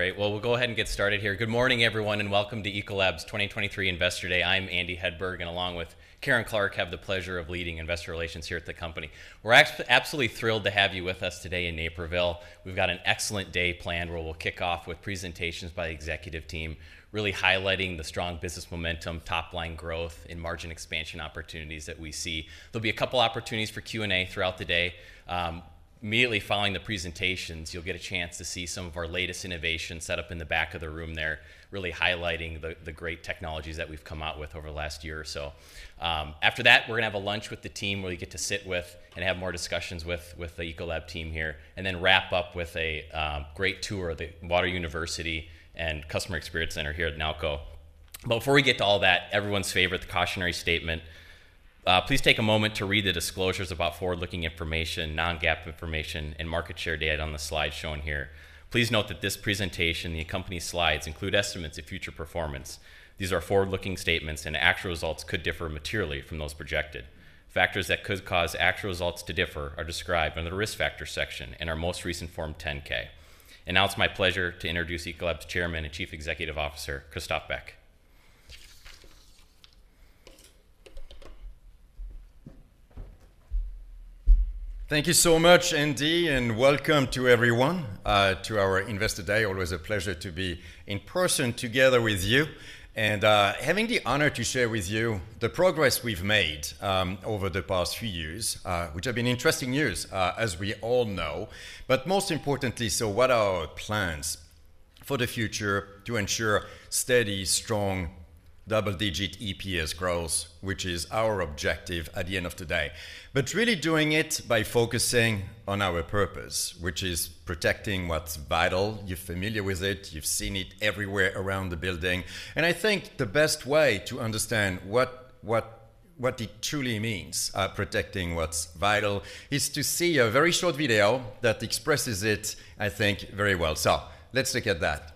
Great! Well, we'll go ahead and get started here. Good morning, everyone, and welcome to Ecolab's 2023 Investor Day. I'm Andy Hedberg, and along with Karen Clark, have the pleasure of leading Investor Relations here at the company. We're absolutely thrilled to have you with us today in Naperville. We've got an excellent day planned, where we'll kick off with presentations by the executive team, really highlighting the strong business momentum, top-line growth, and margin expansion opportunities that we see. There'll be a couple opportunities for Q&A throughout the day. Immediately following the presentations, you'll get a chance to see some of our latest innovations set up in the back of the room there, really highlighting the great technologies that we've come out with over the last year or so. After that, we're gonna have a lunch with the team, where you get to sit with and have more discussions with the Ecolab team here, and then wrap up with a great tour of the Water University and Customer Experience Center here at Nalco. But before we get to all that, everyone's favorite, the cautionary statement. Please take a moment to read the disclosures about forward-looking information, non-GAAP information, and market share data on the slide shown here. Please note that this presentation and the accompanying slides include estimates of future performance. These are forward-looking statements, and actual results could differ materially from those projected. Factors that could cause actual results to differ are described under the Risk Factors section in our most recent Form 10-K. Now it's my pleasure to introduce Ecolab's Chairman and Chief Executive Officer, Christophe Beck. Thank you so much, Andy, and welcome to everyone to our Investor Day. Always a pleasure to be in person together with you and having the honor to share with you the progress we've made over the past few years, which have been interesting years, as we all know. But most importantly, what are our plans for the future to ensure steady, strong, double-digit EPS growth, which is our objective at the end of today. But really doing it by focusing on our purpose, which is protecting what's vital. You're familiar with it. You've seen it everywhere around the building. And I think the best way to understand what it truly means, protecting what's vital, is to see a very short video that expresses it, I think, very well. So let's look at that.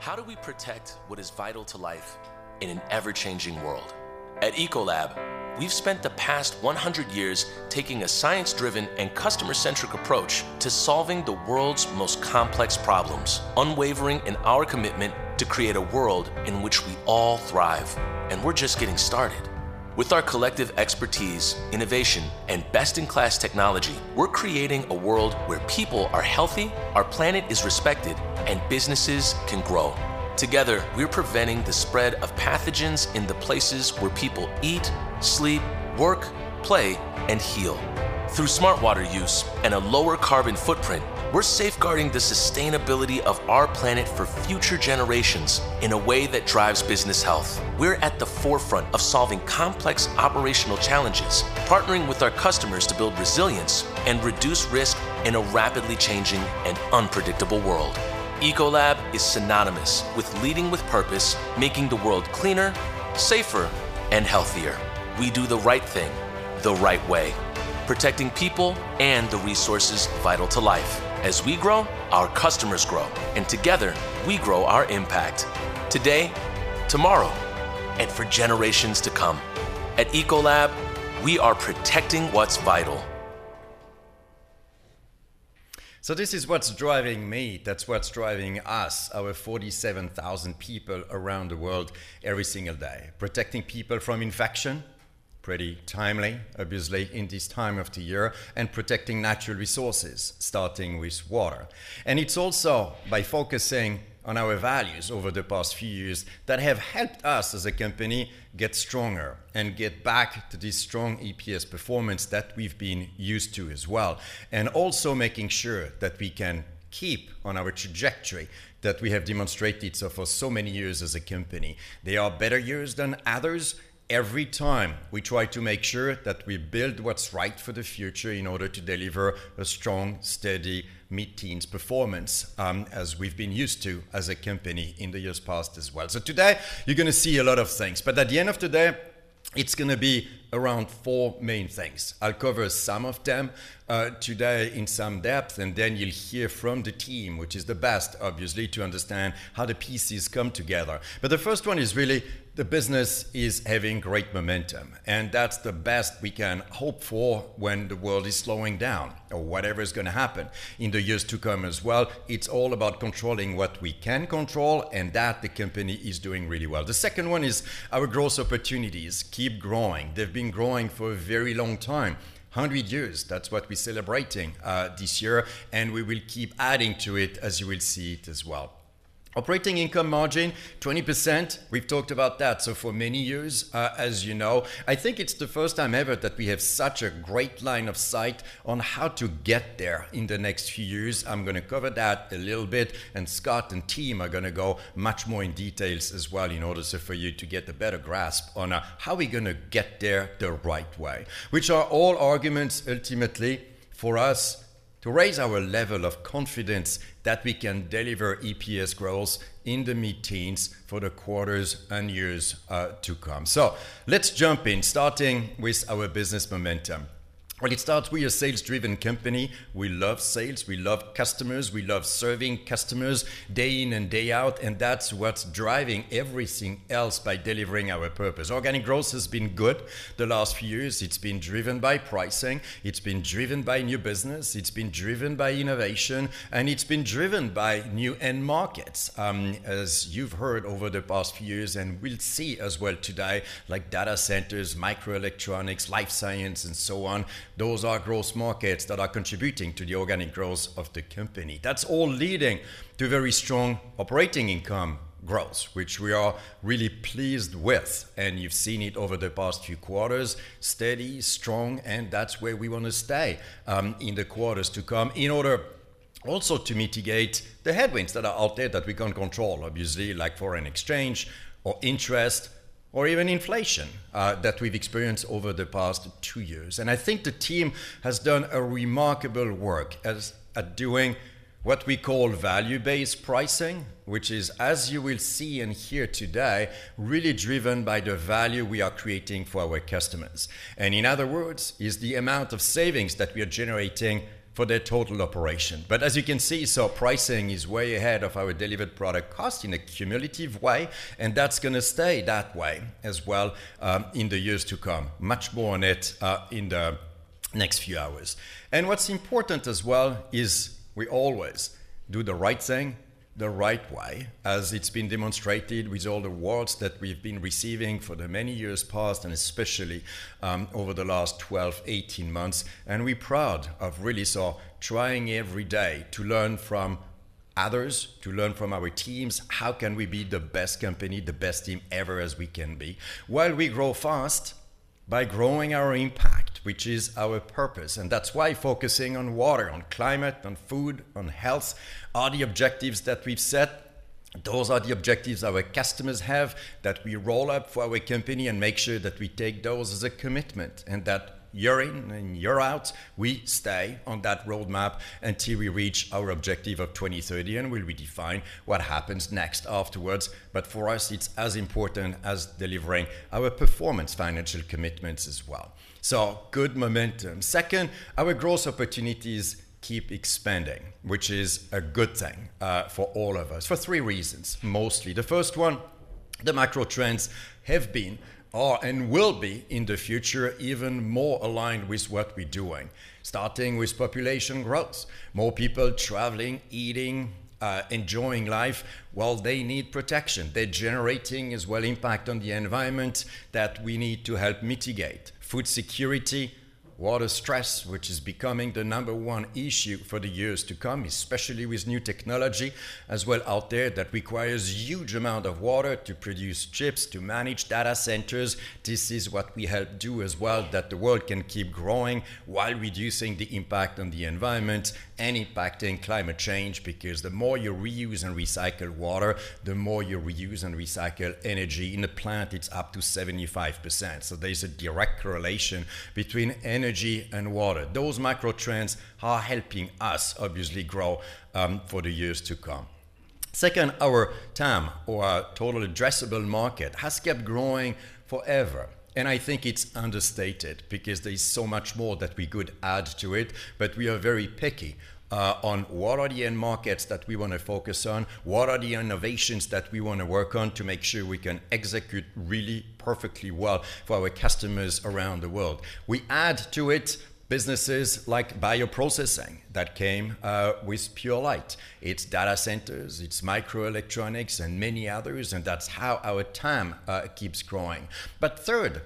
How do we protect what is vital to life in an ever-changing world? At Ecolab, we've spent the past 100 years taking a science-driven and customer-centric approach to solving the world's most complex problems, unwavering in our commitment to create a world in which we all thrive, and we're just getting started. With our collective expertise, innovation, and best-in-class technology, we're creating a world where people are healthy, our planet is respected, and businesses can grow. Together, we're preventing the spread of pathogens in the places where people eat, sleep, work, play, and heal. Through smart water use and a lower carbon footprint, we're safeguarding the sustainability of our planet for future generations in a way that drives business health. We're at the forefront of solving complex operational challenges, partnering with our customers to build resilience and reduce risk in a rapidly changing and unpredictable world. Ecolab is synonymous with leading with purpose, making the world cleaner, safer, and healthier. We do the right thing, the right way, protecting people and the resources vital to life. As we grow, our customers grow, and together, we grow our impact, today, tomorrow, and for generations to come. At Ecolab, we are protecting what's vital. So this is what's driving me. That's what's driving us, our 47,000 people around the world every single day. Protecting people from infection, pretty timely, obviously, in this time of the year, and protecting natural resources, starting with water. And it's also by focusing on our values over the past few years that have helped us, as a company, get stronger and get back to this strong EPS performance that we've been used to as well, and also making sure that we can keep on our trajectory that we have demonstrated so for so many years as a company. There are better years than others. Every time, we try to make sure that we build what's right for the future in order to deliver a strong, steady, mid-teens performance, as we've been used to as a company in the years past as well. So today, you're gonna see a lot of things, but at the end of the day, it's gonna be around 4 main things. I'll cover some of them today in some depth, and then you'll hear from the team, which is the best, obviously, to understand how the pieces come together. But the first one is really the business is having great momentum, and that's the best we can hope for when the world is slowing down or whatever is gonna happen in the years to come as well. It's all about controlling what we can control, and that, the company is doing really well. The second one is our growth opportunities keep growing. They've been growing for a very long time, 100 years. That's what we're celebrating this year, and we will keep adding to it, as you will see it as well. Operating income margin, 20%, we've talked about that. So for many years, as you know, I think it's the first time ever that we have such a great line of sight on how to get there in the next few years. I'm gonna cover that a little bit, and Scott and team are gonna go much more in details as well in order so for you to get a better grasp on, how we're gonna get there the right way, which are all arguments, ultimately, for us to raise our level of confidence that we can deliver EPS growth in the mid-teens for the quarters and years to come. So let's jump in, starting with our business momentum. Well, it starts, we're a sales-driven company. We love sales, we love customers, we love serving customers day in and day out, and that's what's driving everything else by delivering our purpose. Organic growth has been good the last few years. It's been driven by pricing, it's been driven by new business, it's been driven by innovation, and it's been driven by new end markets. As you've heard over the past few years, and we'll see as well today, like data centers, microelectronics, Life Sciences, and so on, those are growth markets that are contributing to the organic growth of the company. That's all leading to very strong operating income growth, which we are really pleased with, and you've seen it over the past few quarters: steady, strong, and that's where we want to stay in the quarters to come, in order also to mitigate the headwinds that are out there that we can't control, obviously, like foreign exchange or interest or even inflation that we've experienced over the past two years. And I think the team has done a remarkable work at doing what we call value-based pricing, which is, as you will see and hear today, really driven by the value we are creating for our customers. And in other words, it's the amount of savings that we are generating for their total operation. But as you can see, pricing is way ahead of our delivered product cost in a cumulative way, and that's gonna stay that way as well, in the years to come. Much more on it, in the next few hours. What's important as well is we always do the right thing, the right way, as it's been demonstrated with all the awards that we've been receiving for the many years past, and especially, over the last 12, 18 months. We're proud of really trying every day to learn from others, to learn from our teams, how can we be the best company, the best team ever as we can be, while we grow fast by growing our impact, which is our purpose. That's why focusing on water, on climate, on food, on health, are the objectives that we've set. Those are the objectives our customers have, that we roll out for our company and make sure that we take those as a commitment, and that year in and year out, we stay on that roadmap until we reach our objective of 2030, and we'll redefine what happens next afterwards. But for us, it's as important as delivering our performance financial commitments as well. So good momentum. Second, our growth opportunities keep expanding, which is a good thing, for all of us, for three reasons, mostly. The first one, the macro trends have been, are, and will be in the future, even more aligned with what we're doing. Starting with population growth, more people traveling, eating, enjoying life, well, they need protection. They're generating as well impact on the environment that we need to help mitigate. Food security, water stress, which is becoming the number one issue for the years to come, especially with new technology as well out there, that requires huge amount of water to produce chips, to manage data centers. This is what we help do as well, that the world can keep growing while reducing the impact on the environment and impacting climate change, because the more you reuse and recycle water, the more you reuse and recycle energy. In the plant, it's up to 75%. So there's a direct correlation between energy and water. Those macro trends are helping us obviously grow, for the years to come. Second, our TAM or our total addressable market, has kept growing forever, and I think it's understated because there's so much more that we could add to it. But we are very picky on what are the end markets that we want to focus on? What are the innovations that we want to work on to make sure we can execute really perfectly well for our customers around the world? We add to it businesses like bioprocessing that came with Purolite. It's data centers, it's microelectronics, and many others, and that's how our TAM keeps growing. But third,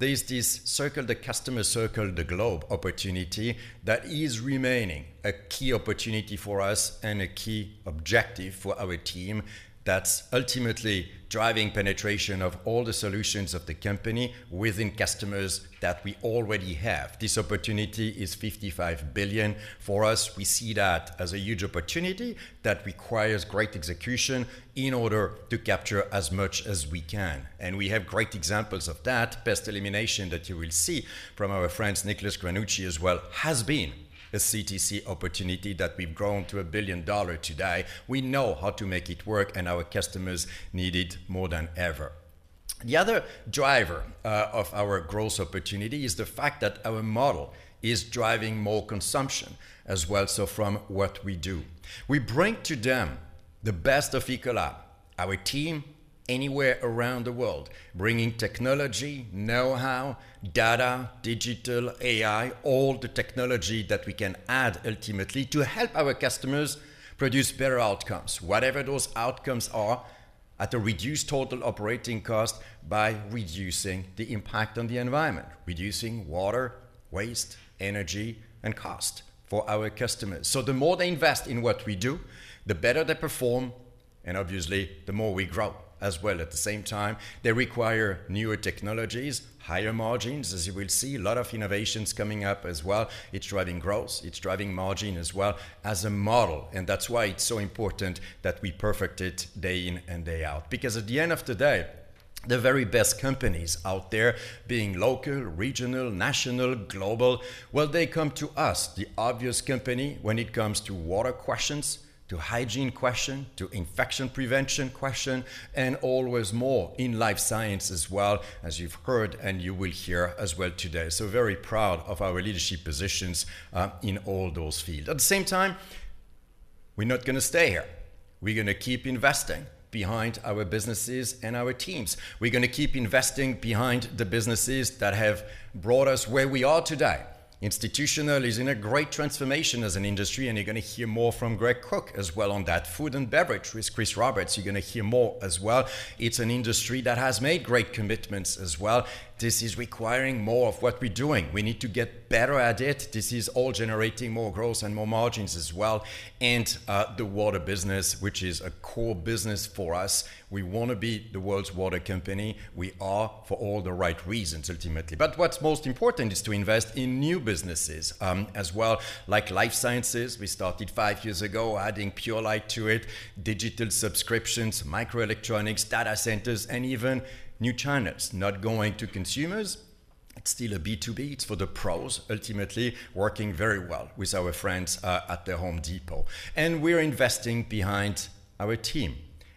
there's this Circle the Customer, the global opportunity, that is remaining a key opportunity for us and a key objective for our team that's ultimately driving penetration of all the solutions of the company within customers that we already have. This opportunity is $55 billion. For us, we see that as a huge opportunity that requires great execution in order to capture as much as we can. And we have great examples of that. Pest Elimination, that you will see from our friends, Nicolas Granucci as well, has been a CTC opportunity that we've grown to $1 billion today. We know how to make it work, and our customers need it more than ever. The other driver of our growth opportunity is the fact that our model is driving more consumption as well, so from what we do. We bring to them the best of Ecolab, our team anywhere around the world, bringing technology, know-how, data, digital, AI, all the technology that we can add ultimately to help our customers produce better outcomes. Whatever those outcomes are, at a reduced total operating cost by reducing the impact on the environment, reducing water, waste, energy, and cost for our customers. So the more they invest in what we do, the better they perform, and obviously, the more we grow as well. At the same time, they require newer technologies, higher margins, as you will see, a lot of innovations coming up as well. It's driving growth, it's driving margin as well as a model, and that's why it's so important that we perfect it day in and day out. Because at the end of the day, the very best companies out there, being local, regional, national, global, well, they come to us, the obvious company, when it comes to water questions, to hygiene question, to Infection Prevention question, and always more in life science as well, as you've heard and you will hear as well today. So very proud of our leadership positions in all those fields. At the same time. We're not gonna stay here. We're gonna keep investing behind our businesses and our teams. We're gonna keep investing behind the businesses that have brought us where we are today. Institutional is in a great transformation as an industry, and you're gonna hear more from Greg Cook as well on that. Food & Beverage, with Chris Roberts, you're gonna hear more as well. It's an industry that has made great commitments as well. This is requiring more of what we're doing. We need to get better at it. This is all generating more growth and more margins as well. The water business, which is a core business for us, we want to be the world's water company. We are, for all the right reasons, ultimately. But what's most important is to invest in new businesses, as well, like Life Sciences, we started five years ago, adding Purolite to it, digital subscriptions, microelectronics, data centers, and even new channels. Not going to consumers, it's still a B2B. It's for the Pros, ultimately, working very well with our friends at The Home Depot. We're investing behind our team,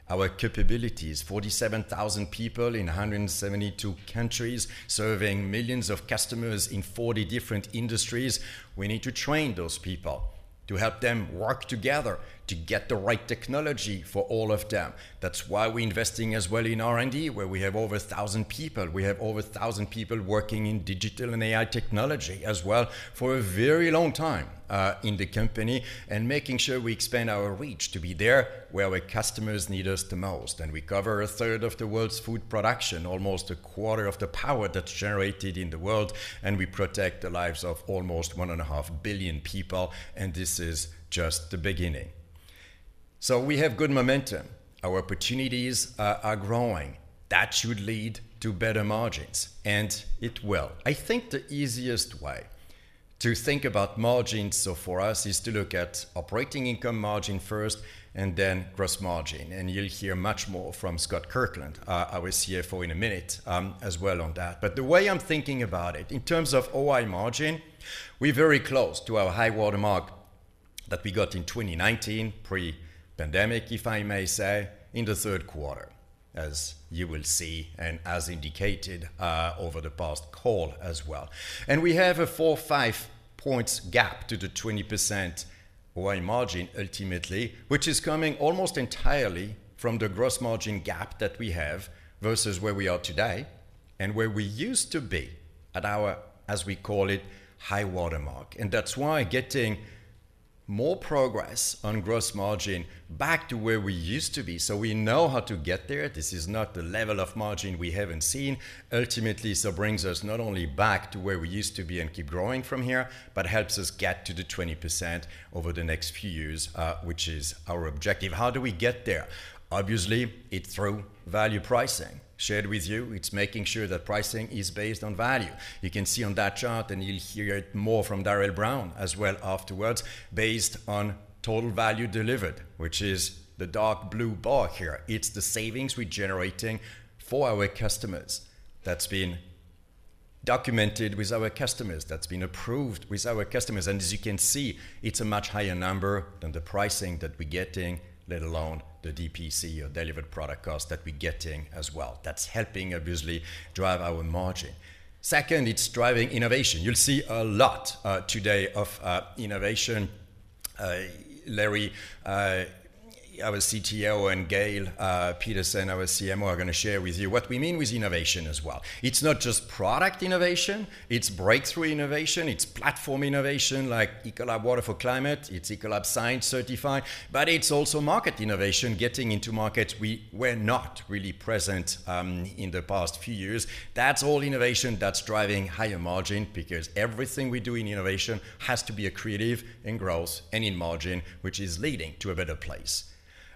our capabilities, 47,000 people in 172 countries, serving millions of customers in 40 different industries. We need to train those people to help them work together to get the right technology for all of them. That's why we're investing as well in R&D, where we have over 1,000 people. We have over 1,000 people working in digital and AI technology as well for a very long time in the company, and making sure we expand our reach to be there where our customers need us the most. We cover a third of the world's food production, almost a quarter of the power that's generated in the world, and we protect the lives of almost 1.5 billion people, and this is just the beginning. We have good momentum. Our opportunities are growing. That should lead to better margins, and it will. I think the easiest way to think about margins, so for us, is to look at operating income margin first and then gross margin, and you'll hear much more from Scott Kirkland, our CFO, in a minute, as well on that. But the way I'm thinking about it, in terms of OI margin, we're very close to our high-water mark that we got in 2019, pre-pandemic, if I may say, in the third quarter, as you will see, and as indicated over the past call as well. We have a 4-5 points gap to the 20% OI margin ultimately, which is coming almost entirely from the gross margin gap that we have versus where we are today and where we used to be at our, as we call it, high-water mark. That's why getting more progress on gross margin back to where we used to be, so we know how to get there, this is not the level of margin we haven't seen. Ultimately, so brings us not only back to where we used to be and keep growing from here, but helps us get to the 20% over the next few years, which is our objective. How do we get there? Obviously, it's through value pricing. Shared with you, it's making sure that pricing is based on value. You can see on that chart, and you'll hear it more from Darrell Brown as well afterwards, based on Total Value Delivered, which is the dark blue bar here. It's the savings we're generating for our customers that's been documented with our customers, that's been approved with our customers. And as you can see, it's a much higher number than the pricing that we're getting, let alone the DPC, or delivered product cost, that we're getting as well. That's helping, obviously, drive our margin. Second, it's driving innovation. You'll see a lot today of innovation. Larry, our CTO, and Gail Peterson, our CMO, are gonna share with you what we mean with innovation as well. It's not just product innovation, it's breakthrough innovation, it's platform innovation, like Ecolab Water for Climate, it's Ecolab Science Certified, but it's also market innovation, getting into markets we were not really present in the past few years. That's all innovation that's driving higher margin, because everything we do in innovation has to be a creative in growth and in margin, which is leading to a better place.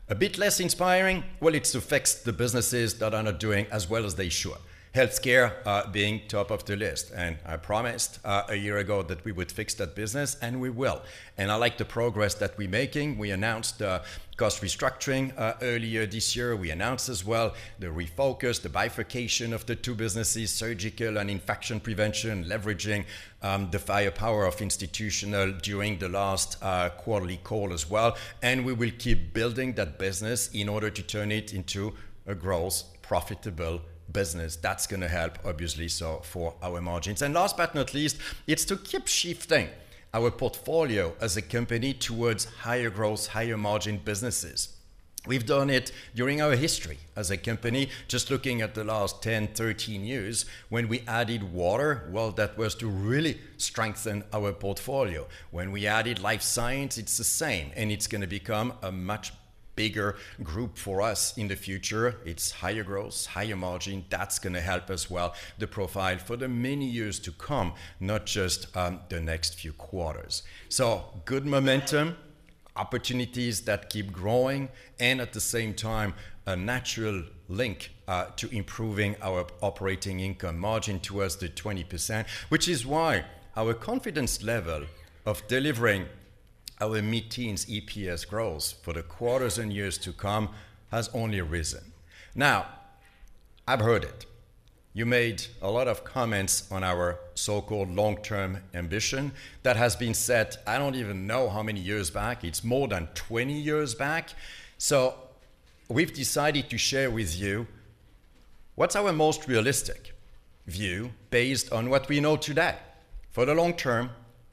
A bit less inspiring, well, it's to fix the businesses that are not doing as well as they should. Healthcare being top of the list, and I promised a year ago that we would fix that business, and we will. And I like the progress that we're making. We announced the cost restructuring earlier this year. We announced as well the refocus, the bifurcation of the two businesses, Surgical and Infection Prevention, leveraging the firepower of Institutional during the last quarterly call as well, and we will keep building that business in order to turn it into a growth, profitable business. That's gonna help, obviously, so for our margins. And last but not least, it's to keep shifting our portfolio as a company towards higher growth, higher margin businesses. We've done it during our history as a company. Just looking at the last 10, 13 years, when we added water, well, that was to really strengthen our portfolio. When we added life science, it's the same, and it's gonna become a much bigger group for us in the future. It's higher growth, higher margin. That's gonna help us well, the profile for the many years to come, not just the next few quarters. So good momentum, opportunities that keep growing, and at the same time, a natural link to improving our operating income margin towards the 20%, which is why our confidence level of delivering our mid-teens EPS growth for the quarters and years to come has only risen. Now, I've heard it. You made a lot of comments on our so-called long-term ambition that has been set, I don't even know how many years back. It's more than 20 years back. So we've decided to share with you what's our most realistic view based on what we know today for the long term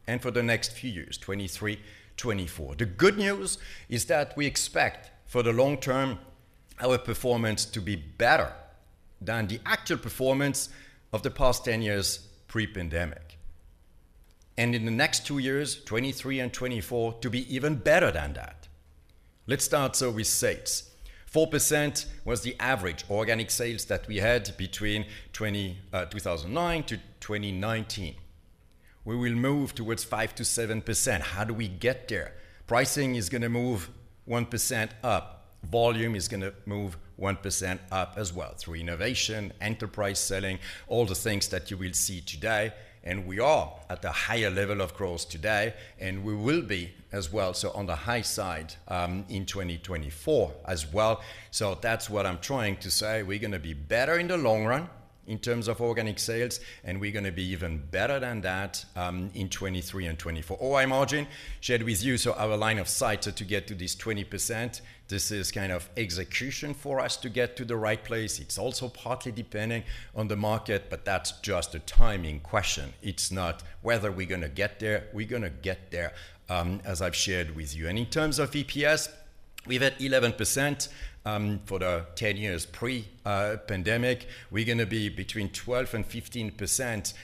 and for the next few years, 2023, 2024? The good news is that we expect for the long term, our performance to be better than the actual performance of the past 10 years pre-pandemic, and in the next 2 years, 2023 and 2024, to be even better than that. Let's start so with sales. 4% was the average organic sales that we had between 2009 to 2019. We will move towards 5%-7%. How do we get there? Pricing is gonna move 1% up. Volume is gonna move 1% up as well, through innovation, Enterprise Selling, all the things that you will see today, and we are at a higher level of growth today, and we will be as well, so on the high side, in 2024 as well. So that's what I'm trying to say. We're gonna be better in the long run in terms of organic sales, and we're gonna be even better than that in 2023 and 2024. OI margin shared with you, so our line of sight to get to this 20%, this is kind of execution for us to get to the right place. It's also partly depending on the market, but that's just a timing question. It's not whether we're gonna get there. We're gonna get there as I've shared with you. And in terms of EPS, we've had 11% for the 10 years pre-pandemic. We're gonna be between 12% and 15%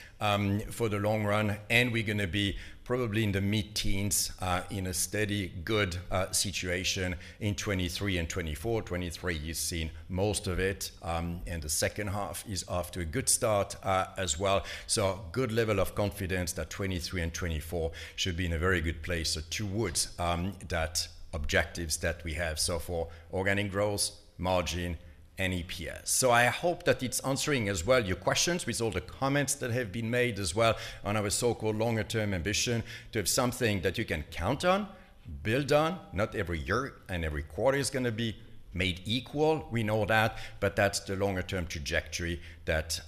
for the long run, and we're gonna be probably in the mid-teens in a steady, good situation in 2023 and 2024. 2023, you've seen most of it, and the second half is off to a good start, as well. So good level of confidence that 2023 and 2024 should be in a very good place. So towards that objectives that we have so for organic growth, margin, and EPS. So I hope that it's answering as well your questions with all the comments that have been made as well on our so-called longer-term ambition to have something that you can count on, build on. Not every year and every quarter is gonna be made equal, we know that, but that's the longer-term trajectory that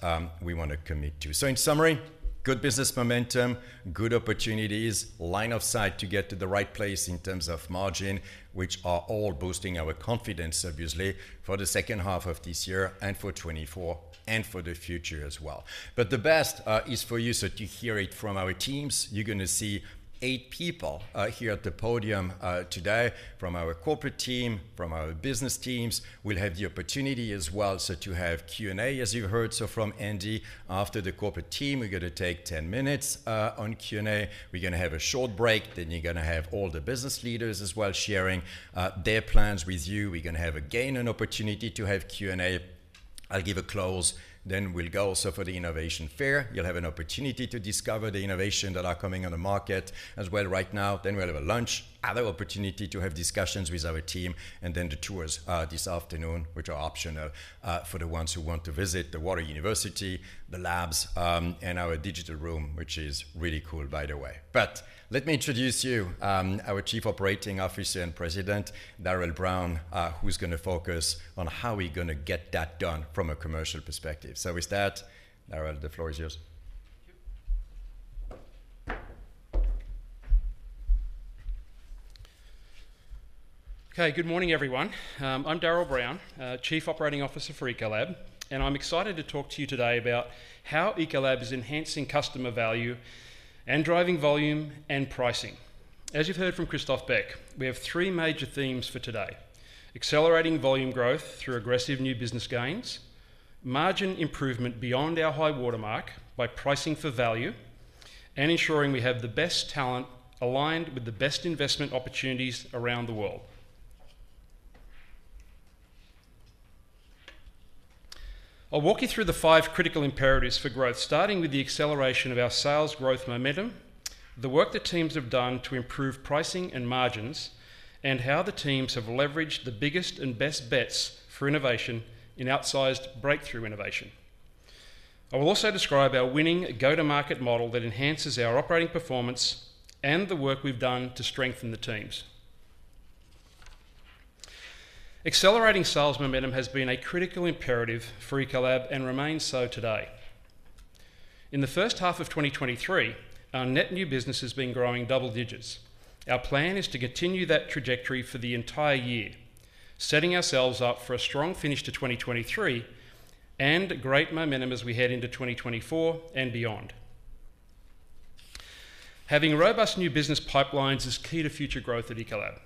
we wanna commit to. So in summary: good business momentum, good opportunities, line of sight to get to the right place in terms of margin, which are all boosting our confidence, obviously, for the second half of this year and for 2024, and for the future as well. But the best is for you, so to hear it from our teams. You're gonna see 8 people here at the podium today from our corporate team, from our business teams. We'll have the opportunity as well, so to have Q&A, as you heard, so from Andy. After the corporate team, we're gonna take 10 minutes on Q&A. We're gonna have a short break, then you're gonna have all the business leaders as well, sharing their plans with you. We're gonna have again an opportunity to have Q&A. I'll give a close, then we'll go. So for the innovation fair, you'll have an opportunity to discover the innovation that are coming on the market as well right now. Then we'll have a lunch, another opportunity to have discussions with our team, and then the tours, this afternoon, which are optional, for the ones who want to visit the Water University, the labs, and our digital room, which is really cool, by the way. But let me introduce to you, our Chief Operating Officer and President, Darrell Brown, who's gonna focus on how we're gonna get that done from a commercial perspective. So with that, Darrell, the floor is yours. Thank you. Okay, good morning, everyone. I'm Darrell Brown, Chief Operating Officer for Ecolab, and I'm excited to talk to you today about how Ecolab is enhancing customer value and driving volume and pricing. As you've heard from Christophe Beck, we have three major themes for today: accelerating volume growth through aggressive new business gains, margin improvement beyond our high-water mark by pricing for value, and ensuring we have the best talent aligned with the best investment opportunities around the world. I'll walk you through the five critical imperatives for growth, starting with the acceleration of our sales growth momentum, the work that teams have done to improve pricing and margins, and how the teams have leveraged the biggest and best bets for innovation in outsized breakthrough innovation. I will also describe our winning go-to-market model that enhances our operating performance and the work we've done to strengthen the teams. Accelerating sales momentum has been a critical imperative for Ecolab and remains so today. In the first half of 2023, our net new business has been growing double digits. Our plan is to continue that trajectory for the entire year, setting ourselves up for a strong finish to 2023 and great momentum as we head into 2024 and beyond. Having robust new business pipelines is key to future growth at Ecolab.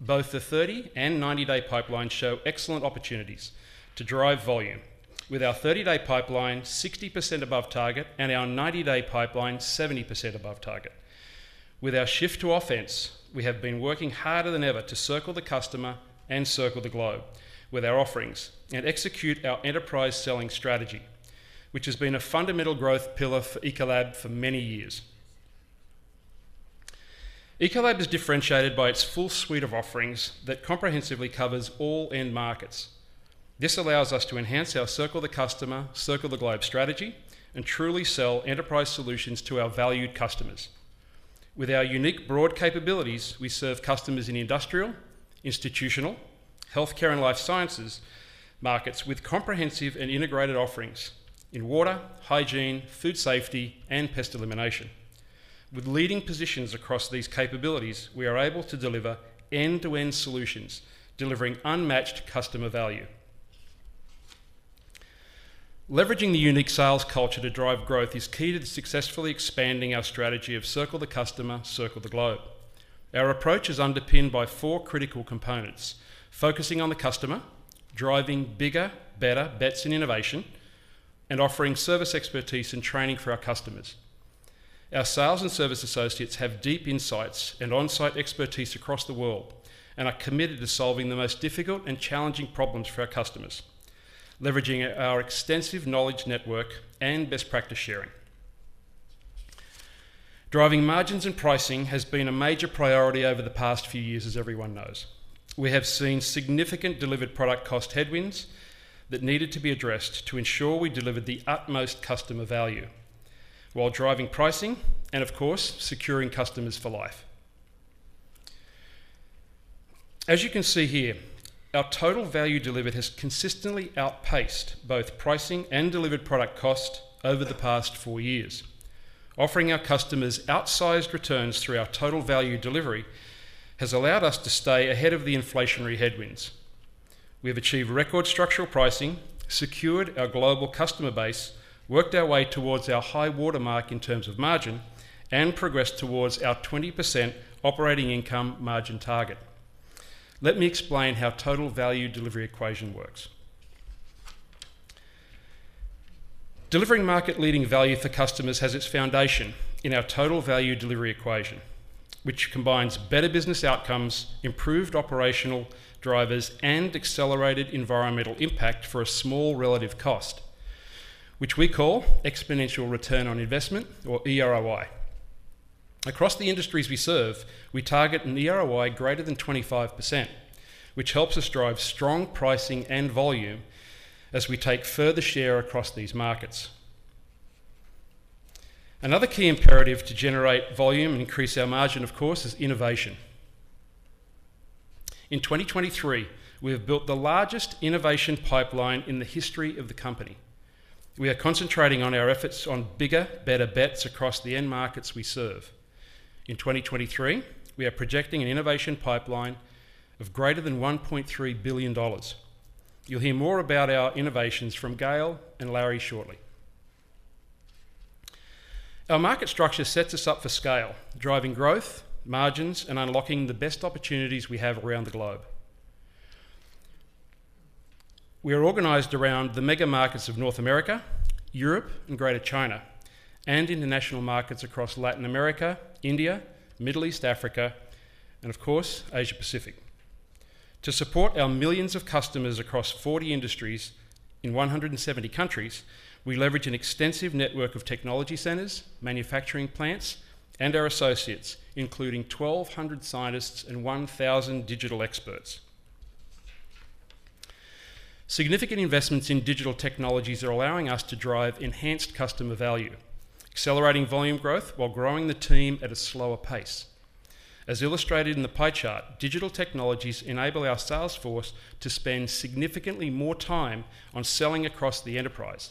Both the 30- and 90-day pipelines show excellent opportunities to drive volume, with our 30-day pipeline 60% above target and our 90-day pipeline 70% above target. With our shift to offense, we have been working harder than ever to Circle the Customer and Circle the Globe with our offerings and execute our enterprise-selling strategy, which has been a fundamental growth pillar for Ecolab for many years. Ecolab is differentiated by its full suite of offerings that comprehensively covers all end markets. This allows us to enhance our Circle the Customer, Circle the Globe strategy and truly sell enterprise solutions to our valued customers. With our unique, broad capabilities, we serve customers in Industrial, Institutional, Healthcare, and Life Sciences markets with comprehensive and integrated offerings in Water, Hygiene, Food Safety, and Pest Elimination. With leading positions across these capabilities, we are able to deliver end-to-end solutions, delivering unmatched customer value. Leveraging the unique sales culture to drive growth is key to successfully expanding our strategy of Circle the Customer, Circle the Globe. Our approach is underpinned by four critical components: focusing on the customer, driving bigger, better bets in innovation, and offering service expertise and training for our customers. Our sales and service associates have deep insights and on-site expertise across the world, and are committed to solving the most difficult and challenging problems for our customers, leveraging our extensive knowledge network and best practice sharing. Driving margins and pricing has been a major priority over the past few years, as everyone knows. We have seen significant delivered product cost headwinds that needed to be addressed to ensure we delivered the utmost customer value while driving pricing and, of course, securing customers for life. As you can see here, our Total Value Delivered has consistently outpaced both pricing and delivered product cost over the past four years. Offering our customers outsized returns through our total value delivery has allowed us to stay ahead of the inflationary headwinds. We have achieved record structural pricing, secured our global customer base, worked our way towards our high-water mark in terms of margin, and progressed towards our 20% operating income margin target. Let me explain how total value delivery equation works. Delivering market-leading value for customers has its foundation in our total value delivery equation, which combines better business outcomes, improved operational drivers, and accelerated environmental impact for a small relative cost, which we call Exponential Return on Investment, or eROI. Across the industries we serve, we target an eROI greater than 25%, which helps us drive strong pricing and volume as we take further share across these markets. Another key imperative to generate volume and increase our margin, of course, is innovation. In 2023, we have built the largest innovation pipeline in the history of the company. We are concentrating on our efforts on bigger, better bets across the end markets we serve. In 2023, we are projecting an innovation pipeline of greater than $1.3 billion. You'll hear more about our innovations from Gail and Larry shortly. Our market structure sets us up for scale, driving growth, margins, and unlocking the best opportunities we have around the globe. We are organized around the mega markets of North America, Europe, and Greater China, and in the national markets across Latin America, India, Middle East, Africa, and of course, Asia Pacific. To support our millions of customers across 40 industries in 170 countries, we leverage an extensive network of technology centers, manufacturing plants, and our associates, including 1,200 scientists and 1,000 digital experts. Significant investments in digital technologies are allowing us to drive enhanced customer value, accelerating volume growth while growing the team at a slower pace. As illustrated in the pie chart, digital technologies enable our sales force to spend significantly more time on selling across the enterprise,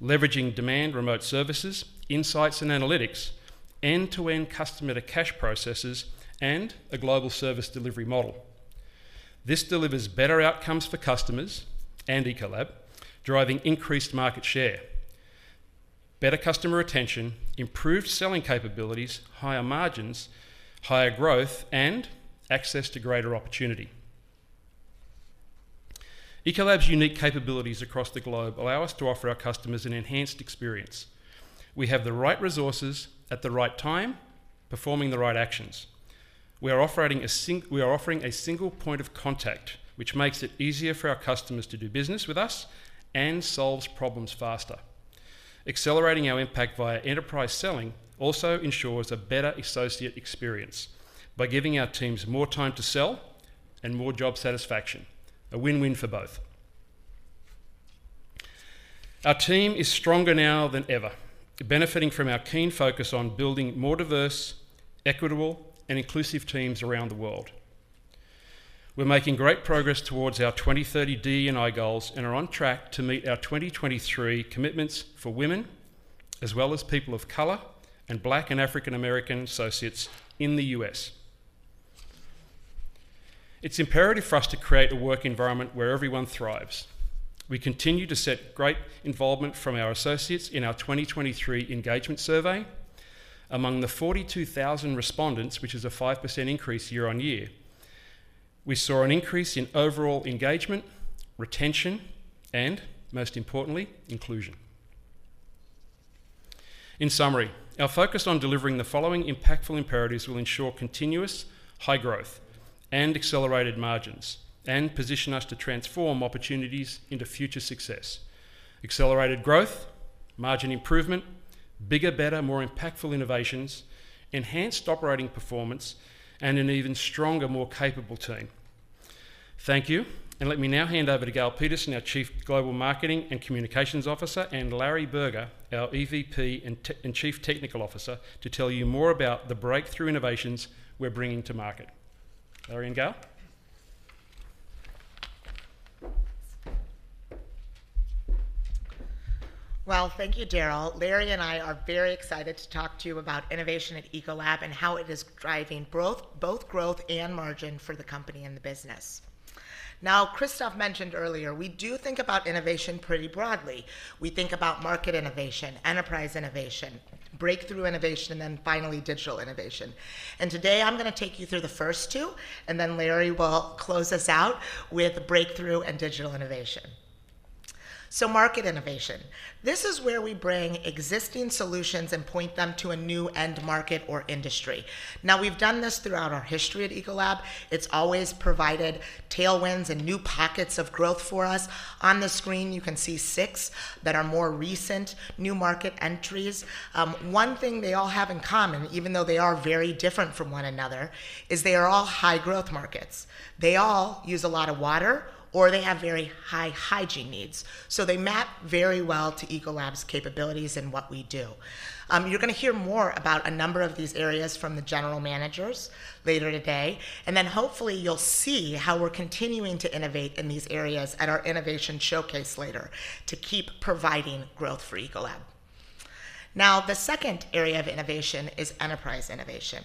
leveraging demand remote services, insights and analytics, end-to-end customer to cash processes, and a global service delivery model. This delivers better outcomes for customers and Ecolab, driving increased market share, better customer retention, improved selling capabilities, higher margins, higher growth, and access to greater opportunity. Ecolab's unique capabilities across the globe allow us to offer our customers an enhanced experience. We have the right resources at the right time, performing the right actions. We are offering a single point of contact, which makes it easier for our customers to do business with us and solves problems faster. Accelerating our impact via Enterprise Selling also ensures a better associate experience by giving our teams more time to sell and more job satisfaction, a win-win for both. Our team is stronger now than ever, benefiting from our keen focus on building more diverse, equitable, and inclusive teams around the world. We're making great progress towards our 2030 D&I goals and are on track to meet our 2023 commitments for women, as well as people of color and Black and African American associates in the U.S. It's imperative for us to create a work environment where everyone thrives. We continue to set great involvement from our associates in our 2023 engagement survey. Among the 42,000 respondents, which is a 5% increase year-over-year, we saw an increase in overall engagement, retention, and most importantly, inclusion. In summary, our focus on delivering the following impactful imperatives will ensure continuous high growth and accelerated margins, and position us to transform opportunities into future success. Accelerated growth, margin improvement, bigger, better, more impactful innovations, enhanced operating performance, and an even stronger, more capable team. Thank you, and let me now hand over to Gail Peterson, our Chief Global Marketing and Communications Officer, and Larry Berger, our EVP and Chief Technical Officer, to tell you more about the breakthrough innovations we're bringing to market. Larry and Gail? Well, thank you, Darrell. Larry and I are very excited to talk to you about innovation at Ecolab and how it is driving growth, both growth and margin for the company and the business. Now, Christophe mentioned earlier, we do think about innovation pretty broadly. We think about market innovation, enterprise innovation, breakthrough innovation, and then finally, digital innovation. And today, I'm gonna take you through the first two, and then Larry will close us out with breakthrough and digital innovation. So market innovation. This is where we bring existing solutions and point them to a new end market or industry. Now, we've done this throughout our history at Ecolab. It's always provided tailwinds and new pockets of growth for us. On the screen, you can see six that are more recent new market entries. One thing they all have in common, even though they are very different from one another, is they are all high-growth markets. They all use a lot of water, or they have very high hygiene needs. So they map very well to Ecolab's capabilities and what we do. You're gonna hear more about a number of these areas from the general managers later today, and then hopefully you'll see how we're continuing to innovate in these areas at our Innovation Showcase later to keep providing growth for Ecolab. Now, the second area of innovation is enterprise innovation,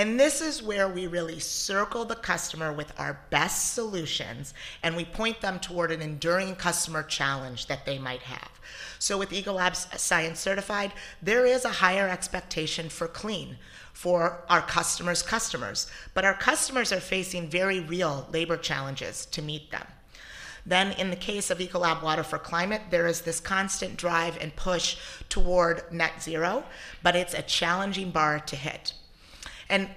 and this is where we really circle the customer with our best solutions, and we point them toward an enduring customer challenge that they might have. So with Ecolab Science Certified, there is a higher expectation for clean for our customers' customers, but our customers are facing very real labor challenges to meet them. Then, in the case of Ecolab Water for Climate, there is this constant drive and push toward Net Zero, but it's a challenging bar to hit. And,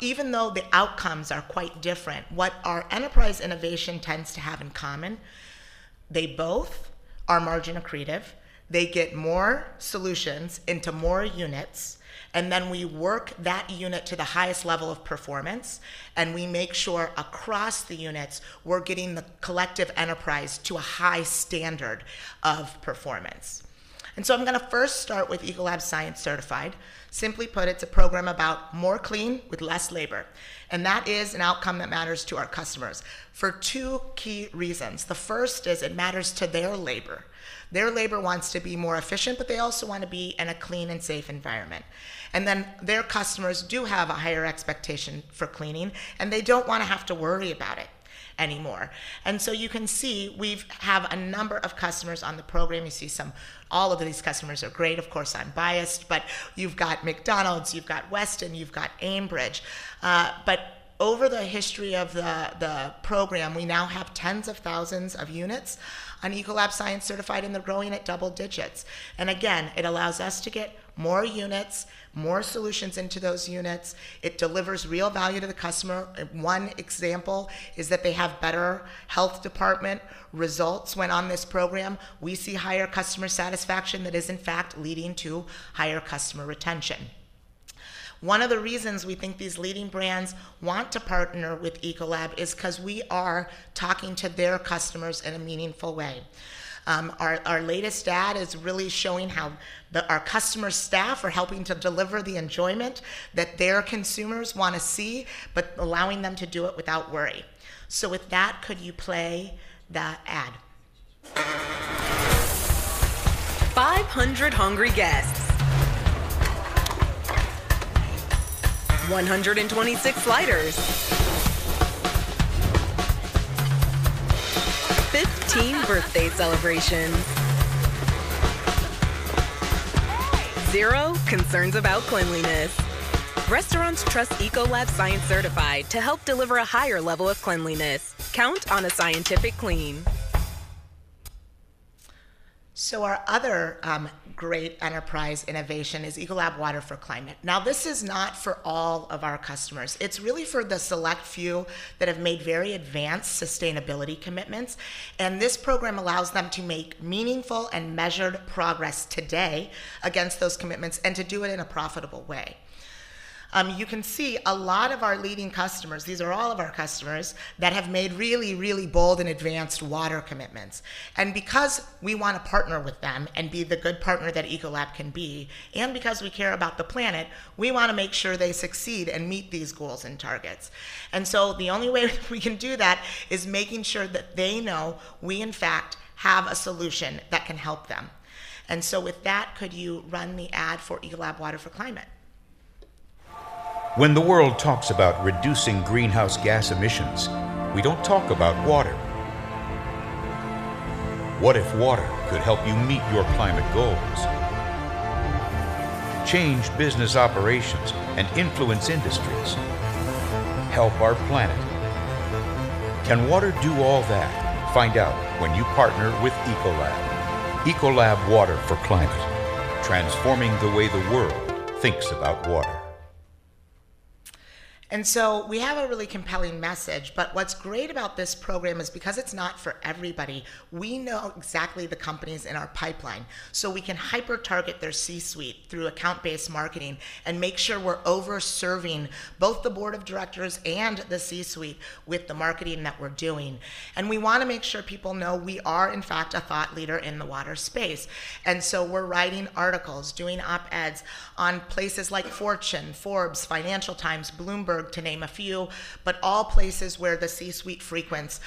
even though the outcomes are quite different, what our enterprise innovation tends to have in common, they both are margin accretive, they get more solutions into more units, and then we work that unit to the highest level of performance, and we make sure across the units, we're getting the collective enterprise to a high standard of performance. And so I'm gonna first start with Ecolab Science Certified. Simply put, it's a program about more clean with less labor, and that is an outcome that matters to our customers for two key reasons. The first is it matters to their labor. Their labor wants to be more efficient, but they also want to be in a clean and safe environment. And then their customers do have a higher expectation for cleaning, and they don't wanna have to worry about it anymore. And so you can see, we've a number of customers on the program. You see some. All of these customers are great. Of course, I'm biased, but you've got McDonald's, you've got Westin, you've got Aimbridge. But over the history of the program, we now have tens of thousands of units on Ecolab Science Certified, and they're growing at double digits. And again, it allows us to get more units, more solutions into those units. It delivers real value to the customer. One example is that they have better health department results when on this program. We see higher customer satisfaction that is, in fact, leading to higher customer retention. One of the reasons we think these leading brands want to partner with Ecolab is 'cause we are talking to their customers in a meaningful way. Our latest ad is really showing how our customers' staff are helping to deliver the enjoyment that their consumers wanna see, but allowing them to do it without worry. So with that, could you play the ad? 500 hungry guests. 126 sliders. 15 birthday celebrations. 0 concerns about cleanliness. Restaurants trust Ecolab Science Certified to help deliver a higher level of cleanliness. Count on a scientific clean. So our other great enterprise innovation is Ecolab Water for Climate. Now, this is not for all of our customers. It's really for the select few that have made very advanced sustainability commitments, and this program allows them to make meaningful and measured progress today against those commitments and to do it in a profitable way. You can see a lot of our leading customers, these are all of our customers, that have made really, really bold and advanced water commitments. And because we wanna partner with them and be the good partner that Ecolab can be, and because we care about the planet, we wanna make sure they succeed and meet these goals and targets. And so the only way we can do that is making sure that they know we, in fact, have a solution that can help them. And so with that, could you run the ad for Ecolab Water for Climate? When the world talks about reducing greenhouse gas emissions, we don't talk about water. What if water could help you meet your climate goals, change business operations, and influence industries, help our planet? Can water do all that? Find out when you partner with Ecolab. Ecolab Water for Climate, transforming the way the world thinks about water. And so we have a really compelling message, but what's great about this program is because it's not for everybody, we know exactly the companies in our pipeline. So we can hyper-target their C-suite through account-based marketing and make sure we're over-serving both the board of directors and the C-suite with the marketing that we're doing. And we wanna make sure people know we are, in fact, a thought leader in the water space. And so we're writing articles, doing op-eds on places like Fortune, Forbes, Financial Times, Bloomberg, to name a few, but all places where the C-suite frequents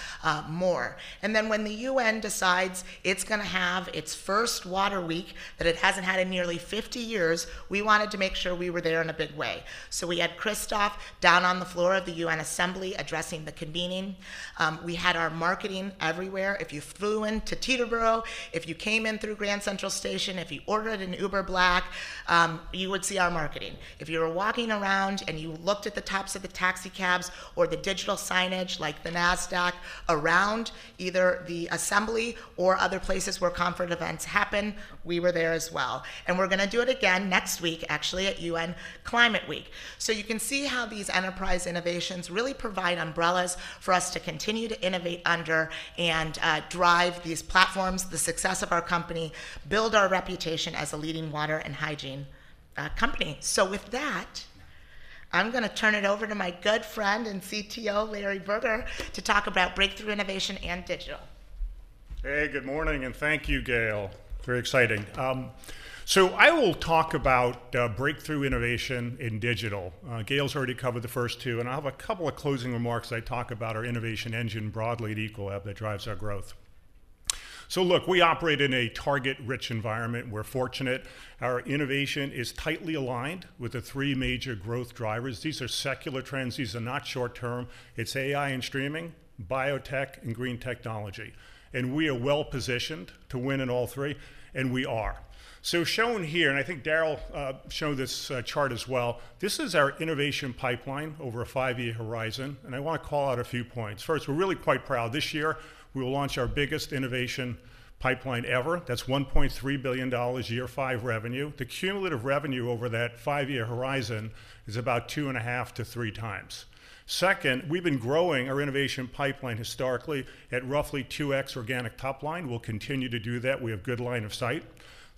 more. And then when the UN decides it's gonna have its first Water Week that it hasn't had in nearly 50 years, we wanted to make sure we were there in a big way. So we had Christophe down on the floor of the UN Assembly, addressing the convening. We had our marketing everywhere. If you flew into Teterboro, if you came in through Grand Central Station, if you ordered an Uber Black, you would see our marketing. If you were walking around and you looked at the tops of the taxi cabs or the digital signage, like the Nasdaq, around either the assembly or other places where conference events happen, we were there as well. We're gonna do it again next week, actually, at UN Climate Week. You can see how these enterprise innovations really provide umbrellas for us to continue to innovate under and drive these platforms, the success of our company, build our reputation as a leading water and hygiene company. With that, I'm gonna turn it over to my good friend and CTO, Larry Berger, to talk about breakthrough innovation and digital. Hey, good morning, and thank you, Gail. Very exciting. So I will talk about breakthrough innovation in digital. Gail's already covered the first two, and I'll have a couple of closing remarks. I talk about our innovation engine broadly at Ecolab that drives our growth. So look, we operate in a target-rich environment. We're fortunate. Our innovation is tightly aligned with the three major growth drivers. These are secular trends. These are not short term. It's AI and streaming, biotech, and green technology, and we are well positioned to win in all three, and we are. So shown here, and I think Darrell showed this chart as well, this is our innovation pipeline over a five-year horizon, and I wanna call out a few points. First, we're really quite proud. This year, we will launch our biggest innovation pipeline ever. That's $1.3 billion year five revenue. The cumulative revenue over that 5-year horizon is about 2.5-3 times. Second, we've been growing our innovation pipeline historically at roughly 2x organic top line. We'll continue to do that. We have good line of sight.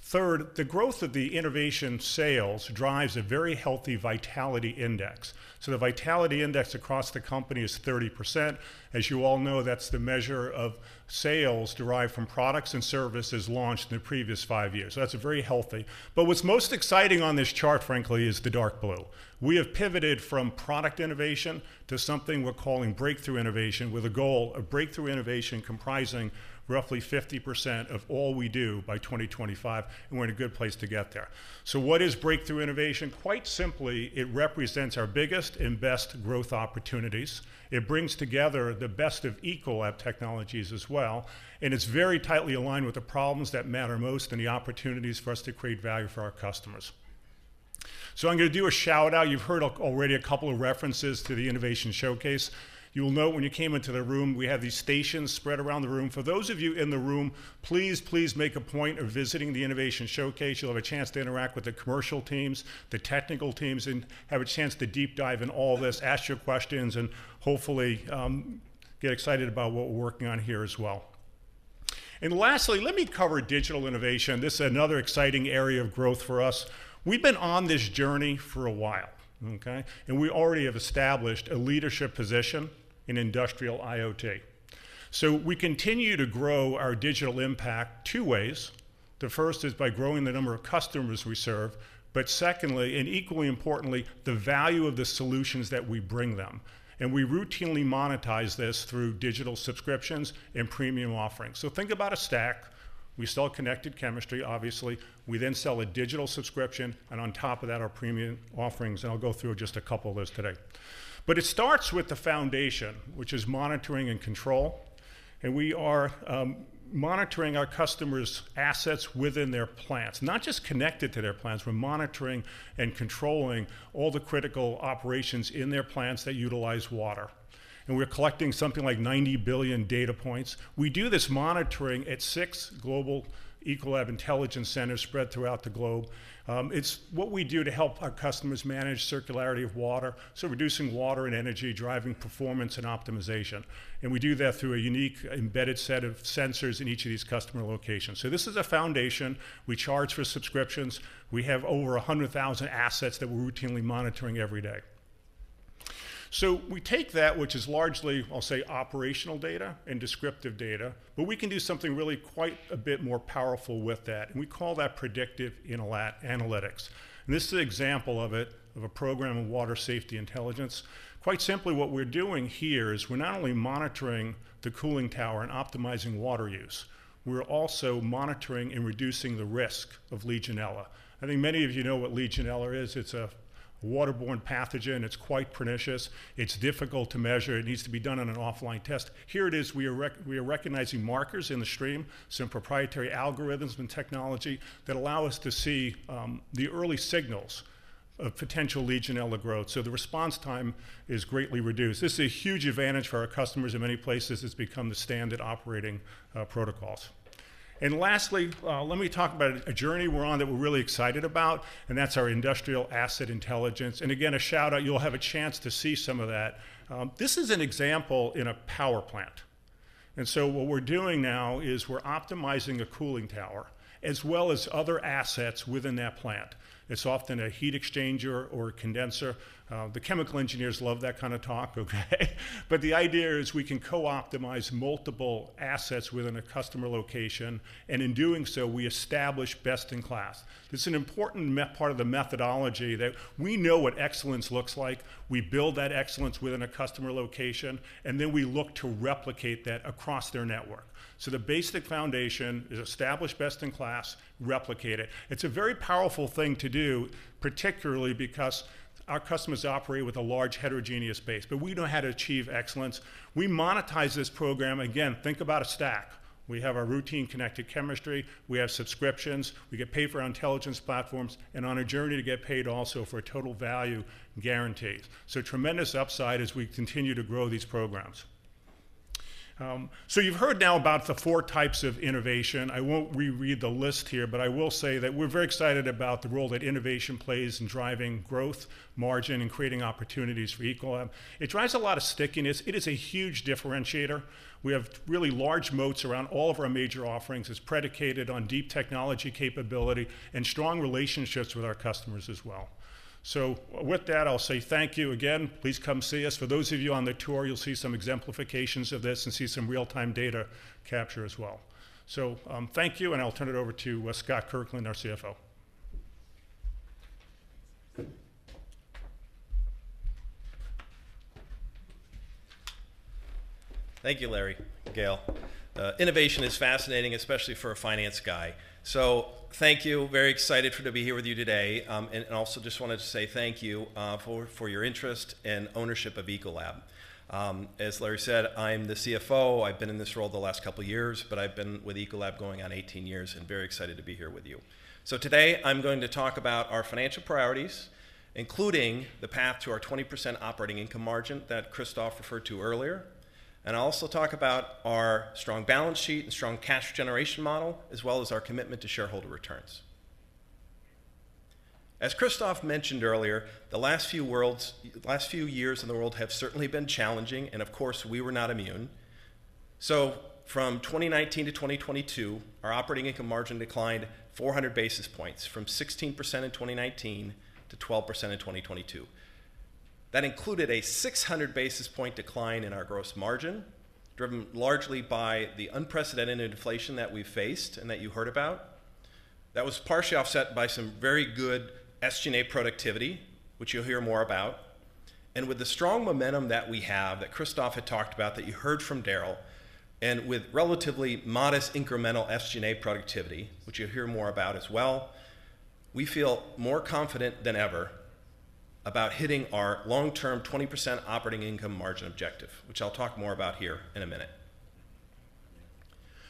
Third, the growth of the innovation sales drives a very healthy Vitality Index. So the Vitality Index across the company is 30%. As you all know, that's the measure of sales derived from products and services launched in the previous five years. So that's very healthy. But what's most exciting on this chart, frankly, is the dark blue. We have pivoted from product innovation to something we're calling breakthrough innovation, with a goal of breakthrough innovation comprising roughly 50% of all we do by 2025, and we're in a good place to get there. So what is breakthrough innovation? Quite simply, it represents our biggest and best growth opportunities. It brings together the best of Ecolab technologies as well, and it's very tightly aligned with the problems that matter most and the opportunities for us to create value for our customers. So I'm gonna do a shout-out. You've heard already a couple of references to the Innovation Showcase. You will note when you came into the room, we had these stations spread around the room. For those of you in the room, please, please make a point of visiting the Innovation Showcase. You'll have a chance to interact with the commercial teams, the technical teams, and have a chance to deep dive in all this, ask your questions, and hopefully get excited about what we're working on here as well. And lastly, let me cover digital innovation. This is another exciting area of growth for us. We've been on this journey for a while, okay? We already have established a leadership position in industrial IoT. We continue to grow our digital impact two ways. The first is by growing the number of customers we serve, but secondly, and equally importantly, the value of the solutions that we bring them. We routinely monetize this through digital subscriptions and premium offerings. Think about a stack. We sell Connected Chemistry, obviously. We then sell a digital subscription, and on top of that, our premium offerings, and I'll go through just a couple of those today. It starts with the foundation, which is monitoring and control, and we are monitoring our customers' assets within their plants, not just connected to their plants. We're monitoring and controlling all the critical operations in their plants that utilize water, and we're collecting something like 90 billion data points. We do this monitoring at six global Ecolab intelligence centers spread throughout the globe. It's what we do to help our customers manage circularity of water, so reducing water and energy, driving performance and optimization, and we do that through a unique embedded set of sensors in each of these customer locations. So this is a foundation. We charge for subscriptions. We have over 100,000 assets that we're routinely monitoring every day. So we take that, which is largely, I'll say, operational data and descriptive data, but we can do something really quite a bit more powerful with that, and we call that predictive analytics. And this is an example of it, of a program of Water Safety Intelligence. Quite simply, what we're doing here is we're not only monitoring the cooling tower and optimizing water use, we're also monitoring and reducing the risk of Legionella. I think many of you know what Legionella is. It's a waterborne pathogen. It's quite pernicious. It's difficult to measure. It needs to be done on an offline test. Here it is. We are recognizing markers in the stream, some proprietary algorithms and technology that allow us to see the early signals of potential Legionella growth, so the response time is greatly reduced. This is a huge advantage for our customers. In many places, it's become the standard operating protocols. And lastly, let me talk about a journey we're on that we're really excited about, and that's our Industrial Asset Intelligence. And again, a shout-out. You'll have a chance to see some of that. This is an example in a power plant. And so what we're doing now is we're optimizing a cooling tower, as well as other assets within that plant. It's often a heat exchanger or a condenser. The chemical engineers love that kind of talk, okay? But the idea is we can co-optimize multiple assets within a customer location, and in doing so, we establish best-in-class. It's an important part of the methodology that we know what excellence looks like, we build that excellence within a customer location, and then we look to replicate that across their network. So the basic foundation is establish best-in-class, replicate it. It's a very powerful thing to do, particularly because our customers operate with a large heterogeneous base. But we know how to achieve excellence. We monetize this program. Again, think about a stack. We have our routine Connected Chemistry, we have subscriptions, we get paid for our intelligence platforms, and on a journey to get paid also for total value guarantees. So tremendous upside as we continue to grow these programs. So you've heard now about the four types of innovation. I won't reread the list here, but I will say that we're very excited about the role that innovation plays in driving growth, margin, and creating opportunities for Ecolab. It drives a lot of stickiness. It is a huge differentiator. We have really large moats around all of our major offerings. It's predicated on deep technology capability and strong relationships with our customers as well. So with that, I'll say thank you again. Please come see us. For those of you on the tour, you'll see some exemplifications of this and see some real-time data capture as well. Thank you, and I'll turn it over to Scott Kirkland, our CFO. Thank you, Larry, Gail. Innovation is fascinating, especially for a finance guy. So thank you, very excited to be here with you today. And also just wanted to say thank you for your interest and ownership of Ecolab. As Larry said, I'm the CFO. I've been in this role the last couple of years, but I've been with Ecolab going on 18 years, and very excited to be here with you. So today I'm going to talk about our financial priorities, including the path to our 20% operating income margin that Christophe referred to earlier, and I'll also talk about our strong balance sheet and strong cash generation model, as well as our commitment to shareholder returns. As Christophe mentioned earlier, the last few years in the world have certainly been challenging, and of course, we were not immune. So from 2019 to 2022, our operating income margin declined 400 basis points, from 16% in 2019 to 12% in 2022. That included a 600 basis point decline in our gross margin, driven largely by the unprecedented inflation that we faced and that you heard about. That was partially offset by some very good SG&A productivity, which you'll hear more about. And with the strong momentum that we have, that Christophe had talked about, that you heard from Darrell, and with relatively modest incremental SG&A productivity, which you'll hear more about as well, we feel more confident than ever about hitting our long-term 20% operating income margin objective, which I'll talk more about here in a minute.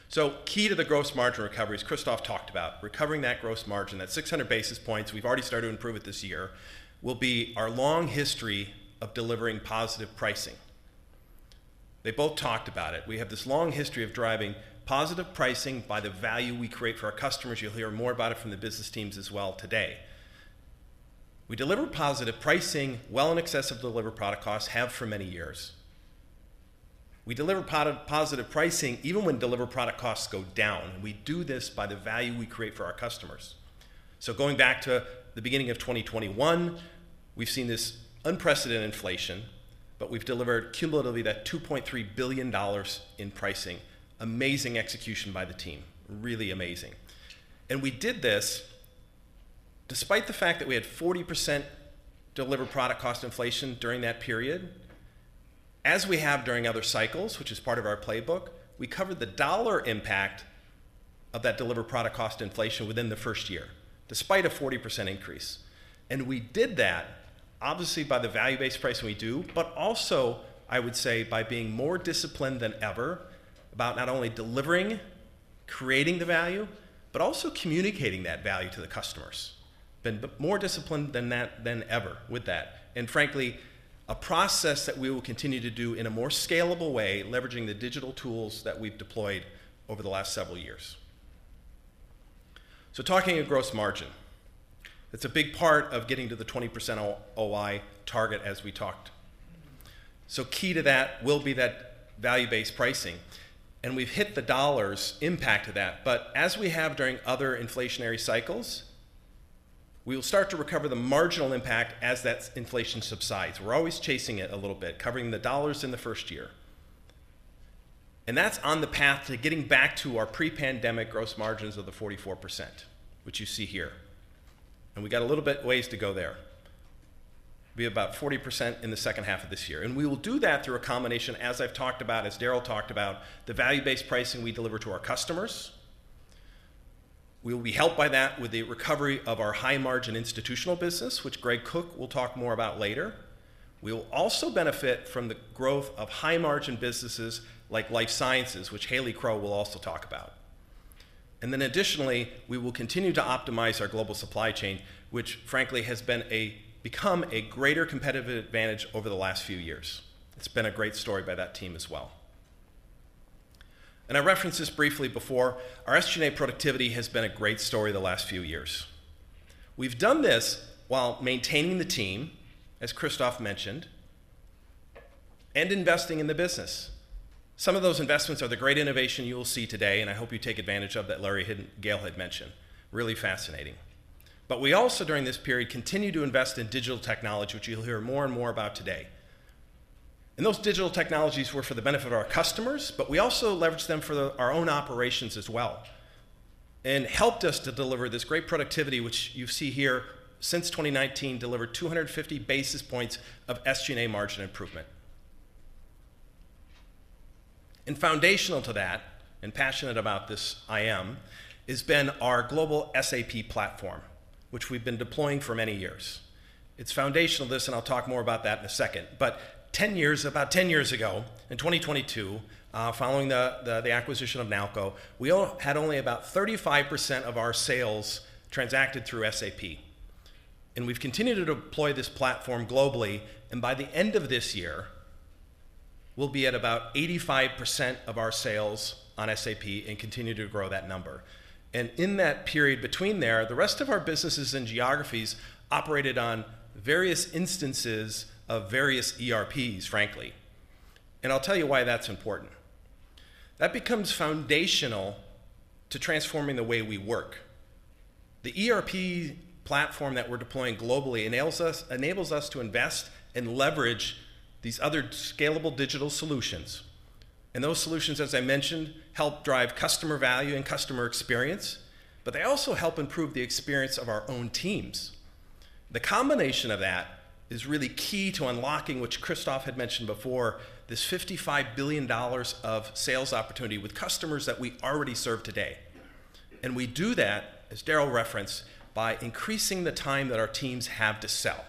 So key to the gross margin recovery, as Christophe talked about, recovering that gross margin, that 600 basis points, we've already started to improve it this year, will be our long history of delivering positive pricing. They both talked about it. We have this long history of driving positive pricing by the value we create for our customers. You'll hear more about it from the business teams as well today. We deliver positive pricing well in excess of delivered product costs, have for many years. We deliver positive pricing even when delivered product costs go down, and we do this by the value we create for our customers. So going back to the beginning of 2021, we've seen this unprecedented inflation, but we've delivered cumulatively that $2.3 billion in pricing. Amazing execution by the team, really amazing. We did this despite the fact that we had 40% delivered product cost inflation during that period. As we have during other cycles, which is part of our playbook, we covered the dollar impact of that delivered product cost inflation within the first year, despite a 40% increase. We did that obviously by the value-based pricing we do, but also, I would say, by being more disciplined than ever about not only delivering, creating the value, but also communicating that value to the customers. Been more disciplined than that, than ever with that, and frankly, a process that we will continue to do in a more scalable way, leveraging the digital tools that we've deployed over the last several years. Talking of gross margin, that's a big part of getting to the 20% OI target, as we talked. So key to that will be that value-based pricing, and we've hit the dollars impact of that. But as we have during other inflationary cycles, we will start to recover the marginal impact as that inflation subsides. We're always chasing it a little bit, covering the dollars in the first year. And that's on the path to getting back to our pre-pandemic gross margins of the 44%, which you see here, and we got a little bit ways to go there. Be about 40% in the second half of this year, and we will do that through a combination, as I've talked about, as Darrell talked about, the value-based pricing we deliver to our customers. We will be helped by that with the recovery of our high-margin Institutional business, which Greg Cook will talk more about later. We will also benefit from the growth of high-margin businesses like Life Sciences, which Hayley Crowe will also talk about. Then additionally, we will continue to optimize our global supply chain, which frankly has become a greater competitive advantage over the last few years. It's been a great story by that team as well. And I referenced this briefly before, our SG&A productivity has been a great story the last few years. We've done this while maintaining the team, as Christophe mentioned, and investing in the business. Some of those investments are the great innovation you will see today, and I hope you take advantage of, that Gail had mentioned. Really fascinating. But we also, during this period, continued to invest in digital technology, which you'll hear more and more about today. Those digital technologies were for the benefit of our customers, but we also leveraged them for our own operations as well, and helped us to deliver this great productivity, which you see here, since 2019, delivered 250 basis points of SG&A margin improvement. Foundational to that, and passionate about this I am, has been our global SAP platform, which we've been deploying for many years. It's foundational to this, and I'll talk more about that in a second. But 10 years, about 10 years ago, in 2022, following the acquisition of Nalco, we had only about 35% of our sales transacted through SAP. And we've continued to deploy this platform globally, and by the end of this year, we'll be at about 85% of our sales on SAP and continue to grow that number. In that period between there, the rest of our businesses and geographies operated on various instances of various ERPs, frankly. I'll tell you why that's important. That becomes foundational to transforming the way we work. The ERP platform that we're deploying globally enables us, enables us to invest and leverage these other scalable digital solutions. And those solutions, as I mentioned, help drive customer value and customer experience, but they also help improve the experience of our own teams. The combination of that is really key to unlocking, which Christophe had mentioned before, this $55 billion of sales opportunity with customers that we already serve today. And we do that, as Darrell referenced, by increasing the time that our teams have to sell.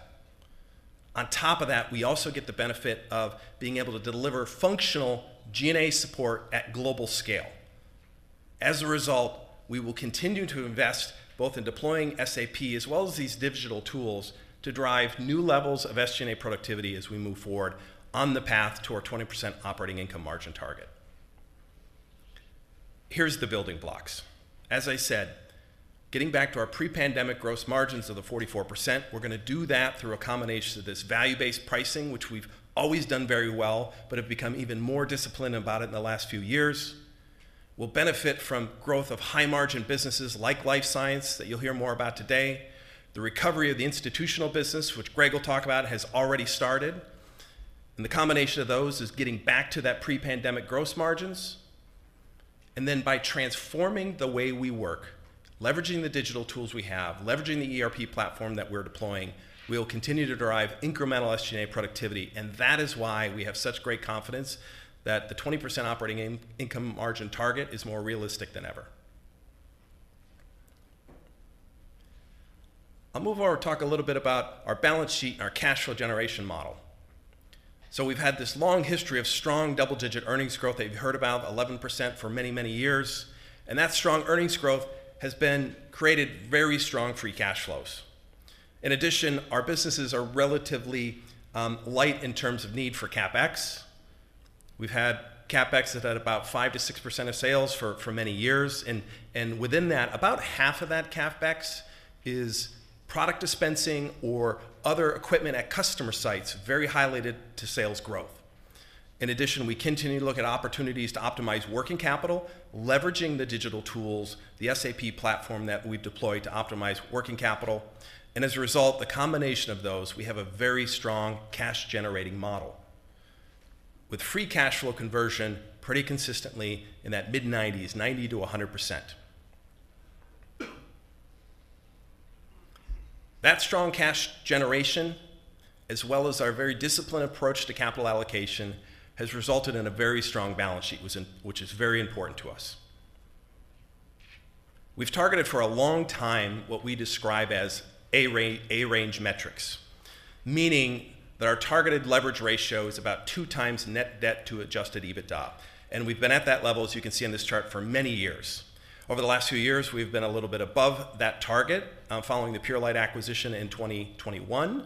On top of that, we also get the benefit of being able to deliver functional G&A support at global scale. As a result, we will continue to invest both in deploying SAP as well as these digital tools to drive new levels of SG&A productivity as we move forward on the path to our 20% operating income margin target. Here's the building blocks. As I said, getting back to our pre-pandemic gross margins of the 44%, we're gonna do that through a combination of this value-based pricing, which we've always done very well, but have become even more disciplined about it in the last few years. We'll benefit from growth of high-margin businesses like Life Sciences, that you'll hear more about today. The recovery of the Institutional business, which Greg will talk about, has already started, and the combination of those is getting back to that pre-pandemic gross margins. By transforming the way we work, leveraging the digital tools we have, leveraging the ERP platform that we're deploying, we will continue to drive incremental SG&A productivity, and that is why we have such great confidence that the 20% operating income margin target is more realistic than ever. I'll move on and talk a little bit about our balance sheet and our cash flow generation model. We've had this long history of strong double-digit earnings growth that you've heard about, 11% for many, many years, and that strong earnings growth has created very strong free cash flows. In addition, our businesses are relatively light in terms of need for CapEx. We've had CapEx at about 5%-6% of sales for many years, and within that, about half of that CapEx is product dispensing or other equipment at customer sites, very highlighted to sales growth. In addition, we continue to look at opportunities to optimize working capital, leveraging the digital tools, the SAP platform that we've deployed to optimize working capital. As a result, the combination of those, we have a very strong cash-generating model with free cash flow conversion pretty consistently in that mid-90s, 90%-100%. That strong cash generation, as well as our very disciplined approach to capital allocation, has resulted in a very strong balance sheet, which is very important to us. We've targeted for a long time what we describe as a range, a range metrics, meaning that our targeted leverage ratio is about 2x net debt to adjusted EBITDA, and we've been at that level, as you can see on this chart, for many years. Over the last few years, we've been a little bit above that target, following the Purolite acquisition in 2021.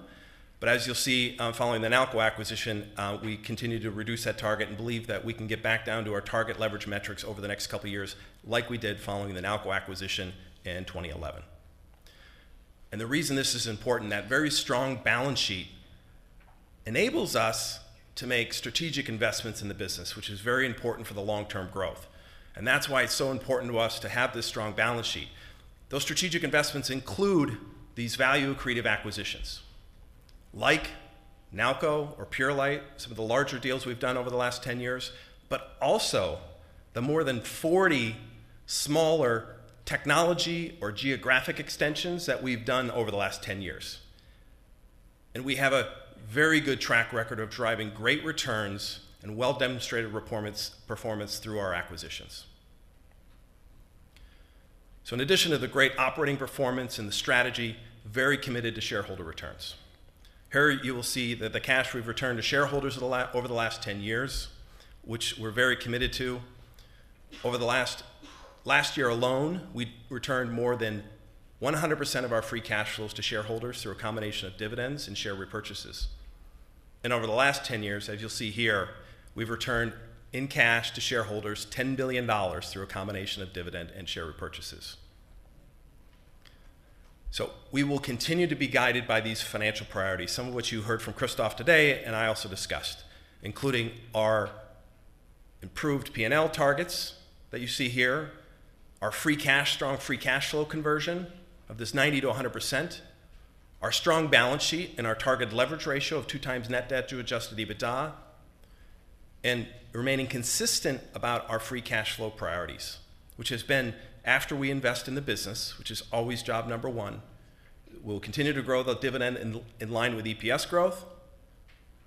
But as you'll see, following the Nalco acquisition, we continue to reduce that target and believe that we can get back down to our target leverage metrics over the next couple of years, like we did following the Nalco acquisition in 2011. The reason this is important, that very strong balance sheet enables us to make strategic investments in the business, which is very important for the long-term growth, and that's why it's so important to us to have this strong balance sheet. Those strategic investments include these value-accretive acquisitions, like Nalco or Purolite, some of the larger deals we've done over the last 10 years, but also the more than 40 smaller technology or geographic extensions that we've done over the last 10 years. We have a very good track record of driving great returns and well-demonstrated performance through our acquisitions. In addition to the great operating performance and the strategy, very committed to shareholder returns. Here, you will see that the cash we've returned to shareholders over the last 10 years, which we're very committed to. Over the last year alone, we returned more than 100% of our free cash flows to shareholders through a combination of dividends and share repurchases... and over the last 10 years, as you'll see here, we've returned, in cash to shareholders, $10 billion through a combination of dividend and share repurchases. So we will continue to be guided by these financial priorities, some of which you heard from Christophe today, and I also discussed, including our improved P&L targets that you see here, our free cash, strong free cash flow conversion of 90%-100%, our strong balance sheet and our target leverage ratio of 2x net debt to adjusted EBITDA, and remaining consistent about our free cash flow priorities, which has been after we invest in the business, which is always job number one, we'll continue to grow the dividend in line with EPS growth,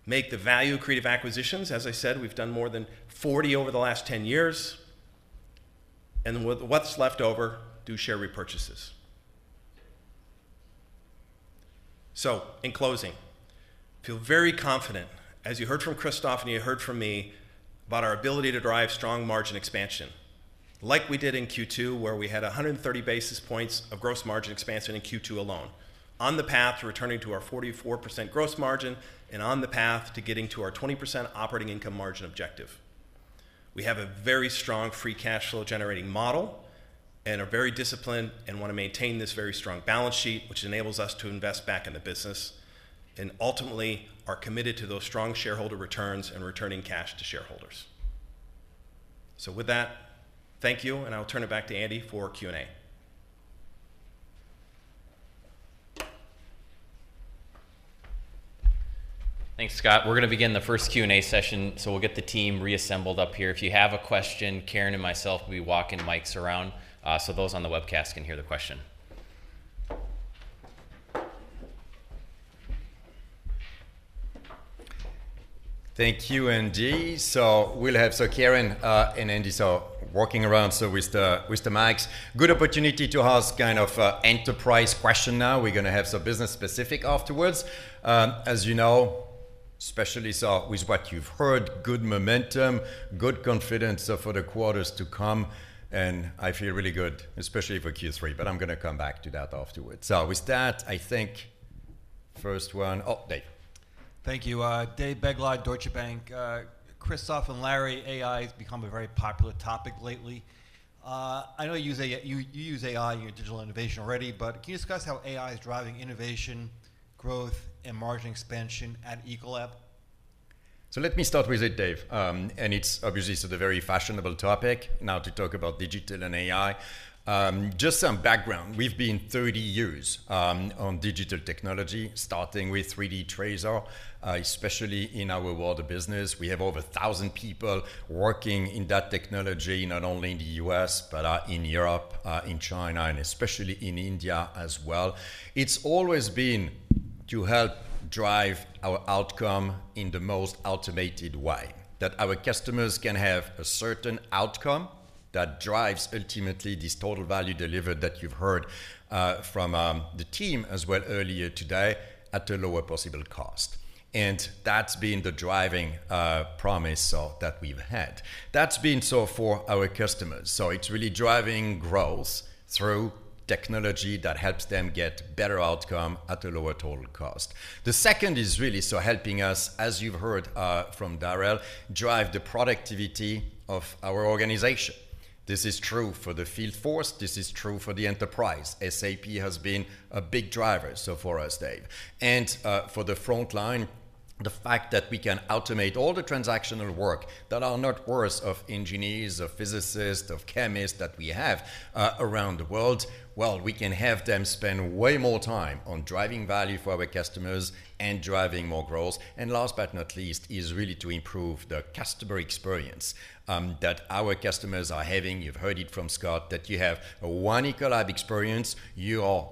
make the value-creating acquisitions. As I said, we've done more than 40 over the last 10 years, and with what's left over, do share repurchases. So in closing, I feel very confident, as you heard from Christophe and you heard from me, about our ability to drive strong margin expansion like we did in Q2, where we had 100 basis points of gross margin expansion in Q2 alone, on the path to returning to our 44% gross margin and on the path to getting to our 20% operating income margin objective. We have a very strong free cash flow generating model and are very disciplined and want to maintain this very strong balance sheet, which enables us to invest back in the business, and ultimately are committed to those strong shareholder returns and returning cash to shareholders. So with that, thank you, and I'll turn it back to Andy for Q&A. Thanks, Scott. We're going to begin the first Q&A session, so we'll get the team reassembled up here. If you have a question, Karen and myself will be walking mics around, so those on the webcast can hear the question. Thank you, Andy. So we'll have so Karen and Andy so walking around so with the mics. Good opportunity to ask kind of enterprise question now. We're going to have some business-specific afterwards. As you know, especially so with what you've heard, good momentum, good confidence for the quarters to come, and I feel really good, especially for Q3, but I'm going to come back to that afterwards. So with that, I think first one, oh, Dave. Thank you. Dave Begleiter, Deutsche Bank. Christophe and Larry, AI has become a very popular topic lately. I know you use AI in your digital innovation already, but can you discuss how AI is driving innovation, growth, and margin expansion at Ecolab? So let me start with it, Dave. And it's obviously sort of very fashionable topic now to talk about digital and AI. Just some background, we've been 30 years on digital technology, starting with 3D TRASAR, especially in our water business. We have over 1,000 people working in that technology, not only in the U.S., but in Europe, in China, and especially in India as well. It's always been to help drive our outcome in the most automated way, that our customers can have a certain outcome that drives ultimately this Total Value Delivered that you've heard from the team as well earlier today, at a lower possible cost. And that's been the driving promise so that we've had. That's been so for our customers. So it's really driving growth through technology that helps them get better outcome at a lower total cost. The second is really so helping us, as you've heard, from Darrell, drive the productivity of our organization. This is true for the field force, this is true for the enterprise. SAP has been a big driver, so for us, Dave. And, for the frontline, the fact that we can automate all the transactional work that are not worth of engineers, of physicists, of chemists that we have, around the world, well, we can have them spend way more time on driving value for our customers and driving more growth. And last but not least, is really to improve the customer experience, that our customers are having. You've heard it from Scott, that you have one Ecolab experience. You are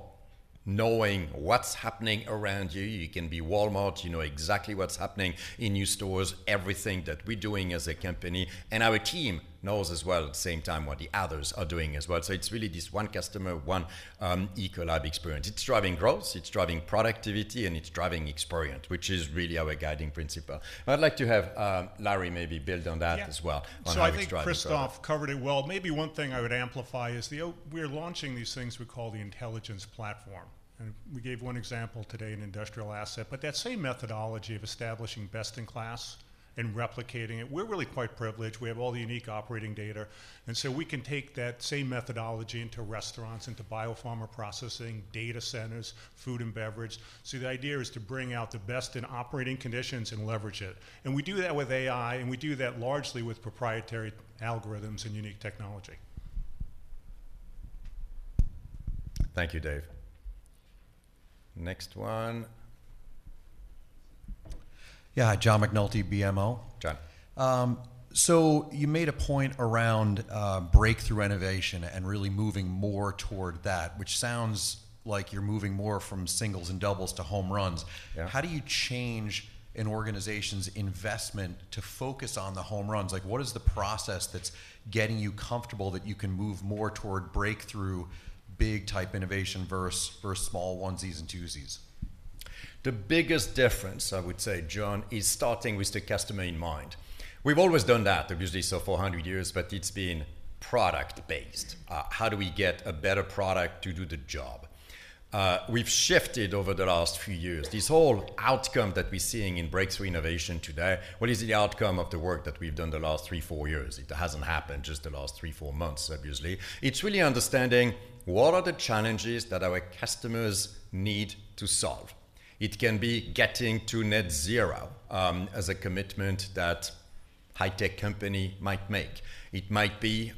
knowing what's happening around you. You can be Walmart, you know exactly what's happening in your stores, everything that we're doing as a company, and our team knows as well, at the same time, what the others are doing as well. So it's really this one customer, one Ecolab experience. It's driving growth, it's driving productivity, and it's driving experience, which is really our guiding principle. I'd like to have Larry, maybe build on that as well- Yeah on how you drive the So I think Christophe covered it well. Maybe one thing I would amplify is we're launching these things we call the intelligence platform, and we gave one example today, an Industrial asset. But that same methodology of establishing best in class and replicating it, we're really quite privileged. We have all the unique operating data, and so we can take that same methodology into restaurants, into biopharma processing, data centers, Food & Beverage. So the idea is to bring out the best in operating conditions and leverage it. And we do that with AI, and we do that largely with proprietary algorithms and unique technology. Thank you, Dave. Next one. Yeah. John McNulty, BMO. John. You made a point around breakthrough innovation and really moving more toward that, which sounds like you're moving more from singles and doubles to home runs. Yeah. How do you change an organization's investment to focus on the home runs? Like, what is the process that's getting you comfortable that you can move more toward breakthrough, big type innovation versus small onesies and twosies? The biggest difference, I would say, John, is starting with the customer in mind. We've always done that, obviously, so for 100 years, but it's been product-based. How do we get a better product to do the job? We've shifted over the last few years. This whole outcome that we're seeing in breakthrough innovation today, what is the outcome of the work that we've done the last three, four years? It hasn't happened just the last three, four months, obviously. It's really understanding what are the challenges that our customers need to solve. It can be getting to net zero, as a commitment that high-tech company might make. It might be,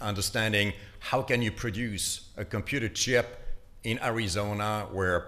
understanding how can you produce a computer chip in Arizona, where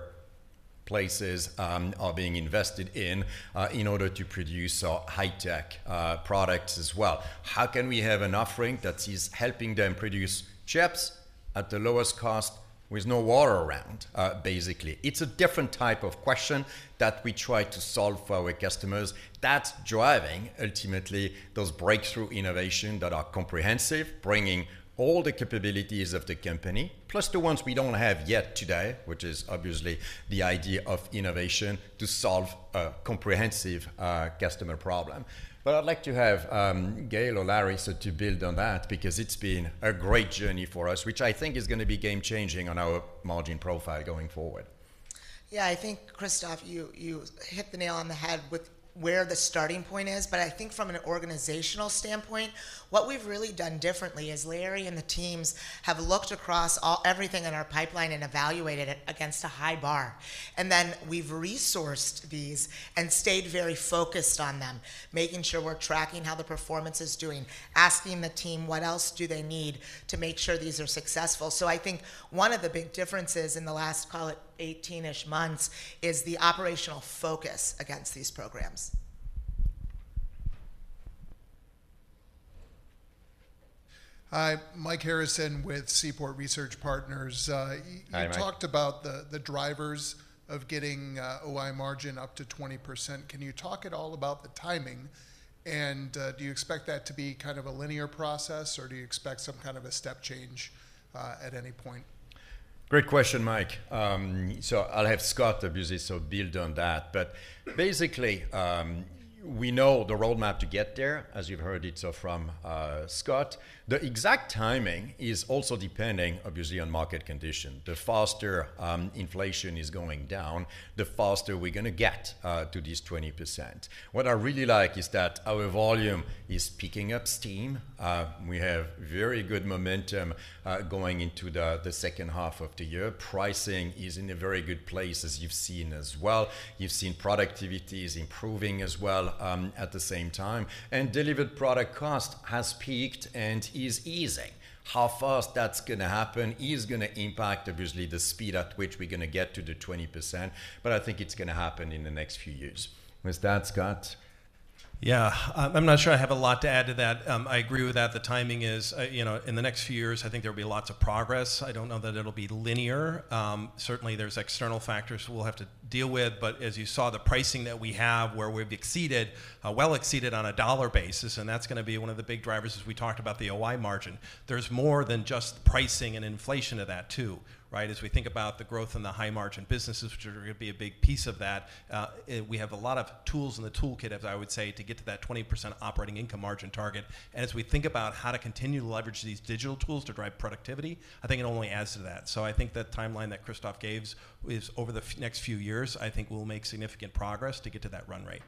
places are being invested in, in order to produce our high-tech products as well. How can we have an offering that is helping them produce chips at the lowest cost with no water around, basically? It's a different type of question that we try to solve for our customers. That's driving, ultimately, those breakthrough innovation that are comprehensive, bringing all the capabilities of the company, plus the ones we don't have yet today, which is obviously the idea of innovation to solve a comprehensive, customer problem. But I'd like to have, Gail or Larry, so to build on that, because it's been a great journey for us, which I think is gonna be game-changing on our margin profile going forward. Yeah, I think, Christophe, you hit the nail on the head with where the starting point is. But I think from an organizational standpoint, what we've really done differently is Larry and the teams have looked across everything in our pipeline and evaluated it against a high bar. And then we've resourced these and stayed very focused on them, making sure we're tracking how the performance is doing, asking the team what else do they need to make sure these are successful. So I think one of the big differences in the last, call it 18-ish months, is the operational focus against these programs. Hi, Mike Harrison with Seaport Research Partners. Hi, Mike. You talked about the drivers of getting OI margin up to 20%. Can you talk at all about the timing? And, do you expect that to be kind of a linear process, or do you expect some kind of a step change at any point? Great question, Mike. So I'll have Scott, obviously, build on that. But basically, we know the roadmap to get there, as you've heard from Scott. The exact timing is also depending, obviously, on market condition. The faster inflation is going down, the faster we're gonna get to this 20%. What I really like is that our volume is picking up steam. We have very good momentum going into the second half of the year. Pricing is in a very good place, as you've seen as well. You've seen productivity is improving as well at the same time, and delivered product cost has peaked and is easing. How fast that's gonna happen is gonna impact, obviously, the speed at which we're gonna get to the 20%, but I think it's gonna happen in the next few years. With that, Scott? Yeah. I'm not sure I have a lot to add to that. I agree with that. The timing is... You know, in the next few years, I think there will be lots of progress. I don't know that it'll be linear. Certainly, there's external factors we'll have to deal with, but as you saw, the pricing that we have, where we've exceeded, well exceeded on a dollar basis, and that's gonna be one of the big drivers as we talked about the OI margin. There's more than just pricing and inflation to that, too, right? As we think about the growth in the high-margin businesses, which are gonna be a big piece of that, we have a lot of tools in the toolkit, as I would say, to get to that 20% operating income margin target. As we think about how to continue to leverage these digital tools to drive productivity, I think it only adds to that. I think the timeline that Christophe gave is over the next few years, I think we'll make significant progress to get to that run rate.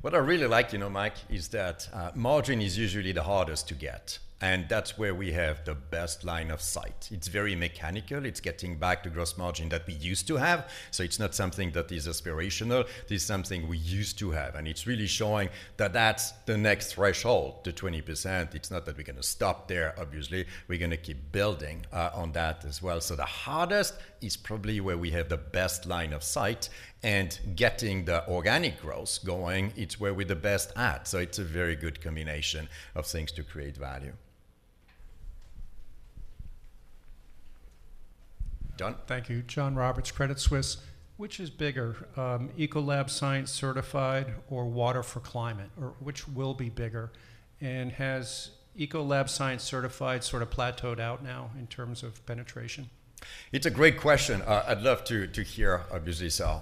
What I really like, you know, Mike, is that margin is usually the hardest to get, and that's where we have the best line of sight. It's very mechanical. It's getting back to gross margin that we used to have, so it's not something that is aspirational. This is something we used to have, and it's really showing that that's the next threshold, the 20%. It's not that we're gonna stop there, obviously. We're gonna keep building on that as well. So the hardest is probably where we have the best line of sight, and getting the organic growth going, it's where we're the best at. So it's a very good combination of things to create value. Don. Thank you. John Roberts, Credit Suisse. Which is bigger, Ecolab Science Certified or Water for Climate? Or which will be bigger? And has Ecolab Science Certified sort of plateaued out now in terms of penetration? It's a great question. I'd love to hear, obviously, so,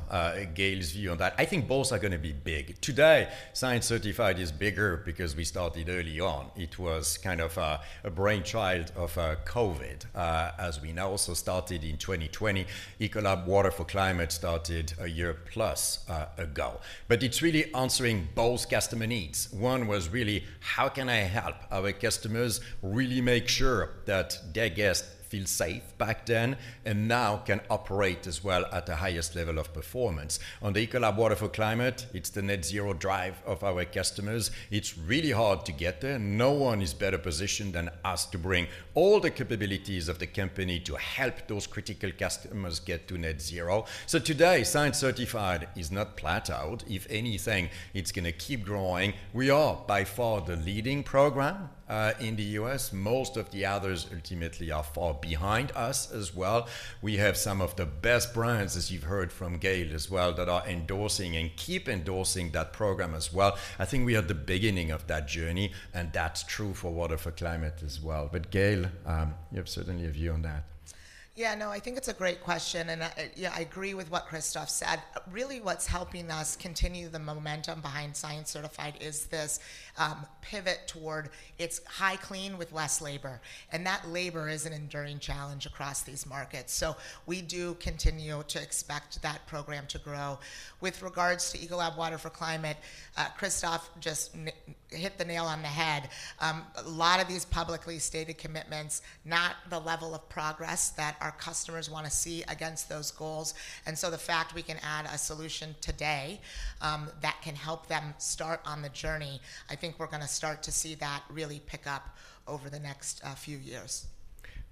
Gail's view on that. I think both are gonna be big. Today, Science Certified is bigger because we started early on. It was kind of a brainchild of COVID, as we now also started in 2020. Ecolab Water for Climate started a year plus ago. But it's really answering both customer needs. One was really: How can I help our customers really make sure that their guests feel safe back then, and now can operate as well at the highest level of performance? On the Ecolab Water for Climate, it's the net zero drive of our customers. It's really hard to get there. No one is better positioned than us to bring all the capabilities of the company to help those critical customers get to net zero. So today, Science Certified is not plateaued. If anything, it's gonna keep growing. We are, by far, the leading program in the U.S. Most of the others ultimately are far behind us as well. We have some of the best brands, as you've heard from Gail as well, that are endorsing and keep endorsing that program as well. I think we are at the beginning of that journey, and that's true for Water for Climate as well. But Gail, you have certainly a view on that. Yeah, no, I think it's a great question, and I, yeah, I agree with what Christophe said. Really, what's helping us continue the momentum behind Science Certified is this pivot toward it's high clean with less labor, and that labor is an enduring challenge across these markets. So we do continue to expect that program to grow. With regards to Ecolab Water for Climate, Christophe just hit the nail on the head. A lot of these publicly stated commitments, not the level of progress that our customers wanna see against those goals, and so the fact we can add a solution today, that can help them start on the journey, I think we're gonna start to see that really pick up over the next few years.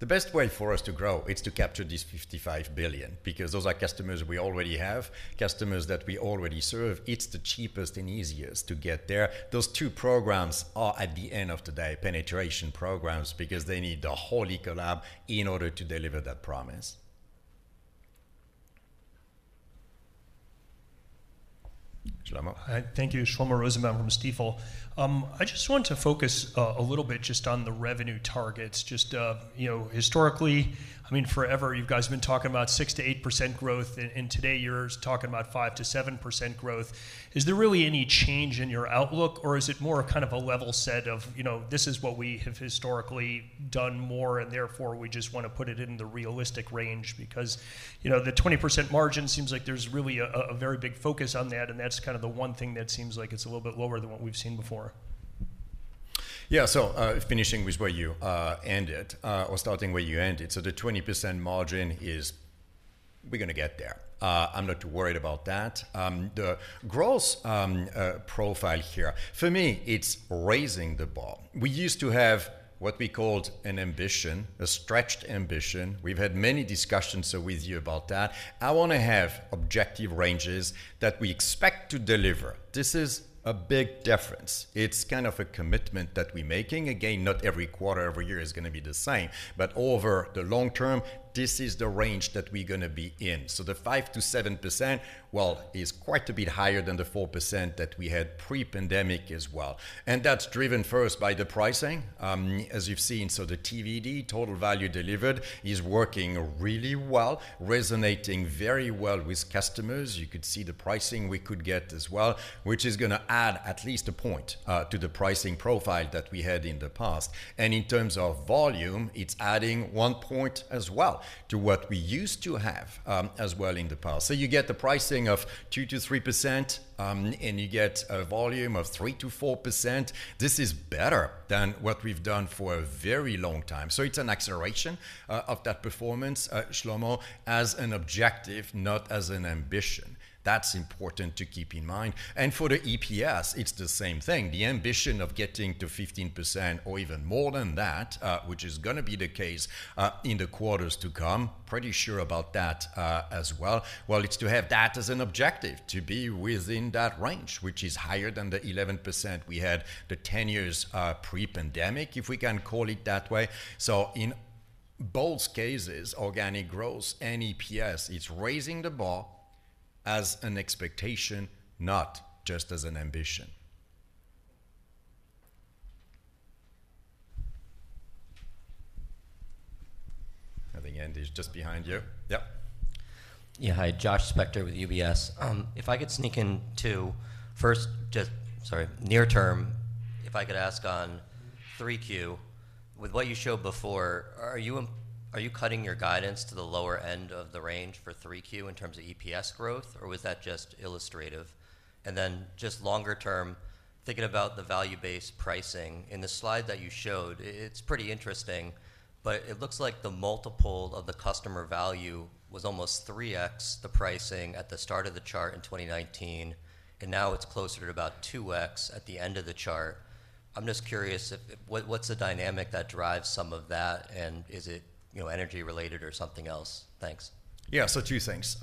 The best way for us to grow is to capture this $55 billion, because those are customers we already have, customers that we already serve. It's the cheapest and easiest to get there. Those two programs are, at the end of the day, penetration programs, because they need the whole Ecolab in order to deliver that promise. Shlomo? Hi, thank you. Shlomo Rosenbaum from Stifel. I just want to focus a little bit just on the revenue targets. Just you know, historically, I mean, forever, you guys have been talking about 6%-8% growth, and, and today you're talking about 5%-7% growth. Is there really any change in your outlook, or is it more a kind of a level set of, you know, this is what we have historically done more, and therefore, we just wanna put it in the realistic range? Because, you know, the 20% margin seems like there's really a very big focus on that, and that's kind of the one thing that seems like it's a little bit lower than what we've seen before. Yeah. So, finishing with where you ended, or starting where you ended. So the 20% margin is-- we're gonna get there. I'm not too worried about that. The growth profile here, for me, it's raising the bar. We used to have what we called an ambition, a stretched ambition. We've had many discussions with you about that. I wanna have objective ranges that we expect to deliver. This is a big difference. It's kind of a commitment that we're making. Again, not every quarter, every year is gonna be the same. But over the long term, this is the range that we're gonna be in. So the 5%-7%, well, is quite a bit higher than the 4% that we had pre-pandemic as well. And that's driven first by the pricing, as you've seen. So the TVD, Total Value Delivered, is working really well, resonating very well with customers. You could see the pricing we could get as well, which is gonna add at least 1 point to the pricing profile that we had in the past. And in terms of volume, it's adding 1 point as well to what we used to have, as well in the past. So you get the pricing of 2%-3%, and you get a volume of 3%-4%. This is better than what we've done for a very long time. So it's an acceleration of that performance, Shlomo, as an objective, not as an ambition. That's important to keep in mind. And for the EPS, it's the same thing. The ambition of getting to 15% or even more than that, which is gonna be the case, in the quarters to come, pretty sure about that, as well. Well, it's to have that as an objective, to be within that range, which is higher than the 11% we had the 10 years, pre-pandemic, if we can call it that way. So in both cases, organic growth and EPS, it's raising the bar as an expectation, not just as an ambition. I think Andy's just behind you. Yep. Yeah. Hi, Josh Spector with UBS. If I could sneak in two. First, just—sorry, near term, if I could ask on 3Q, with what you showed before, are you cutting your guidance to the lower end of the range for 3Q in terms of EPS growth, or was that just illustrative? And then, just longer term, thinking about the value-based pricing, in the slide that you showed, it's pretty interesting, but it looks like the multiple of the customer value was almost 3x the pricing at the start of the chart in 2019, and now it's closer to about 2x at the end of the chart. I'm just curious if... What's the dynamic that drives some of that, and is it, you know, energy related or something else? Thanks. Yeah, so two things.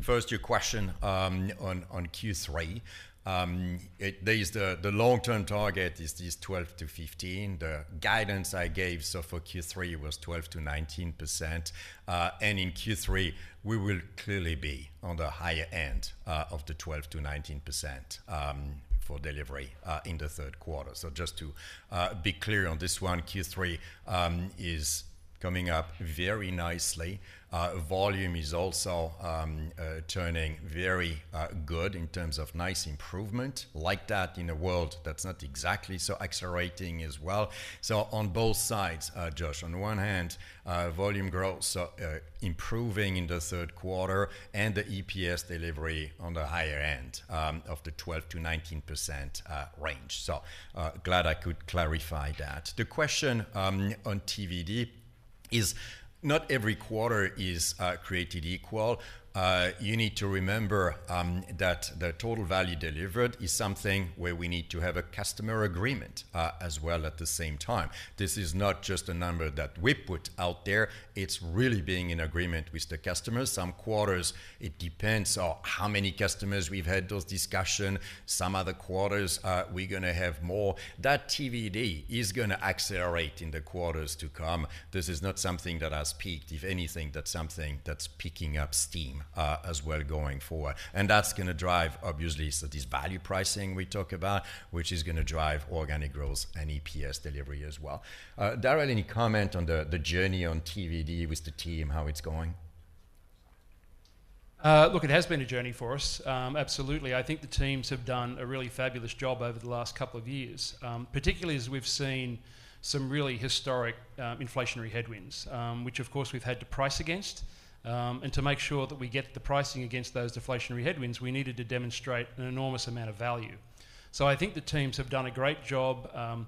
First, your question on Q3. There is the long-term target is this 12-15. The guidance I gave, so for Q3, was 12%-19%. And in Q3, we will clearly be on the higher end of the 12%-19% for delivery in the third quarter. So just to be clear on this one, Q3 is coming up very nicely. Volume is also turning very good in terms of nice improvement like that in a world that's not exactly so accelerating as well. So on both sides, Josh, on one hand, volume growth, so improving in the third quarter and the EPS delivery on the higher end of the 12%-19% range. So glad I could clarify that. The question on TVD is, not every quarter is created equal. You need to remember that the Total Value Delivered is something where we need to have a customer agreement as well at the same time. This is not just a number that we put out there, it's really being in agreement with the customers. Some quarters, it depends on how many customers we've had those discussions. Some other quarters, we're gonna have more. That TVD is gonna accelerate in the quarters to come. This is not something that has peaked. If anything, that's something that's picking up steam as we're going forward. And that's gonna drive obviously, so this value pricing we talk about, which is gonna drive organic growth and EPS delivery as well. Darrell, any comment on the journey on TVD with the team, how it's going? Look, it has been a journey for us. Absolutely. I think the teams have done a really fabulous job over the last couple of years, particularly as we've seen some really historic inflationary headwinds, which of course, we've had to price against. And to make sure that we get the pricing against those deflationary headwinds, we needed to demonstrate an enormous amount of value. So I think the teams have done a great job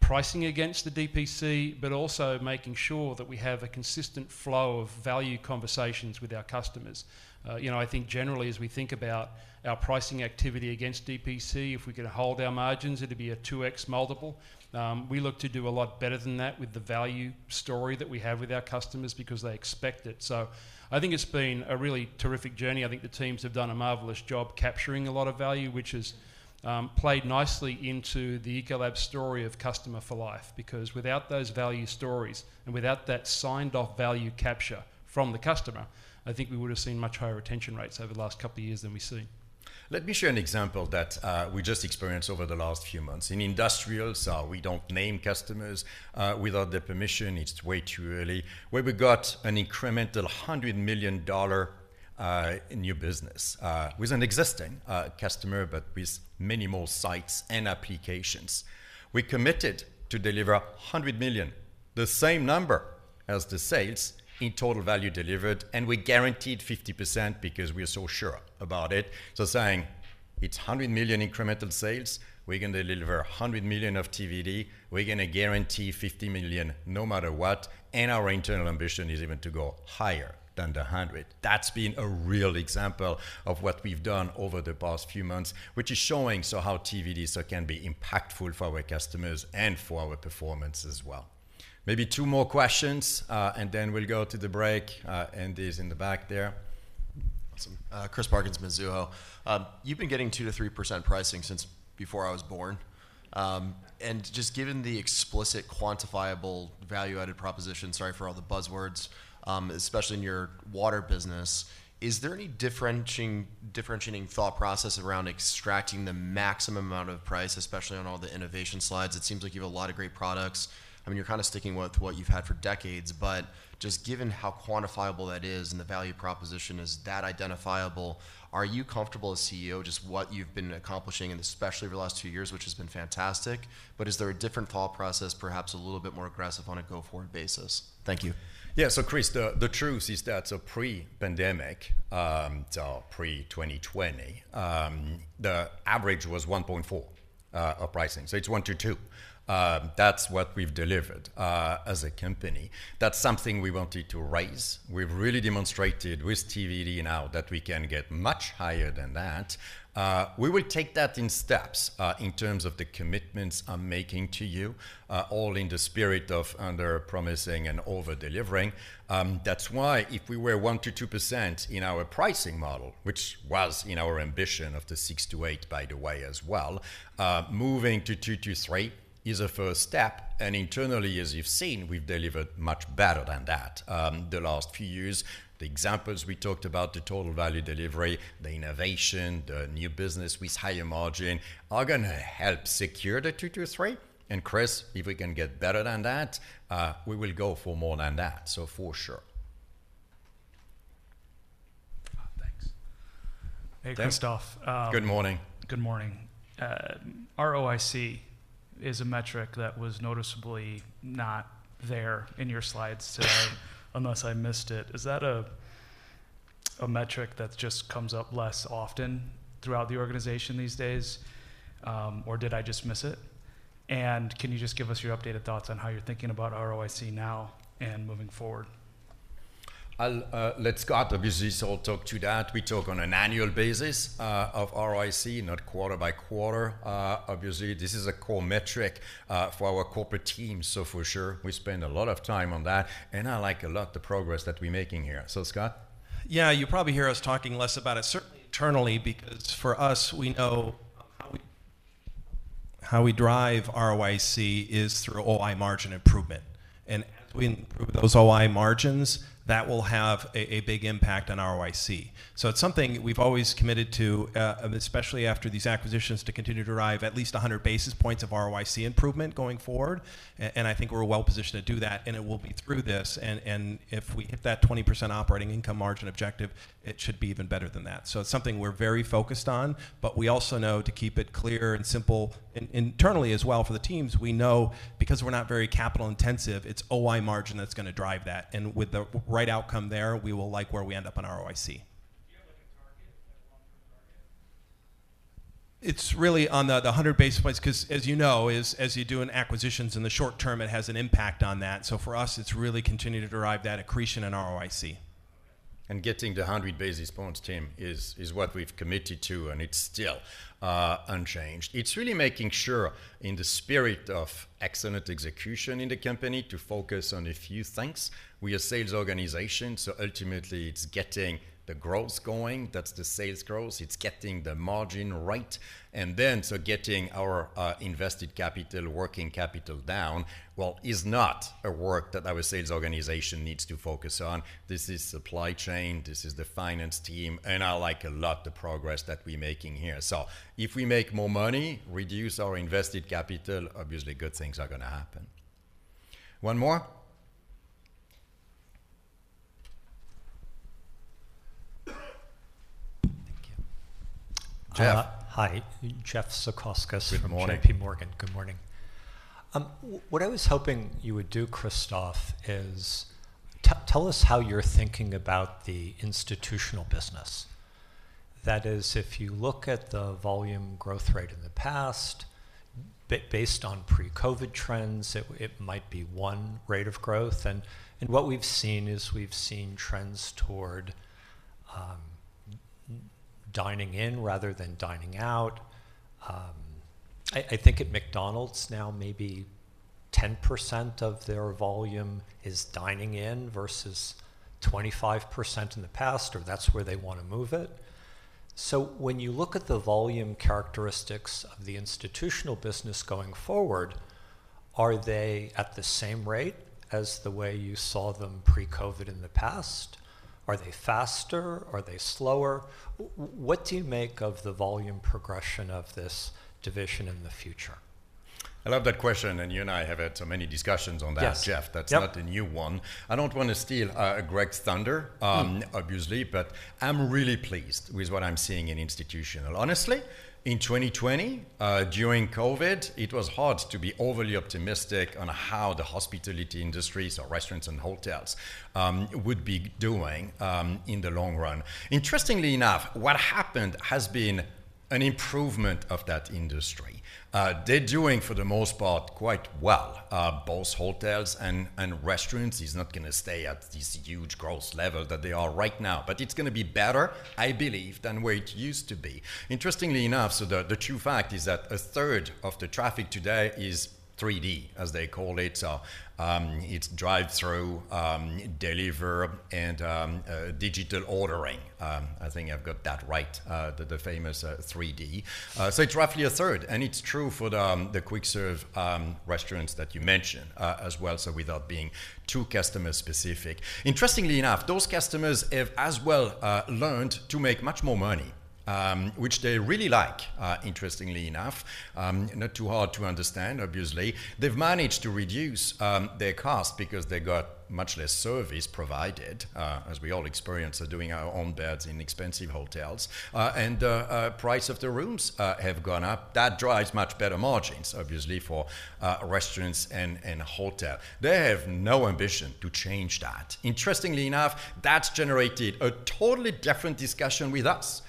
pricing against the DPC, but also making sure that we have a consistent flow of value conversations with our customers. You know, I think generally, as we think about our pricing activity against DPC, if we could hold our margins, it'd be a 2x multiple. We look to do a lot better than that with the value story that we have with our customers because they expect it. So I think it's been a really terrific journey. I think the teams have done a marvelous job capturing a lot of value, which has played nicely into the Ecolab story of Customer for Life. Because without those value stories, and without that signed-off value capture from the customer, I think we would have seen much higher retention rates over the last couple of years than we've seen. Let me share an example that we just experienced over the last few months. In Industrials, we don't name customers without their permission. It's way too early. Where we got an incremental $100 million in new business with an existing customer, but with many more sites and applications. We committed to deliver $100 million, the same number as the sales in Total Value Delivered, and we guaranteed 50% because we are so sure about it. So saying, it's $100 million incremental sales, we're gonna deliver $100 million of TVD, we're gonna guarantee $50 million, no matter what, and our internal ambition is even to go higher than the $100 million. That's been a real example of what we've done over the past few months, which is showing so how TVDs can be impactful for our customers and for our performance as well. Maybe two more questions, and then we'll go to the break. And is in the back there. Awesome. Chris Parkinson, Mizuho. You've been getting 2%-3% pricing since before I was born. And just given the explicit, quantifiable, value-added proposition, sorry for all the buzzwords, especially in your water business, is there any differentiating thought process around extracting the maximum amount of price, especially on all the innovation slides? It seems like you have a lot of great products. I mean, you're kinda sticking with what you've had for decades, but just given how quantifiable that is and the value proposition, is that identifiable? Are you comfortable as CEO, just what you've been accomplishing, and especially over the last two years, which has been fantastic, but is there a different thought process, perhaps a little bit more aggressive on a go-forward basis? Thank you. Yeah. So Chris, the truth is that so pre-pandemic, so pre-2020, the average was 1.4 of pricing. So it's 1-2. That's what we've delivered as a company. That's something we wanted to raise. We've really demonstrated with TVD now that we can get much higher than that. We will take that in steps in terms of the commitments I'm making to you, all in the spirit of under-promising and over-delivering. That's why if we were 1-2% in our pricing model, which was in our ambition of the 6-8, by the way, as well, moving to 2-3 is a first step, and internally, as you've seen, we've delivered much better than that, the last few years. The examples we talked about, the Total Value Delivered, the innovation, the new business with higher margin, are gonna help secure the 2-3. And Chris, if we can get better than that, we will go for more than that, so for sure. Uh, thanks. Hey, Christophe. Good morning. Good morning. ROIC is a metric that was noticeably not there in your slides today, unless I missed it. Is that a metric that just comes up less often throughout the organization these days, or did I just miss it? And can you just give us your updated thoughts on how you're thinking about ROIC now and moving forward? I'll let Scott, obviously, so I'll talk to that. We talk on an annual basis, of ROIC, not quarter by quarter. Obviously, this is a core metric, for our corporate team, so for sure, we spend a lot of time on that, and I like a lot the progress that we're making here. So Scott? Yeah, you probably hear us talking less about it, certainly internally, because for us, we know how we drive ROIC is through OI margin improvement. And as we improve those OI margins, that will have a big impact on ROIC. So it's something we've always committed to, especially after these acquisitions, to continue to derive at least 100 basis points of ROIC improvement going forward. And I think we're well positioned to do that, and it will be through this. And if we hit that 20% operating income margin objective, it should be even better than that. So it's something we're very focused on, but we also know to keep it clear and simple, and internally as well for the teams, we know because we're not very capital intensive, it's OI margin that's gonna drive that. With the right outcome there, we will like where we end up on ROIC. Do you have, like, a target, like, a long-term target? It's really on the 100 basis points, 'cause as you know, is as you do in acquisitions, in the short term, it has an impact on that. So for us, it's really continuing to derive that accretion in ROIC. Getting to 100 basis points, Tim, is, is what we've committed to, and it's still unchanged. It's really making sure, in the spirit of excellent execution in the company, to focus on a few things. We're a sales organization, so ultimately, it's getting the growth going. That's the sales growth. It's getting the margin right. And then, so getting our invested capital, working capital down, well, is not a work that our sales organization needs to focus on. This is supply chain, this is the finance team, and I like a lot the progress that we're making here. So if we make more money, reduce our invested capital, obviously, good things are gonna happen. One more? Thank you. Jeff. Hi. Jeff Zekauskas from- Good morning... JPMorgan. Good morning. What I was hoping you would do, Christophe, is tell us how you're thinking about the Institutional business.... That is, if you look at the volume growth rate in the past, based on pre-COVID trends, it might be one rate of growth. And what we've seen is we've seen trends toward dining in rather than dining out. I think at McDonald's now, maybe 10% of their volume is dining in versus 25% in the past, or that's where they wanna move it. So when you look at the volume characteristics of the Institutional business going forward, are they at the same rate as the way you saw them pre-COVID in the past? Are they faster? Are they slower? What do you make of the volume progression of this division in the future? I love that question, and you and I have had so many discussions on that. Yes. -Jeff. Yep. That's not a new one. I don't wanna steal Greg's thunder- Mm... obviously, but I'm really pleased with what I'm seeing in Institutional. Honestly, in 2020, during COVID, it was hard to be overly optimistic on how the hospitality industries or restaurants and hotels would be doing in the long run. Interestingly enough, what happened has been an improvement of that industry. They're doing, for the most part, quite well. Both hotels and restaurants is not gonna stay at this huge growth level that they are right now, but it's gonna be better, I believe, than where it used to be. Interestingly enough, so the true fact is that a third of the traffic today is 3D, as they call it. It's drive-through, delivery, and digital ordering. I think I've got that right, the famous 3D. So it's roughly a third, and it's true for the quick-serve restaurants that you mentioned, as well, so without being too customer-specific. Interestingly enough, those customers have as well learned to make much more money, which they really like, interestingly enough, not too hard to understand, obviously. They've managed to reduce their costs because they got much less service provided, as we all experience doing our own beds in expensive hotels. Price of the rooms have gone up. That drives much better margins, obviously, for restaurants and hotel. They have no ambition to change that. Interestingly enough, that's generated a totally different discussion with us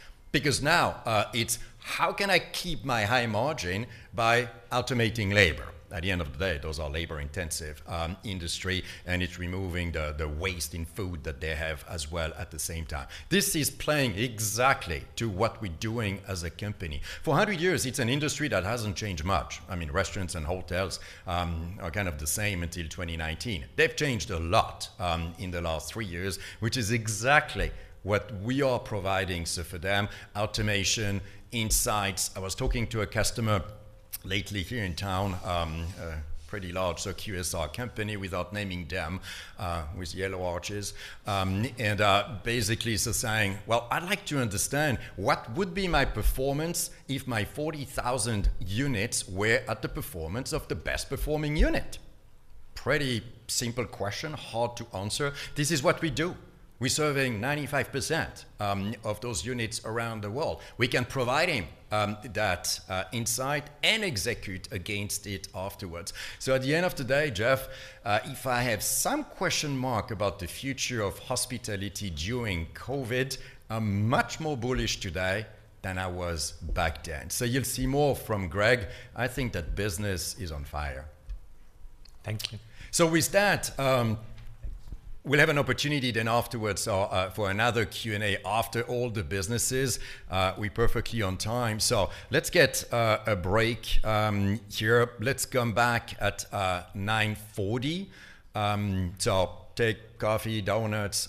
because now it's: How can I keep my high margin by automating labor? At the end of the day, those are labor-intensive industry, and it's removing the waste in food that they have as well at the same time. This is playing exactly to what we're doing as a company. For 100 years, it's an industry that hasn't changed much. I mean, restaurants and hotels are kind of the same until 2019. They've changed a lot in the last three years, which is exactly what we are providing. So for them, automation, insights... I was talking to a customer lately here in town, a pretty large QSR company, without naming them, with yellow arches, and basically so saying, "Well, I'd like to understand what would be my performance if my 40,000 units were at the performance of the best-performing unit?" Pretty simple question, hard to answer. This is what we do. We're serving 95% of those units around the world. We can provide him that insight and execute against it afterwards. So at the end of the day, Jeff, if I have some question mark about the future of hospitality during COVID, I'm much more bullish today than I was back then. So you'll see more from Greg. I think that business is on fire. Thank you. So with that, we'll have an opportunity then afterwards for another Q&A after all the businesses. We're perfectly on time, so let's get a break here. Let's come back at 9:40 A.M. So take coffee, donuts.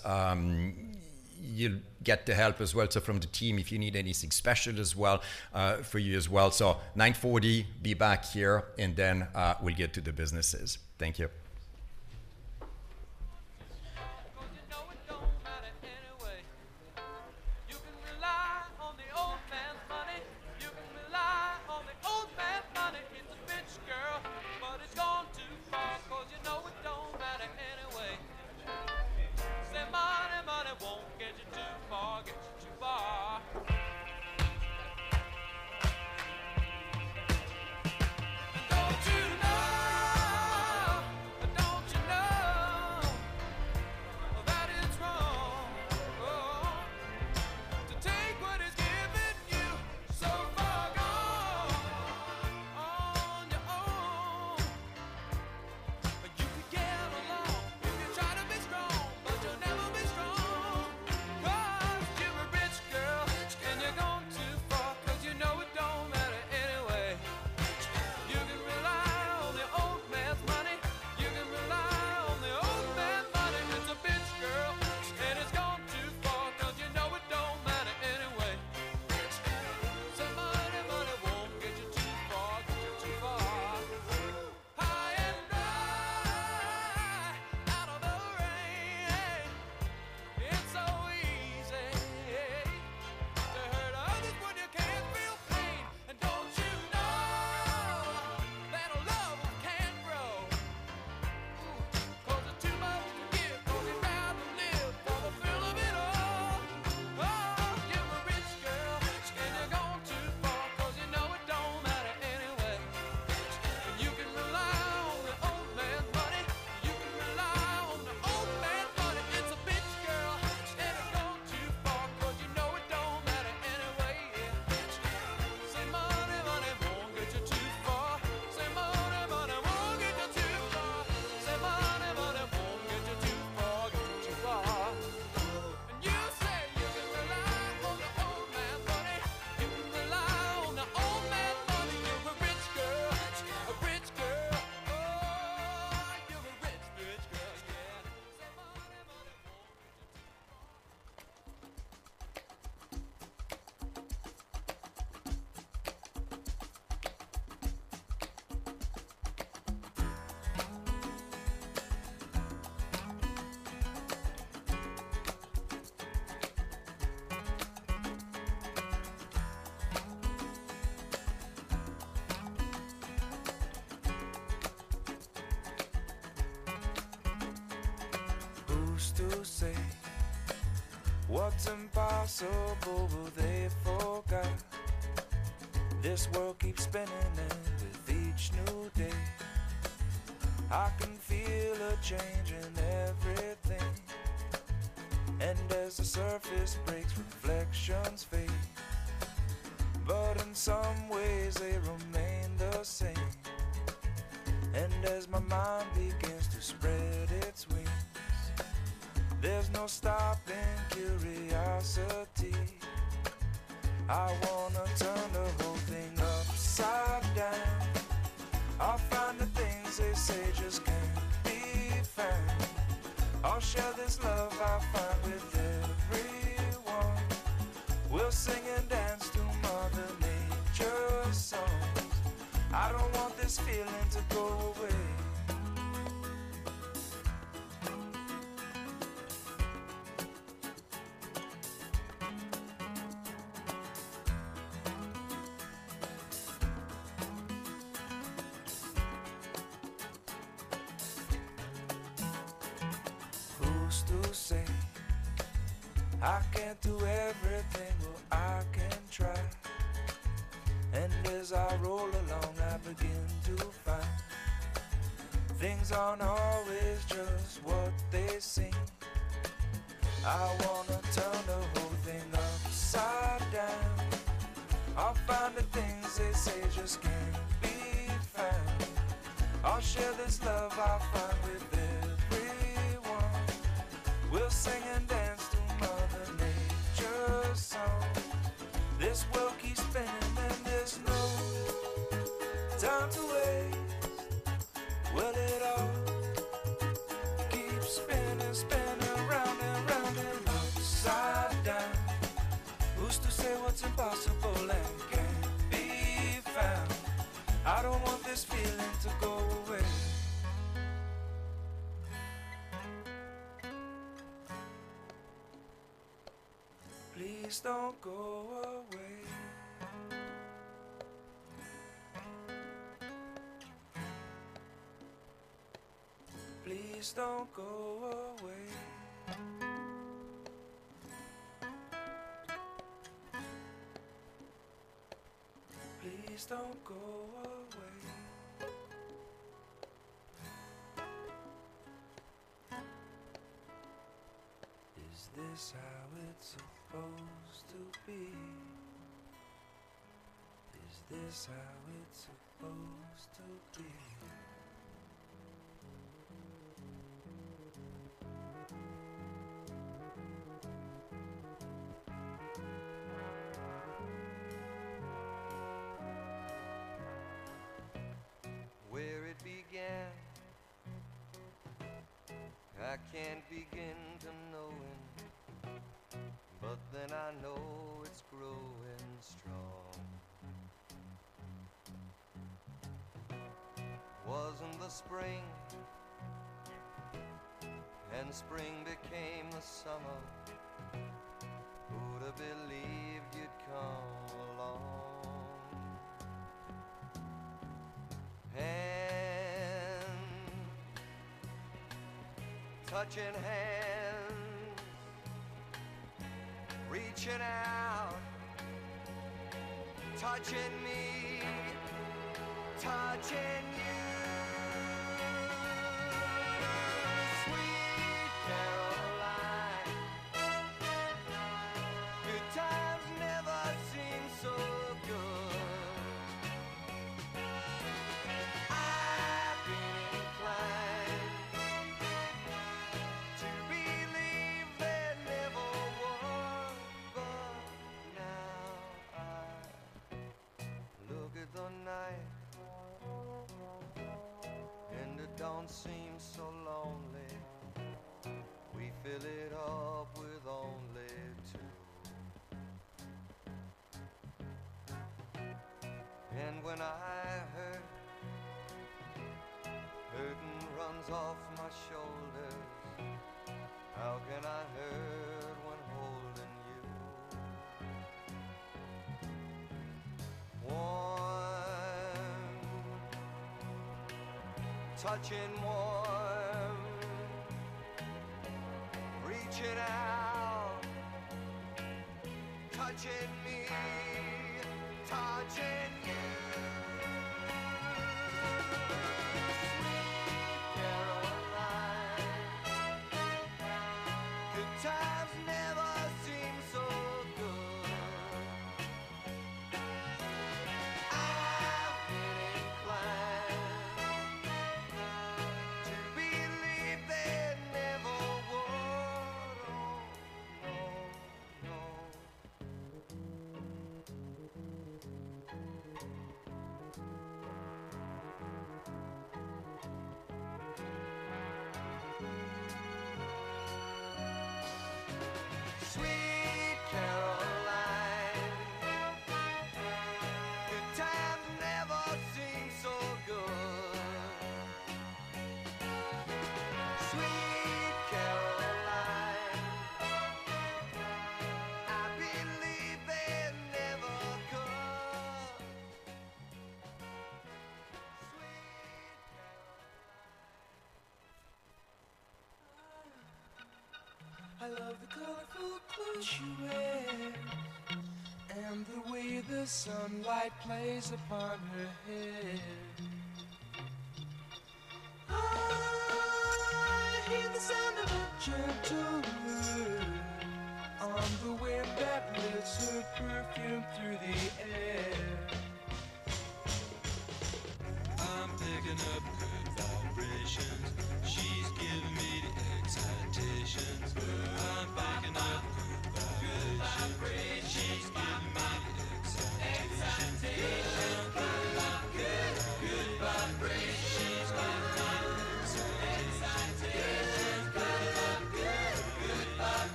You'll get the help as well, so from the team if you need anything special as well for you as well. So 9:40 A.M., be back here, and then we'll get to the businesses. Thank you.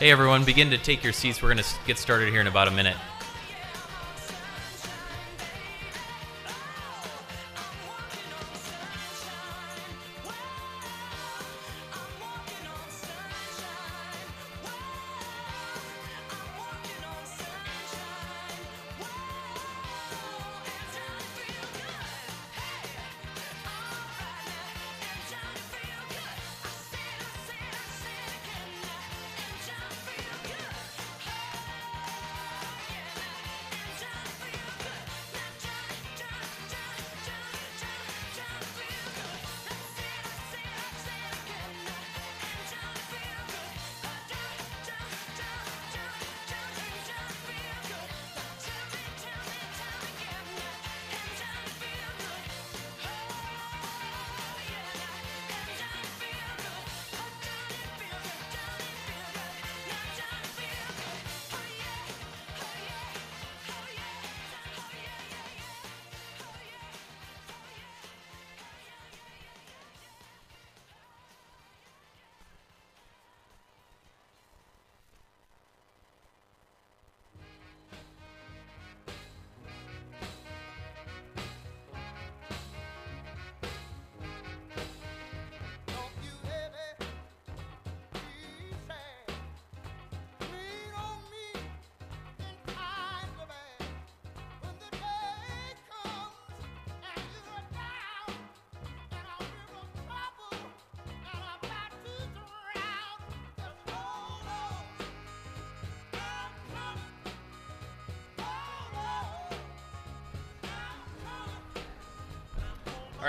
Hey, everyone, begin to take your seats. We're gonna get started here in about a minute.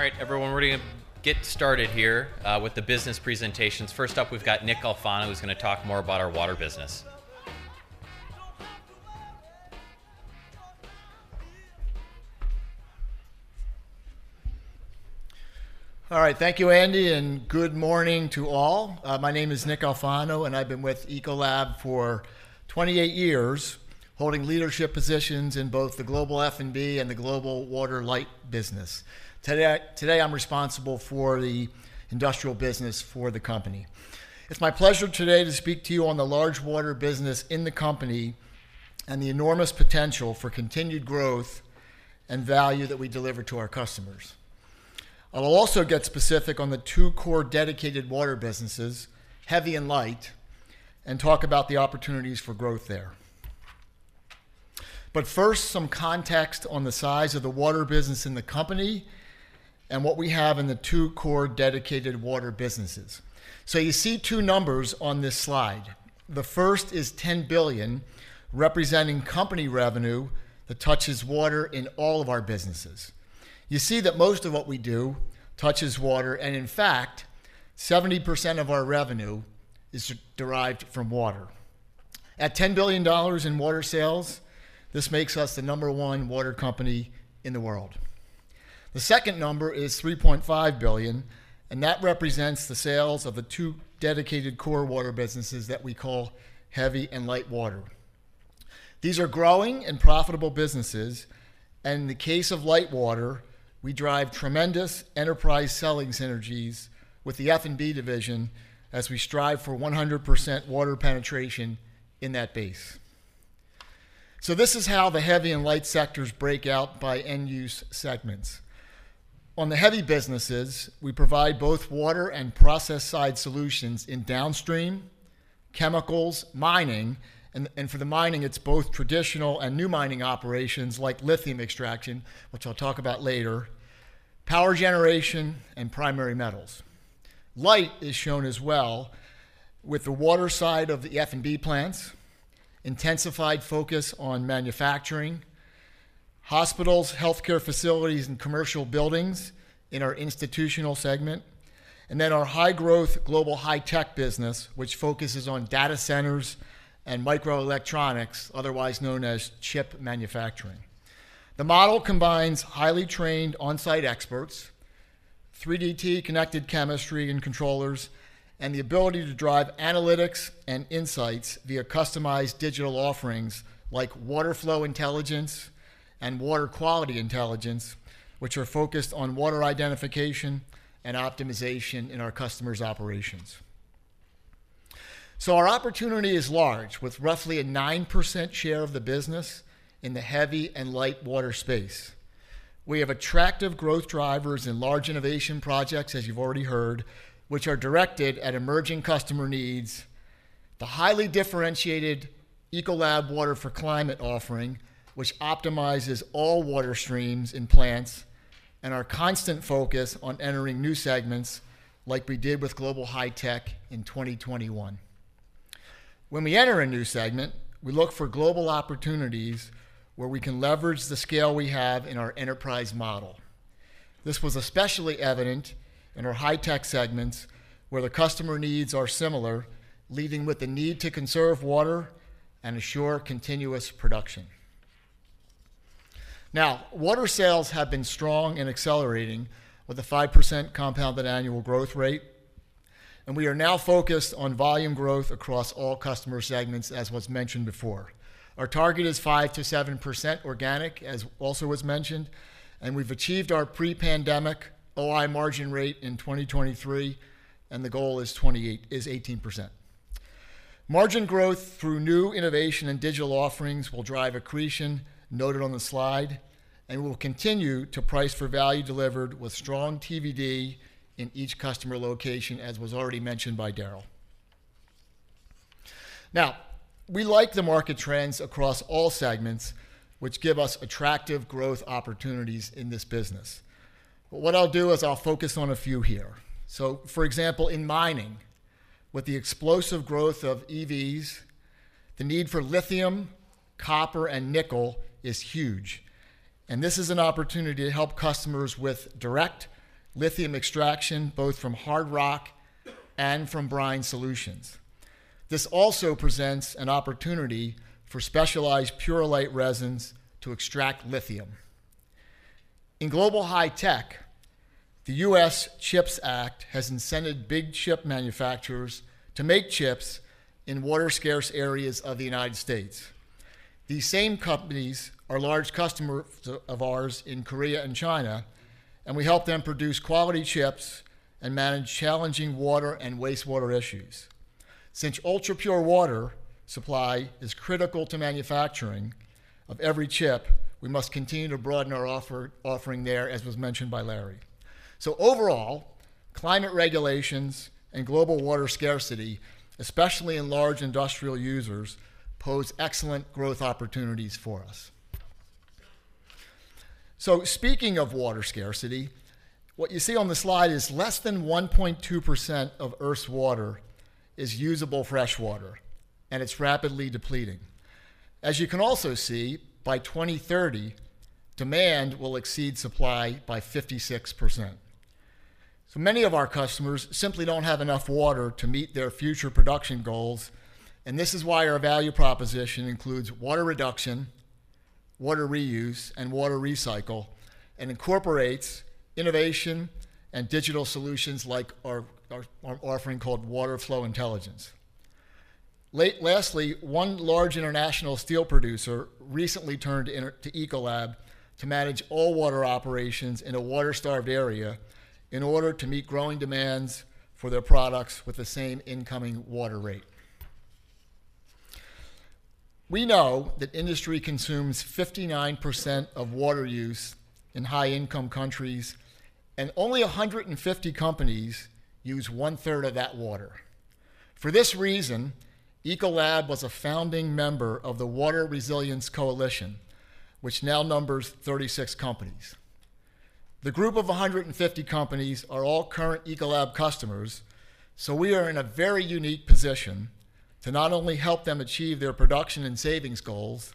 All right, everyone, we're gonna get started here with the business presentations. First up, we've got Nick Alfano, who's gonna talk more about our water business. All right, thank you, Andy, and good morning to all. My name is Nick Alfano, and I've been with Ecolab for 28 years, holding leadership positions in both the Global F&B and the Global Water Light business. Today I'm responsible for the Industrial business for the company. It's my pleasure today to speak to you on the large water business in the company and the enormous potential for continued growth and value that we deliver to our customers. I'll also get specific on the two core dedicated water businesses, Heavy and Light, and talk about the opportunities for growth there. But first, some context on the size of the water business in the company and what we have in the two core dedicated water businesses. You see two numbers on this slide. The first is $10 billion, representing company revenue that touches water in all of our businesses. You see that most of what we do touches water, and in fact, 70% of our revenue is derived from water. At $10 billion in water sales, this makes us the number one water company in the world. The second number is $3.5 billion, and that represents the sales of the two dedicated core water businesses that we call Heavy and Light Water. These are growing and profitable businesses, and in the case of light water, we drive tremendous Enterprise Selling synergies with the F&B division as we strive for 100% water penetration in that base. So this is how the Heavy and Light sectors break out by end-use segments. On the Heavy businesses, we provide both water and process side solutions in downstream, chemicals, mining, and for the mining, it's both traditional and new mining operations like lithium extraction, which I'll talk about later, power generation, and primary metals. Light industries are shown as well with the water side of the F&B plants, intensified focus on manufacturing, hospitals, Healthcare facilities, and commercial buildings in our Institutional segment, and then our high-growth, Global High-Tech business, which focuses on data centers and microelectronics, otherwise known as chip manufacturing. The model combines highly trained on-site experts, 3D TRASAR Connected Chemistry and controllers, and the ability to drive analytics and insights via customized digital offerings like Water Flow Intelligence and Water Quality Intelligence, which are focused on water identification and optimization in our customers' operations. So our opportunity is large, with roughly a 9% share of the business in the Heavy and Light water space. We have attractive growth drivers and large innovation projects, as you've already heard, which are directed at emerging customer needs, the highly differentiated Ecolab Water for Climate offering, which optimizes all water streams in plants, and our constant focus on entering new segments like we did with Global High-Tech in 2021. When we enter a new segment, we look for global opportunities where we can leverage the scale we have in our enterprise model. This was especially evident in our high-tech segments, where the customer needs are similar, leading with the need to conserve water and ensure continuous production. Now, water sales have been strong and accelerating with a 5% compounded annual growth rate, and we are now focused on volume growth across all customer segments, as was mentioned before. Our target is 5%-7% organic, as also was mentioned, and we've achieved our pre-pandemic OI margin rate in 2023, and the goal is 28%-- is 18%. Margin growth through new innovation and digital offerings will drive accretion noted on the slide, and we will continue to price for value delivered with strong TVD in each customer location, as was already mentioned by Darrell. Now, we like the market trends across all segments, which give us attractive growth opportunities in this business. But what I'll do is I'll focus on a few here. So for example, in mining, with the explosive growth of EVs, the need for lithium, copper, and nickel is huge, and this is an opportunity to help customers with direct lithium extraction, both from hard rock and from brine solutions. This also presents an opportunity for specialized Purolite resins to extract lithium. In Global High-Tech, the U.S. CHIPS Act has incented big chip manufacturers to make chips in water-scarce areas of the United States. These same companies are large customers of ours in Korea and China, and we help them produce quality chips and manage challenging water and wastewater issues. Since ultrapure water supply is critical to manufacturing of every chip, we must continue to broaden our offering there, as was mentioned by Larry. So overall, climate regulations and Global Water scarcity, especially in large Industrial users, pose excellent growth opportunities for us. So speaking of water scarcity, what you see on the slide is less than 1.2% of Earth's water is usable freshwater, and it's rapidly depleting. As you can also see, by 2030, demand will exceed supply by 56%. So many of our customers simply don't have enough water to meet their future production goals, and this is why our value proposition includes water reduction, water reuse, and water recycle, and incorporates innovation and digital solutions like our offering called Water Flow Intelligence. Lastly, one large international steel producer recently turned in, to Ecolab to manage all water operations in a water-starved area in order to meet growing demands for their products with the same incoming water rate. We know that industry consumes 59% of water use in high-income countries, and only 150 companies use one-third of that water. For this reason, Ecolab was a founding member of the Water Resilience Coalition, which now numbers 36 companies. The group of 150 companies are all current Ecolab customers, so we are in a very unique position to not only help them achieve their production and savings goals,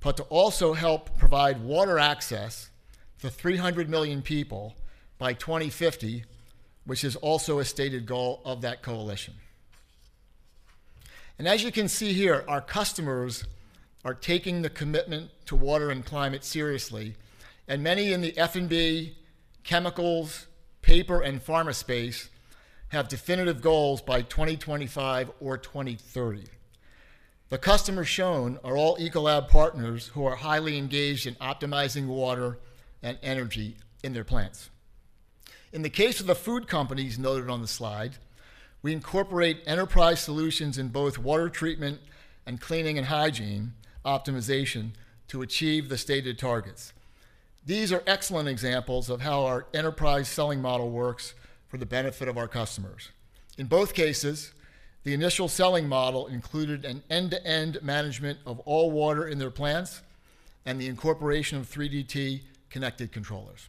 but to also help provide water access for 300 million people by 2050, which is also a stated goal of that coalition. As you can see here, our customers are taking the commitment to water and climate seriously, and many in the F&B, chemicals, paper, and pharma space have definitive goals by 2025 or 2030. The customers shown are all Ecolab partners who are highly engaged in optimizing water and energy in their plants. In the case of the food companies noted on the slide, we incorporate enterprise solutions in both water treatment and cleaning and hygiene optimization to achieve the stated targets. These are excellent examples of how our Enterprise Selling model works for the benefit of our customers. In both cases, the initial selling model included an end-to-end management of all water in their plants and the incorporation of 3D TRASAR connected controllers.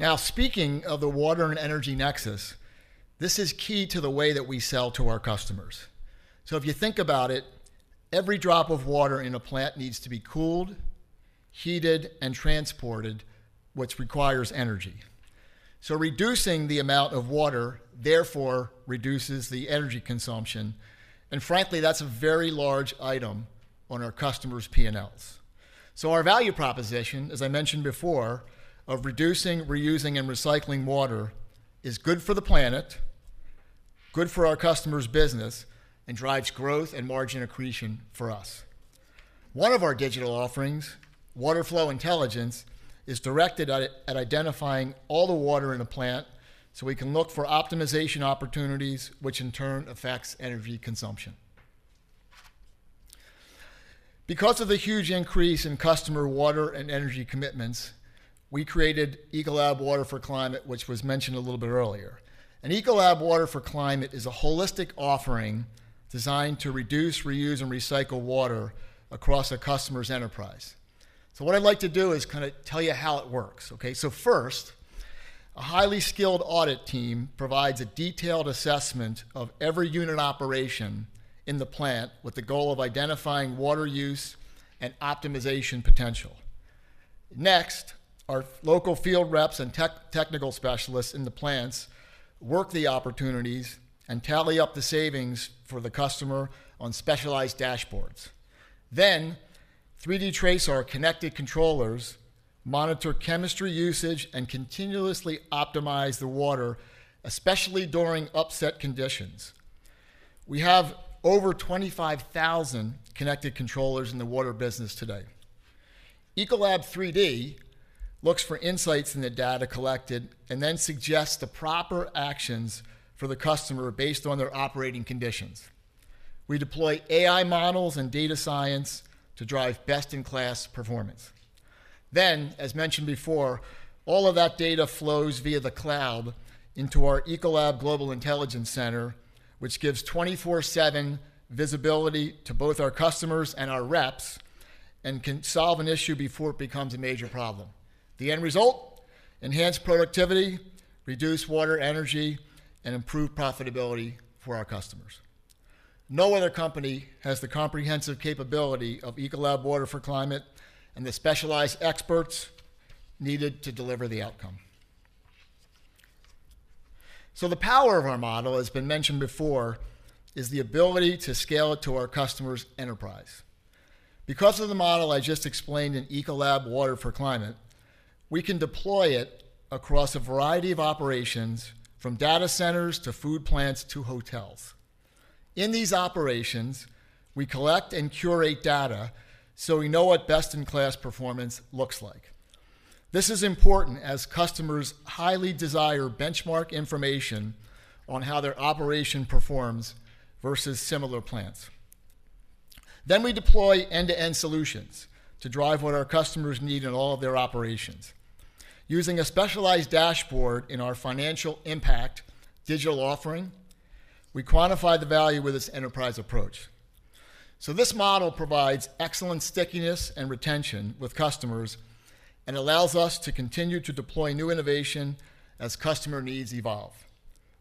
Now, speaking of the water and energy nexus, this is key to the way that we sell to our customers. So if you think about it, every drop of water in a plant needs to be cooled, heated, and transported, which requires energy. So reducing the amount of water therefore reduces the energy consumption, and frankly, that's a very large item on our customers' P&Ls. So our value proposition, as I mentioned before, of reducing, reusing, and recycling water is good for the planet, good for our customers' business, and drives growth and margin accretion for us. One of our digital offerings, Water Flow Intelligence, is directed at identifying all the water in a plant, so we can look for optimization opportunities, which in turn affects energy consumption. Because of the huge increase in customer water and energy commitments, we created Ecolab Water for Climate, which was mentioned a little bit earlier. And Ecolab Water for Climate is a holistic offering designed to reduce, reuse, and recycle water across a customer's enterprise. So what I'd like to do is kinda tell you how it works, okay? So first, a highly skilled audit team provides a detailed assessment of every unit operation in the plant, with the goal of identifying water use and optimization potential. Next, our local field reps and technical specialists in the plants work the opportunities and tally up the savings for the customer on specialized dashboards. Then, 3D TRASAR connected controllers monitor chemistry usage and continuously optimize the water, especially during upset conditions. We have over 25,000 connected controllers in the water business today. Ecolab3D looks for insights in the data collected and then suggests the proper actions for the customer based on their operating conditions. We deploy AI models and data science to drive best-in-class performance. Then, as mentioned before, all of that data flows via the cloud into our Ecolab Global Intelligence Center, which gives 24/7 visibility to both our customers and our reps, and can solve an issue before it becomes a major problem. The end result? Enhanced productivity, reduced water, energy, and improved profitability for our customers. No other company has the comprehensive capability of Ecolab Water for Climate and the specialized experts needed to deliver the outcome. The power of our model, as has been mentioned before, is the ability to scale it to our customer's enterprise. Because of the model I just explained in Ecolab Water for Climate, we can deploy it across a variety of operations, from data centers to food plants to hotels. In these operations, we collect and curate data, so we know what best-in-class performance looks like. This is important as customers highly desire benchmark information on how their operation performs versus similar plants. We deploy end-to-end solutions to drive what our customers need in all of their operations. Using a specialized dashboard in our Financial Impact digital offering, we quantify the value with this enterprise approach. This model provides excellent stickiness and retention with customers and allows us to continue to deploy new innovation as customer needs evolve.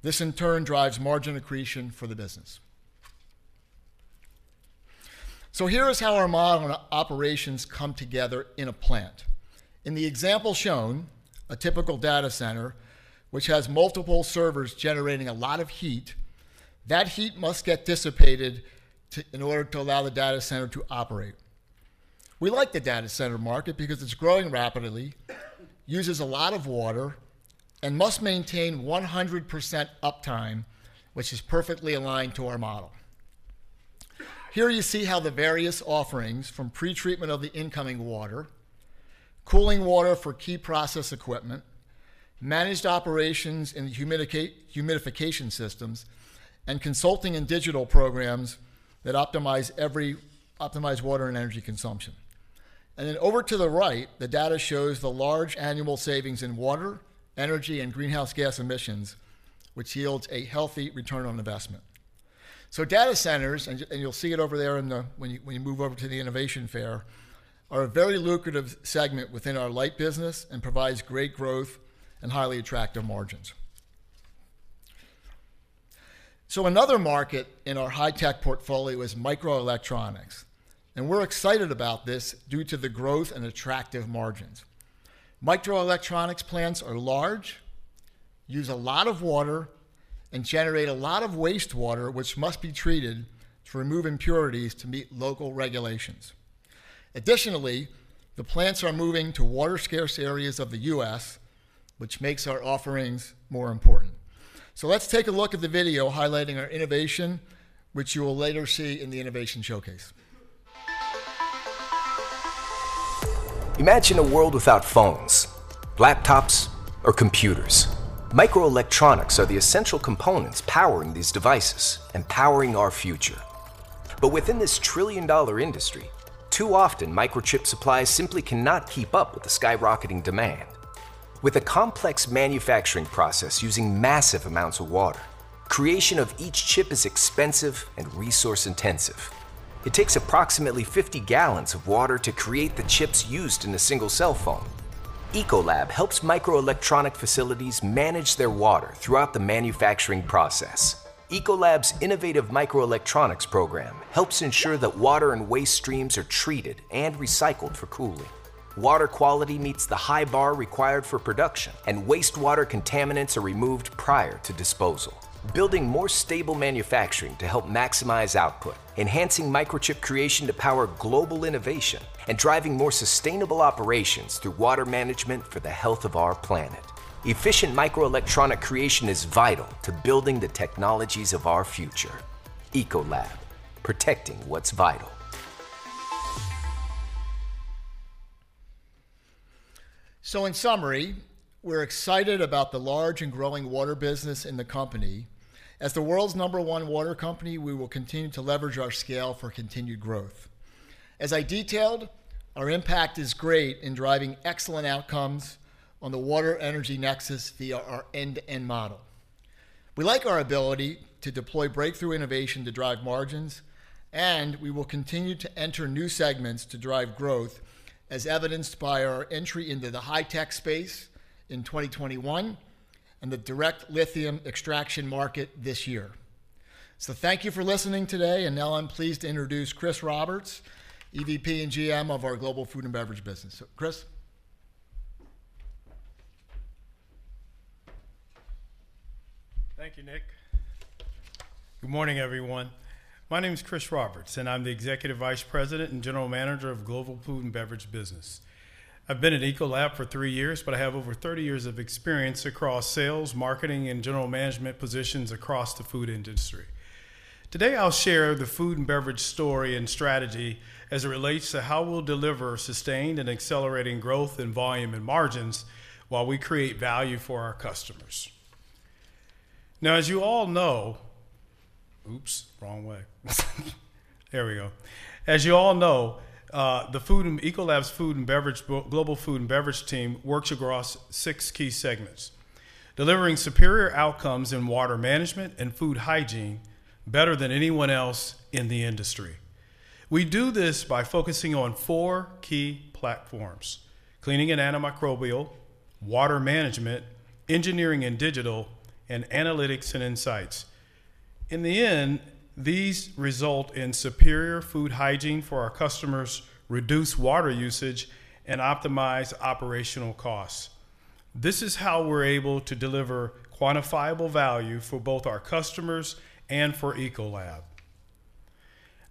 This, in turn, drives margin accretion for the business. Here is how our model operations come together in a plant. In the example shown, a typical data center, which has multiple servers generating a lot of heat, that heat must get dissipated in order to allow the data center to operate. We like the data center market because it's growing rapidly, uses a lot of water, and must maintain 100% uptime, which is perfectly aligned to our model. Here you see how the various offerings, from pretreatment of the incoming water, cooling water for key process equipment, managed operations and humidification systems, and consulting and digital programs that optimize water and energy consumption. Then over to the right, the data shows the large annual savings in water, energy, and greenhouse gas emissions, which yields a healthy return on investment. So data centers, and you'll see it over there when you move over to the innovation fair, are a very lucrative segment within our Light business and provides great growth and highly attractive margins. So another market in our high-tech portfolio is microelectronics, and we're excited about this due to the growth and attractive margins. Microelectronics plants are large, use a lot of water, and generate a lot of wastewater, which must be treated to remove impurities to meet local regulations. Additionally, the plants are moving to water-scarce areas of the U.S., which makes our offerings more important. Let's take a look at the video highlighting our innovation, which you will later see in the Innovation Showcase. Imagine a world without phones, laptops, or computers. Microelectronics are the essential components powering these devices and powering our future. But within this trillion-dollar industry, too often, microchip supplies simply cannot keep up with the skyrocketing demand. With a complex manufacturing process using massive amounts of water, creation of each chip is expensive and resource-intensive. It takes approximately 50 gallons of water to create the chips used in a single cell phone. Ecolab helps microelectronic facilities manage their water throughout the manufacturing process. Ecolab's innovative microelectronics program helps ensure that water and waste streams are treated and recycled for cooling. Water quality meets the high bar required for production, and wastewater contaminants are removed prior to disposal, building more stable manufacturing to help maximize output, enhancing microchip creation to power global innovation, and driving more sustainable operations through water management for the health of our planet. Efficient microelectronic creation is vital to building the technologies of our future. Ecolab, protecting what's vital. ... So in summary, we're excited about the large and growing water business in the company. As the world's number one water company, we will continue to leverage our scale for continued growth. As I detailed, our impact is great in driving excellent outcomes on the water energy nexus via our end-to-end model. We like our ability to deploy breakthrough innovation to drive margins, and we will continue to enter new segments to drive growth, as evidenced by our entry into the high-tech space in 2021, and the direct lithium extraction market this year. So thank you for listening today, and now I'm pleased to introduce Chris Roberts, EVP and GM of our Global Food & Beverage business. So, Chris? Thank you, Nick. Good morning, everyone. My name is Chris Roberts, and I'm the Executive Vice President and General Manager of Global Food & Beverage. I've been at Ecolab for three years, but I have over 30 years of experience across sales, marketing, and general management positions across the food industry. Today, I'll share the Food & Beverage story and strategy as it relates to how we'll deliver sustained and accelerating growth in volume and margins, while we create value for our customers. Now, as you all know—Oops, wrong way. There we go. As you all know, Ecolab's Global Food & Beverage team works across six key segments, delivering superior outcomes in water management and food hygiene better than anyone else in the industry. We do this by focusing on four key platforms: cleaning and antimicrobial, water management, engineering and digital, and analytics and insights. In the end, these result in superior food hygiene for our customers, reduce water usage, and optimize operational costs. This is how we're able to deliver quantifiable value for both our customers and for Ecolab.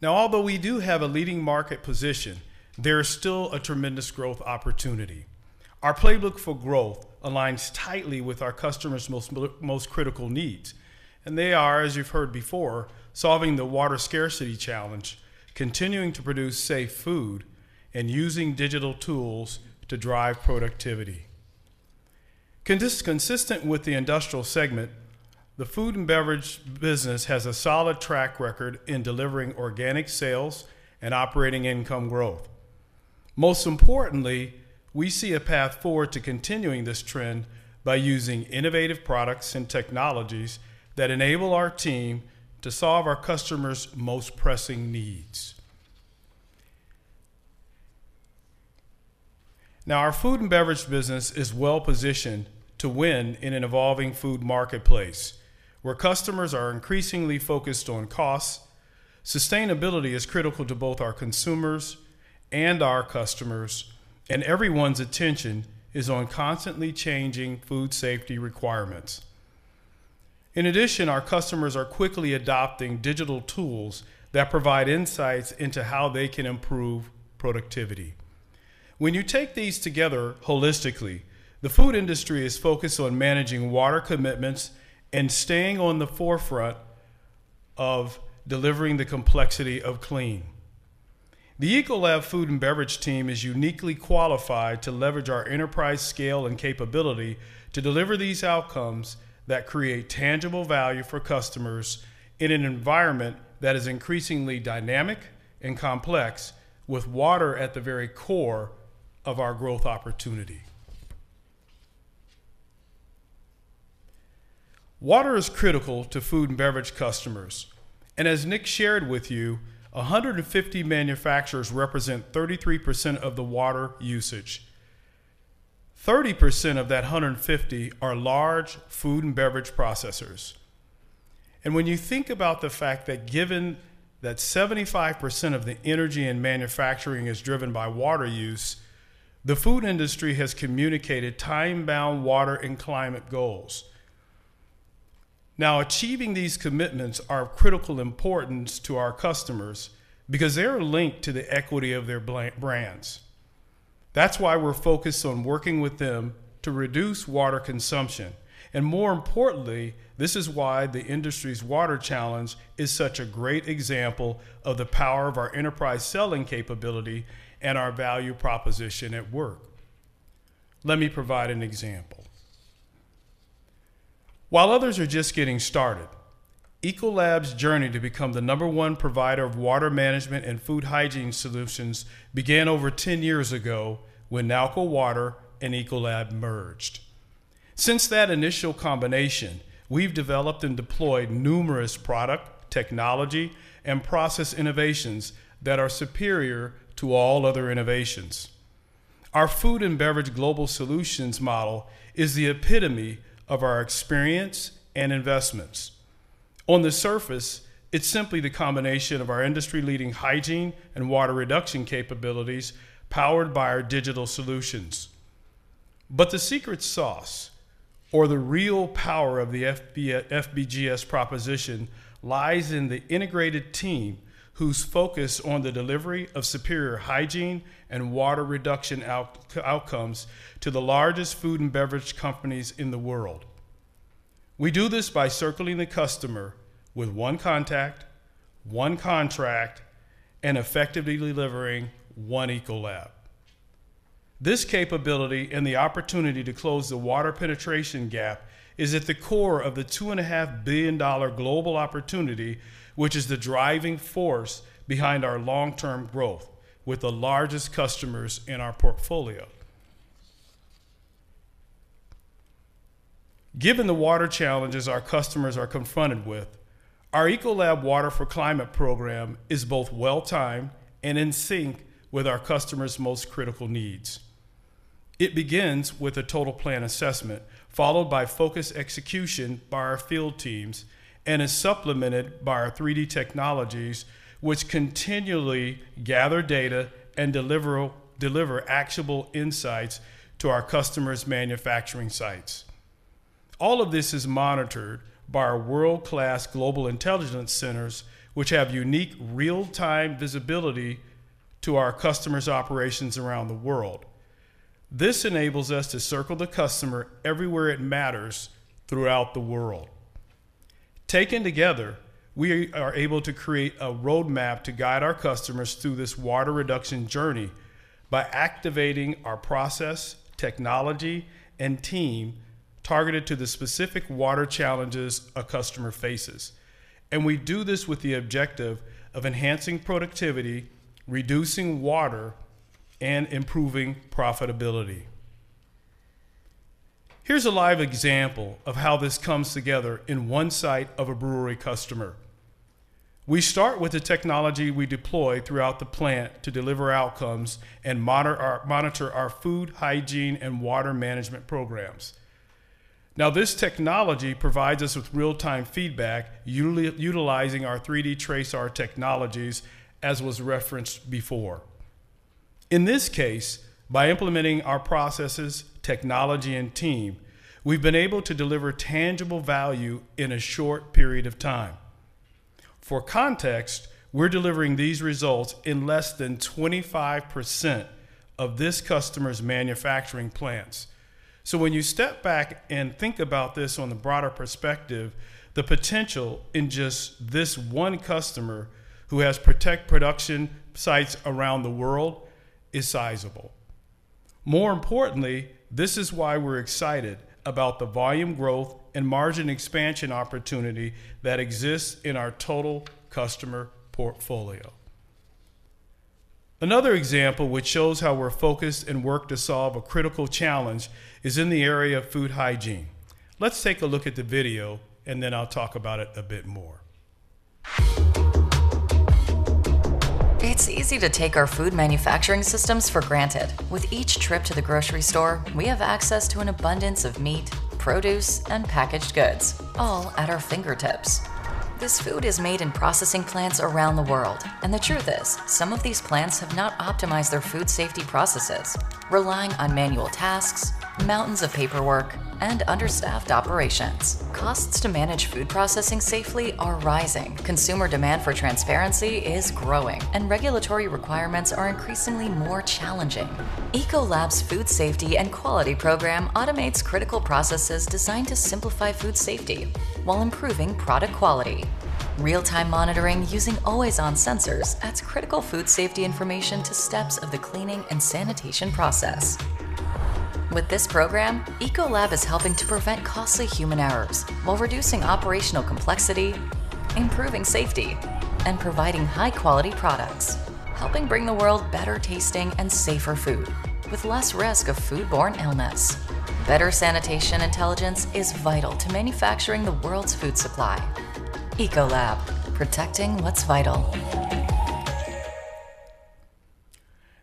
Now, although we do have a leading market position, there is still a tremendous growth opportunity. Our playbook for growth aligns tightly with our customers' most critical needs, and they are, as you've heard before, solving the water scarcity challenge, continuing to produce safe food, and using digital tools to drive productivity. Consistent with the Industrial segment, the Food & Beverage business has a solid track record in delivering organic sales and operating income growth. Most importantly, we see a path forward to continuing this trend by using innovative products and technologies that enable our team to solve our customers' most pressing needs. Now, our Food & Beverage business is well-positioned to win in an evolving food marketplace, where customers are increasingly focused on costs. Sustainability is critical to both our consumers and our customers, and everyone's attention is on constantly changing food safety requirements. In addition, our customers are quickly adopting digital tools that provide insights into how they can improve productivity. When you take these together holistically, the food industry is focused on managing water commitments and staying on the forefront of delivering the complexity of clean. The Ecolab Food & Beverage team is uniquely qualified to leverage our enterprise scale and capability to deliver these outcomes that create tangible value for customers in an environment that is increasingly dynamic and complex, with water at the very core of our growth opportunity. Water is critical to Food & Beverage customers, and as Nick shared with you, 150 manufacturers represent 33% of the water usage. 30% of that 150 are large Food & Beverage processors. And when you think about the fact that given that 75% of the energy and manufacturing is driven by water use, the food industry has communicated time-bound water and climate goals. Now, achieving these commitments are of critical importance to our customers because they are linked to the equity of their brands. That's why we're focused on working with them to reduce water consumption, and more importantly, this is why the industry's water challenge is such a great example of the power of our Enterprise Selling capability and our value proposition at work. Let me provide an example. While others are just getting started, Ecolab's journey to become the number one provider of water management and food hygiene solutions began over 10 years ago when Nalco Water and Ecolab merged. Since that initial combination, we've developed and deployed numerous product, technology, and process innovations that are superior to all other innovations. Our Food & Beverage Global Solutions model is the epitome of our experience and investments. On the surface, it's simply the combination of our industry-leading hygiene and water reduction capabilities, powered by our digital solutions. But the secret sauce, or the real power of the FBGS proposition, lies in the integrated team whose focus on the delivery of superior hygiene and water reduction outcomes to the largest Food & Beverage companies in the world. We do this by Circling the Customer with one contact, one contract, and effectively delivering one Ecolab. This capability and the opportunity to close the water penetration gap is at the core of the $2.5 billion global opportunity, which is the driving force behind our long-term growth with the largest customers in our portfolio. Given the water challenges our customers are confronted with, our Ecolab Water for Climate program is both well-timed and in sync with our customers' most critical needs. It begins with a total plan assessment, followed by focused execution by our field teams, and is supplemented by our 3D technologies, which continually gather data and deliver actionable insights to our customers' manufacturing sites. All of this is monitored by our world-class global intelligence centers, which have unique real-time visibility to our customers' operations around the world. This enables us to circle the customer everywhere it matters throughout the world. Taken together, we are able to create a roadmap to guide our customers through this water reduction journey by activating our process, technology, and team targeted to the specific water challenges a customer faces. And we do this with the objective of enhancing productivity, reducing water, and improving profitability. Here's a live example of how this comes together in one site of a brewery customer. We start with the technology we deploy throughout the plant to deliver outcomes and monitor our food, hygiene, and water management programs. Now, this technology provides us with real-time feedback, utilizing our 3D TRASAR technologies, as was referenced before. In this case, by implementing our processes, technology, and team, we've been able to deliver tangible value in a short period of time. For context, we're delivering these results in less than 25% of this customer's manufacturing plants. So when you step back and think about this on the broader perspective, the potential in just this one customer who has protected production sites around the world is sizable. More importantly, this is why we're excited about the volume growth and margin expansion opportunity that exists in our total customer portfolio. Another example which shows how we're focused and work to solve a critical challenge is in the area of food hygiene. Let's take a look at the video, and then I'll talk about it a bit more. It's easy to take our food manufacturing systems for granted. With each trip to the grocery store, we have access to an abundance of meat, produce, and packaged goods, all at our fingertips. This food is made in processing plants around the world, and the truth is, some of these plants have not optimized their food safety processes, relying on manual tasks, mountains of paperwork, and understaffed operations. Costs to manage food processing safely are rising, consumer demand for transparency is growing, and regulatory requirements are increasingly more challenging. Ecolab's Food Safety and Quality program automates critical processes designed to simplify food safety while improving product quality. Real-time monitoring using always-on sensors adds critical food safety information to steps of the cleaning and sanitation process. With this program, Ecolab is helping to prevent costly human errors while reducing operational complexity, improving safety, and providing high-quality products, helping bring the world better tasting and safer food, with less risk of foodborne illness. Better sanitation intelligence is vital to manufacturing the world's food supply. Ecolab, protecting what's vital.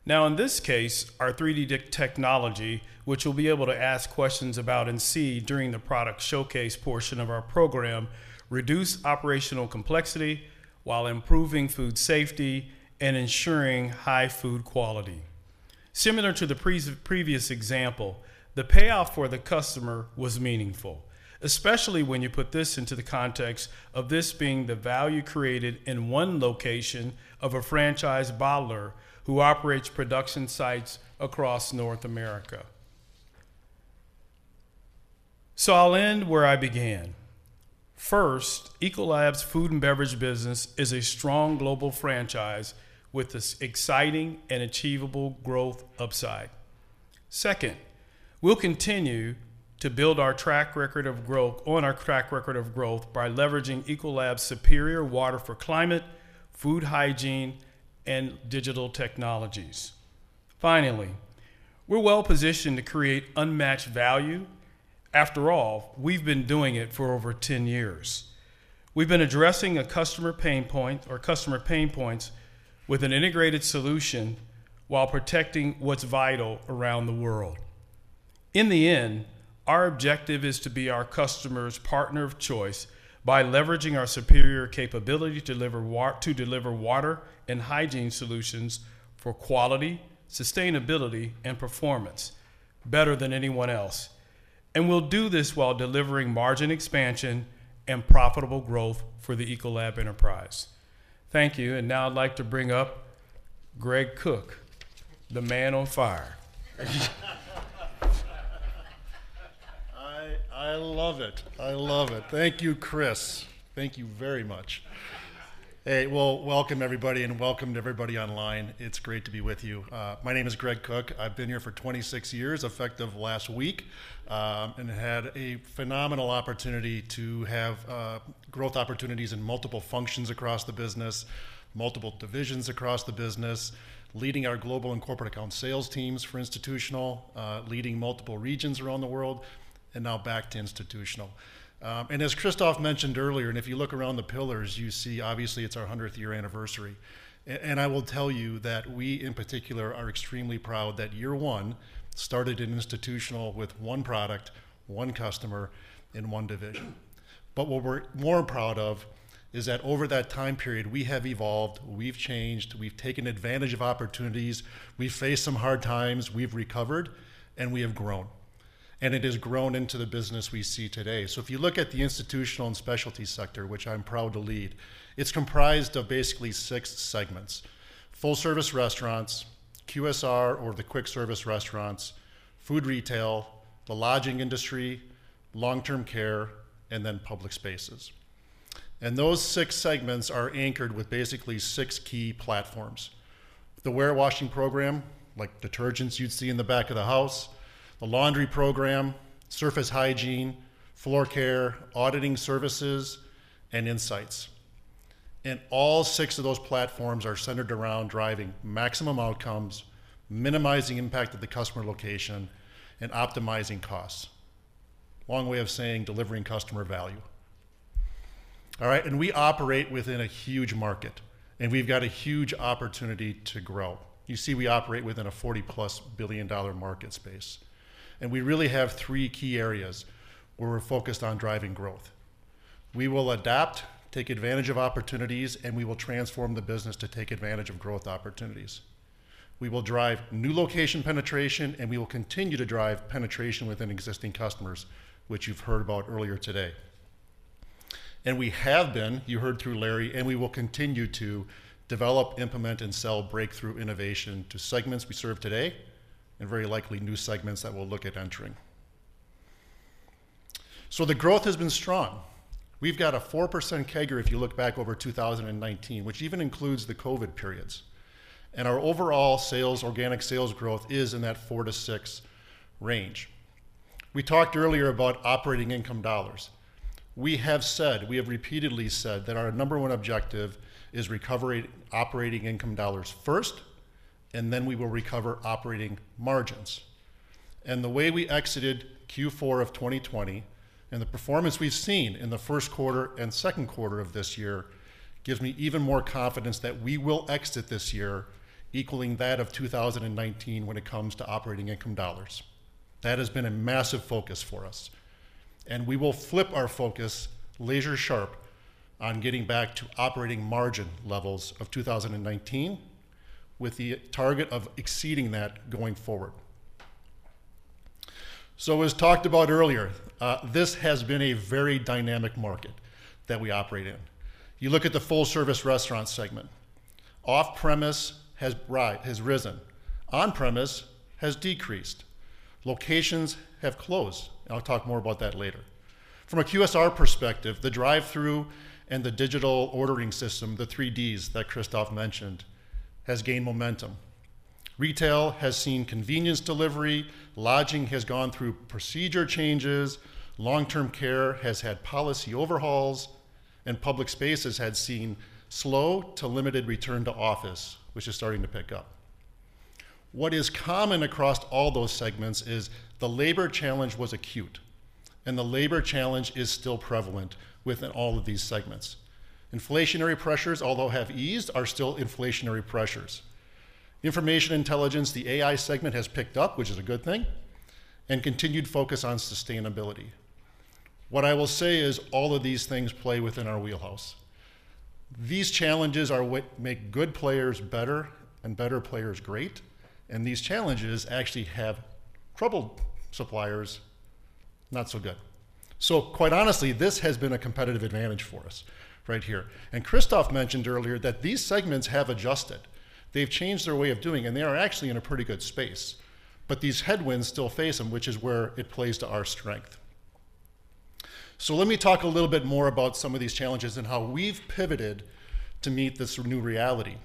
Now, in this case, our 3D technology, which we'll be able to ask questions about and see during the product showcase portion of our program, reduce operational complexity while improving food safety and ensuring high food quality. Similar to the previous example, the payoff for the customer was meaningful, especially when you put this into the context of this being the value created in one location of a franchise bottler who operates production sites across North America. So I'll end where I began. First, Ecolab's Food & Beverage business is a strong global franchise with this exciting and achievable growth upside. Second, we'll continue to build our track record of growth on our track record of growth by leveraging Ecolab's superior water for climate, food hygiene, and digital technologies. Finally, we're well-positioned to create unmatched value. After all, we've been doing it for over 10 years. We've been addressing a customer pain point or customer pain points with an integrated solution while protecting what's vital around the world. In the end, our objective is to be our customer's partner of choice by leveraging our superior capability to deliver water and hygiene solutions for quality, sustainability, and performance better than anyone else. We'll do this while delivering margin expansion and profitable growth for the Ecolab enterprise. Thank you, and now I'd like to bring up Greg Cook, the man on fire. I love it. I love it. Thank you, Chris. Thank you very much. Hey, well, welcome everybody, and welcome to everybody online. It's great to be with you. My name is Greg Cook. I've been here for 26 years, effective last week, and had a phenomenal opportunity to have growth opportunities in multiple functions across the business, multiple divisions across the business, leading our global and corporate account sales teams for Institutional, leading multiple regions around the world, and now back to Institutional. And as Christophe mentioned earlier, and if you look around the pillars, you see obviously it's our 100th-year anniversary. And I will tell you that we, in particular, are extremely proud that year one started in Institutional with one product, one customer, and one division. But what we're more proud of is that over that time period, we have evolved, we've changed, we've taken advantage of opportunities, we've faced some hard times, we've recovered, and we have grown, and it has grown into the business we see today. So if you look at the Institutional & Specialty sector, which I'm proud to lead, it's comprised of basically six segments: Full-Service Restaurants, QSR or the Quick-Service Restaurants, Food Retail, the Lodging industry, Long-Term Care, and then Public Spaces. And those six segments are anchored with basically six key platforms: the warewashing program, like detergents you'd see in the back of the house, the laundry program, surface hygiene, floor care, auditing services, and insights. And all six of those platforms are centered around driving maximum outcomes, minimizing impact of the customer location, and optimizing costs. Long way of saying delivering customer value. All right, and we operate within a huge market, and we've got a huge opportunity to grow. You see, we operate within a $40+ billion market space, and we really have three key areas where we're focused on driving growth. We will adapt, take advantage of opportunities, and we will transform the business to take advantage of growth opportunities. We will drive new location penetration, and we will continue to drive penetration within existing customers, which you've heard about earlier today. We have been, you heard through Larry, and we will continue to develop, implement, and sell breakthrough innovation to segments we serve today, and very likely new segments that we'll look at entering. The growth has been strong. We've got a 4% CAGR if you look back over 2019, which even includes the COVID periods. Our overall sales, organic sales growth is in that 4-6 range. We talked earlier about operating income dollars. We have said, we have repeatedly said that our number one objective is recovery operating income dollars first, and then we will recover operating margins. And the way we exited Q4 of 2020, and the performance we've seen in the first quarter and second quarter of this year, gives me even more confidence that we will exit this year equaling that of 2019 when it comes to operating income dollars. That has been a massive focus for us, and we will flip our focus laser sharp on getting back to operating margin levels of 2019, with the target of exceeding that going forward. So as talked about earlier, this has been a very dynamic market that we operate in. You look at the Full-Service Restaurant segment. Off-premise has risen. On-premise has decreased. Locations have closed, and I'll talk more about that later. From a QSR perspective, the drive-through and the digital ordering system, the three Ds that Christophe mentioned, has gained momentum. Retail has seen convenience delivery, Lodging has gone through procedure changes, Long-Term Care has had policy overhauls, and Public Spaces had seen slow to limited return to office, which is starting to pick up. What is common across all those segments is the labor challenge was acute, and the labor challenge is still prevalent within all of these segments. Inflationary pressures, although have eased, are still inflationary pressures. Information intelligence, the AI segment, has picked up, which is a good thing, and continued focus on sustainability. What I will say is all of these things play within our wheelhouse. These challenges are what make good players better and better players great, and these challenges actually have troubled suppliers not so good. So quite honestly, this has been a competitive advantage for us right here. Christophe mentioned earlier that these segments have adjusted. They've changed their way of doing, and they are actually in a pretty good space. But these headwinds still face them, which is where it plays to our strength. So let me talk a little bit more about some of these challenges and how we've pivoted to meet this new reality.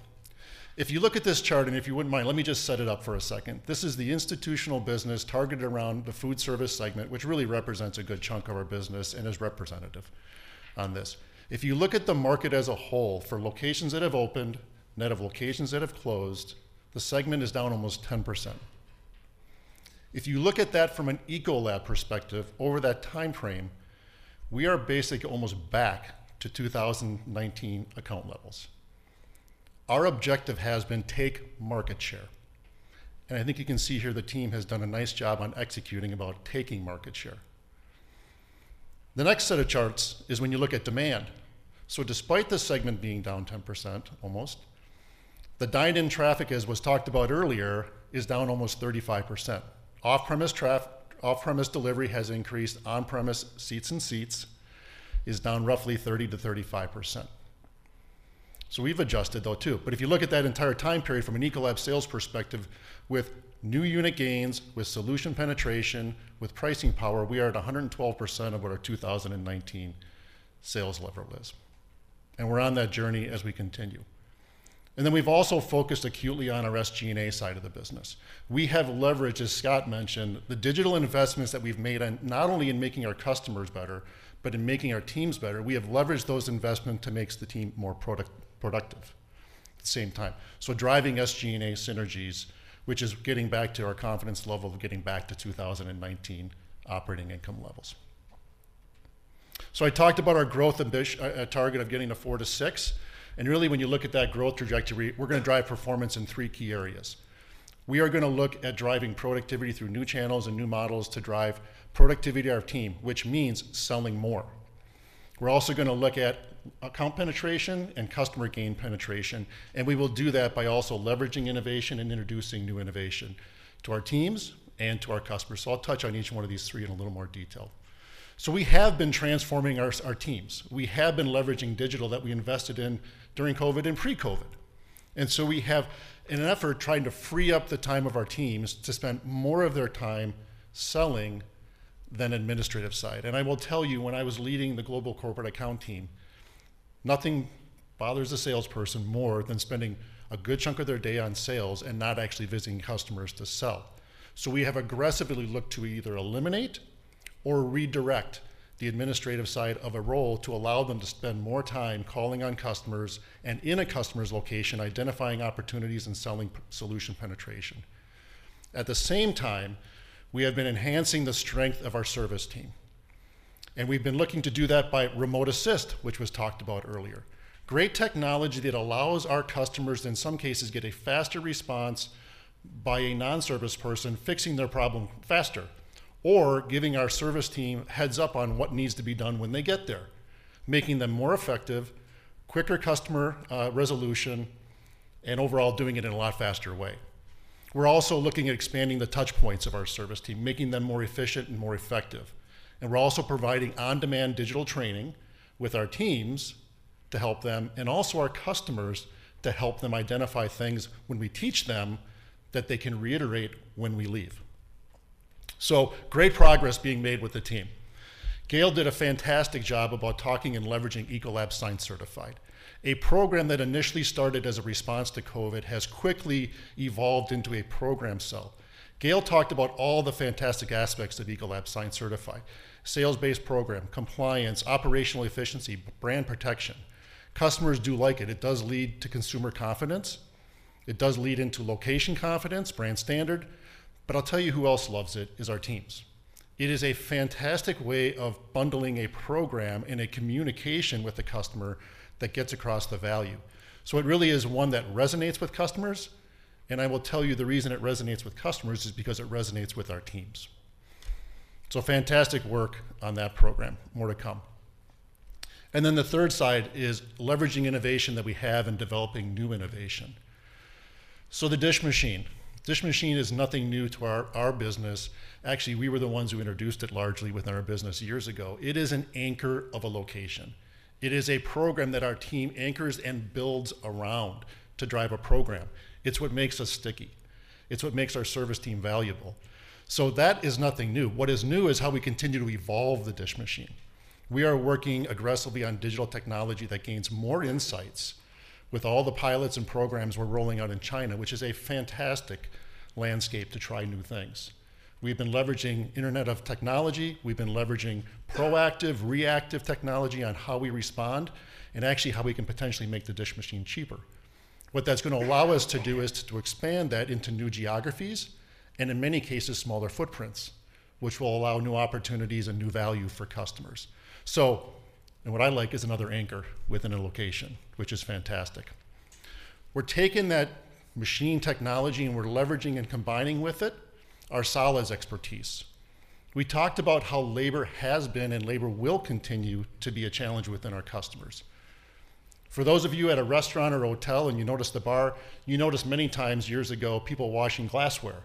If you look at this chart, and if you wouldn't mind, let me just set it up for a second. This is the Institutional business targeted around the Food Service segment, which really represents a good chunk of our business and is representative on this. If you look at the market as a whole, for locations that have opened, net of locations that have closed, the segment is down almost 10%. If you look at that from an Ecolab perspective, over that time frame, we are basically almost back to 2019 account levels. Our objective has been take market share, and I think you can see here the team has done a nice job on executing about taking market share. The next set of charts is when you look at demand. So despite this segment being down 10%, almost, the dine-in traffic, as was talked about earlier, is down almost 35%. Off-premise delivery has increased. On-premise seats is down roughly 30%-35%. So we've adjusted, though, too. But if you look at that entire time period from an Ecolab sales perspective, with new unit gains, with solution penetration, with pricing power, we are at 112% of what our 2019 sales level is. And we're on that journey as we continue. And then we've also focused acutely on our SG&A side of the business. We have leveraged, as Scott mentioned, the digital investments that we've made on, not only in making our customers better, but in making our teams better. We have leveraged those investments to make the team more productive at the same time. So driving SG&A synergies, which is getting back to our confidence level of getting back to 2019 operating income levels. So I talked about our growth ambition, target of getting to 4-6, and really, when you look at that growth trajectory, we're gonna drive performance in three key areas. We are gonna look at driving productivity through new channels and new models to drive productivity of our team, which means selling more. We're also gonna look at account penetration and customer gain penetration, and we will do that by also leveraging innovation and introducing new innovation to our teams and to our customers. So I'll touch on each one of these three in a little more detail. So we have been transforming our teams. We have been leveraging digital that we invested in during COVID and pre-COVID, and so we have, in an effort, trying to free up the time of our teams to spend more of their time selling than administrative side. I will tell you, when I was leading the global corporate account team, nothing bothers a salesperson more than spending a good chunk of their day on sales and not actually visiting customers to sell. So we have aggressively looked to either eliminate or redirect the administrative side of a role to allow them to spend more time calling on customers and in a customer's location, identifying opportunities and selling product solution penetration. At the same time, we have been enhancing the strength of our service team, and we've been looking to do that by remote assist, which was talked about earlier. Great technology that allows our customers, in some cases, get a faster response by a non-service person fixing their problem faster or giving our service team a heads-up on what needs to be done when they get there, making them more effective, quicker customer resolution, and overall, doing it in a lot faster way. We're also looking at expanding the touchpoints of our service team, making them more efficient and more effective. And we're also providing on-demand digital training with our teams to help them and also our customers to help them identify things when we teach them that they can reiterate when we leave. So great progress being made with the team. Gail did a fantastic job about talking and leveraging Ecolab Science Certified. A program that initially started as a response to COVID has quickly evolved into a program sell. Gail talked about all the fantastic aspects of Ecolab Science Certified: sales-based program, compliance, operational efficiency, brand protection. Customers do like it. It does lead to consumer confidence, it does lead into location confidence, brand standard, but I'll tell you who else loves it, is our teams. It is a fantastic way of bundling a program in a communication with the customer that gets across the value. So it really is one that resonates with customers, and I will tell you, the reason it resonates with customers is because it resonates with our teams. So fantastic work on that program. More to come. And then the third side is leveraging innovation that we have and developing new innovation. So the dish machine. Dish machine is nothing new to our business. Actually, we were the ones who introduced it largely within our business years ago. It is an anchor of a location. It is a program that our team anchors and builds around to drive a program. It's what makes us sticky. It's what makes our service team valuable. So that is nothing new. What is new is how we continue to evolve the dish machine. We are working aggressively on digital technology that gains more insights with all the pilots and programs we're rolling out in China, which is a fantastic landscape to try new things. We've been leveraging Internet of Things technology. We've been leveraging proactive, reactive technology on how we respond and actually how we can potentially make the dish machine cheaper. What that's gonna allow us to do is to expand that into new geographies and in many cases, smaller footprints, which will allow new opportunities and new value for customers. So... And what I like is another anchor within a location, which is fantastic. We're taking that machine technology, and we're leveraging and combining with it our solids expertise. We talked about how labor has been and labor will continue to be a challenge within our customers. For those of you at a restaurant or hotel, and you notice the bar, you notice many times, years ago, people washing glassware.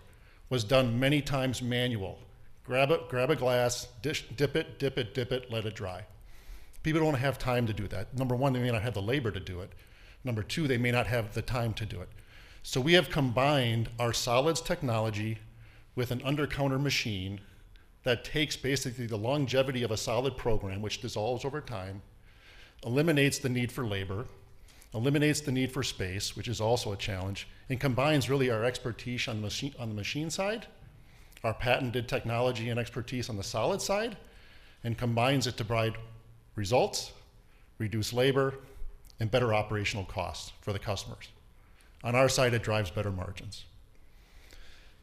Was done many times manual. Grab a, grab a glass, dish, dip it, dip it, dip it, let it dry. People don't have time to do that. Number one, they may not have the labor to do it. Number two, they may not have the time to do it. So we have combined our solids technology with an undercounter machine that takes basically the longevity of a solid program, which dissolves over time, eliminates the need for labor, eliminates the need for space, which is also a challenge, and combines really our expertise on the machine side, our patented technology and expertise on the solid side, and combines it to provide results, reduce labor, and better operational costs for the customers. On our side, it drives better margins.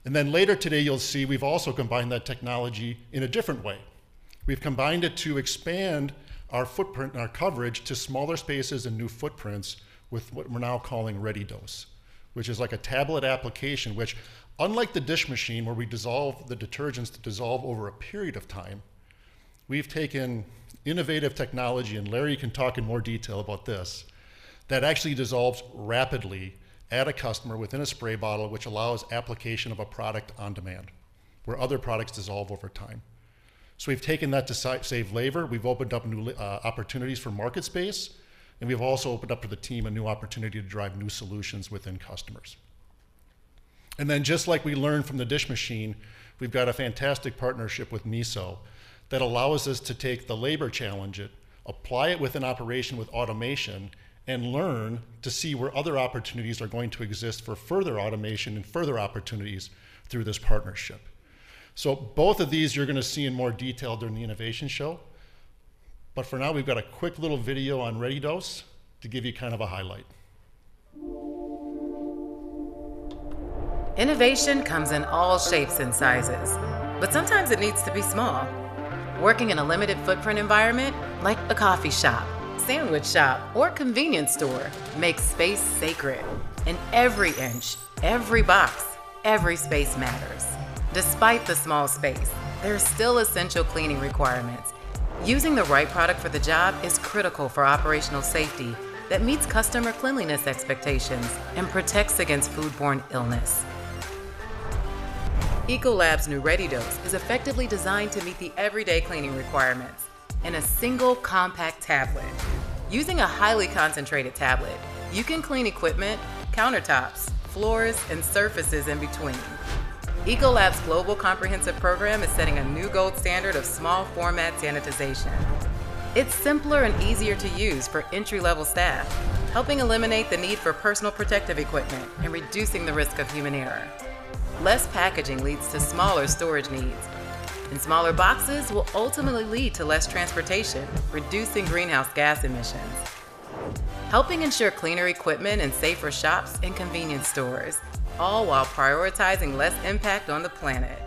And then later today, you'll see we've also combined that technology in a different way. We've combined it to expand our footprint and our coverage to smaller spaces and new footprints with what we're now calling ReadyDose, which is like a tablet application, which unlike the dish machine, where we dissolve the detergents to dissolve over a period of time, we've taken innovative technology, and Larry can talk in more detail about this, that actually dissolves rapidly at a customer within a spray bottle, which allows application of a product on demand, where other products dissolve over time. So we've taken that to save, save labor. We've opened up new opportunities for market space, and we've also opened up to the team a new opportunity to drive new solutions within customers. Then, just like we learned from the dish machine, we've got a fantastic partnership with Miso that allows us to take the labor challenge and apply it with an operation with automation, and learn to see where other opportunities are going to exist for further automation and further opportunities through this partnership. So both of these you're gonna see in more detail during the Innovation Show, but for now we've got a quick little video on ReadyDose to give you kind of a highlight. Innovation comes in all shapes and sizes, but sometimes it needs to be small. Working in a limited footprint environment like a coffee shop, sandwich shop, or convenience store, makes space sacred, and every inch, every box, every space matters. Despite the small space, there are still essential cleaning requirements. Using the right product for the job is critical for operational safety that meets customer cleanliness expectations and protects against foodborne illness. Ecolab's new ReadyDose is effectively designed to meet the everyday cleaning requirements in a single compact tablet. Using a highly concentrated tablet, you can clean equipment, countertops, floors, and surfaces in between. Ecolab's global comprehensive program is setting a new gold standard of small format sanitization. It's simpler and easier to use for entry-level staff, helping eliminate the need for personal protective equipment and reducing the risk of human error. Less packaging leads to smaller storage needs, and smaller boxes will ultimately lead to less transportation, reducing greenhouse gas emissions. Helping ensure cleaner equipment and safer shops and convenience stores, all while prioritizing less impact on the planet.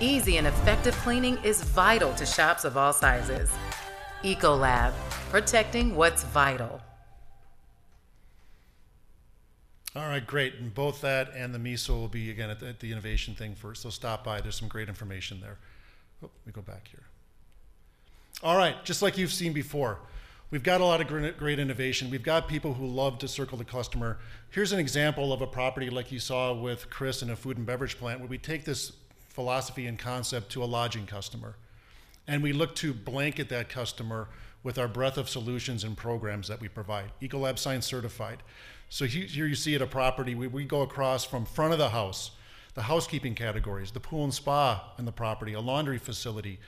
Easy and effective cleaning is vital to shops of all sizes. Ecolab, protecting what's vital. All right, great, and both that and the Miso will be again at the innovation thing first. So stop by, there's some great information there. Oh, let me go back here. All right, just like you've seen before, we've got a lot of great, great innovation. We've got people who love to circle the customer. Here's an example of a property like you saw with Chris in a Food & Beverage plant, where we take this philosophy and concept to a Lodging customer, and we look to blanket that customer with our breadth of solutions and programs that we provide, Ecolab Science Certified. So here, here you see at a property, we go across from front of the house, the housekeeping categories, the pool and spa in the property, a laundry facility,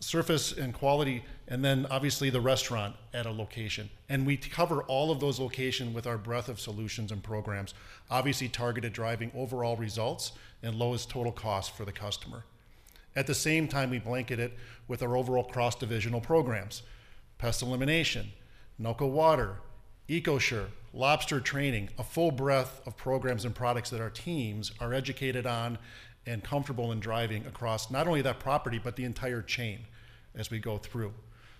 surface and quality, and then obviously the restaurant at a location. And we cover all of those locations with our breadth of solutions and programs, obviously targeted driving overall results and lowest total cost for the customer. At the same time, we blanket it with our overall cross-divisional programs: Pest Elimination, Nalco Water, EcoSure, Lobster Training, a full breadth of programs and products that our teams are educated on and comfortable in driving across not only that property, but the entire chain as we go through.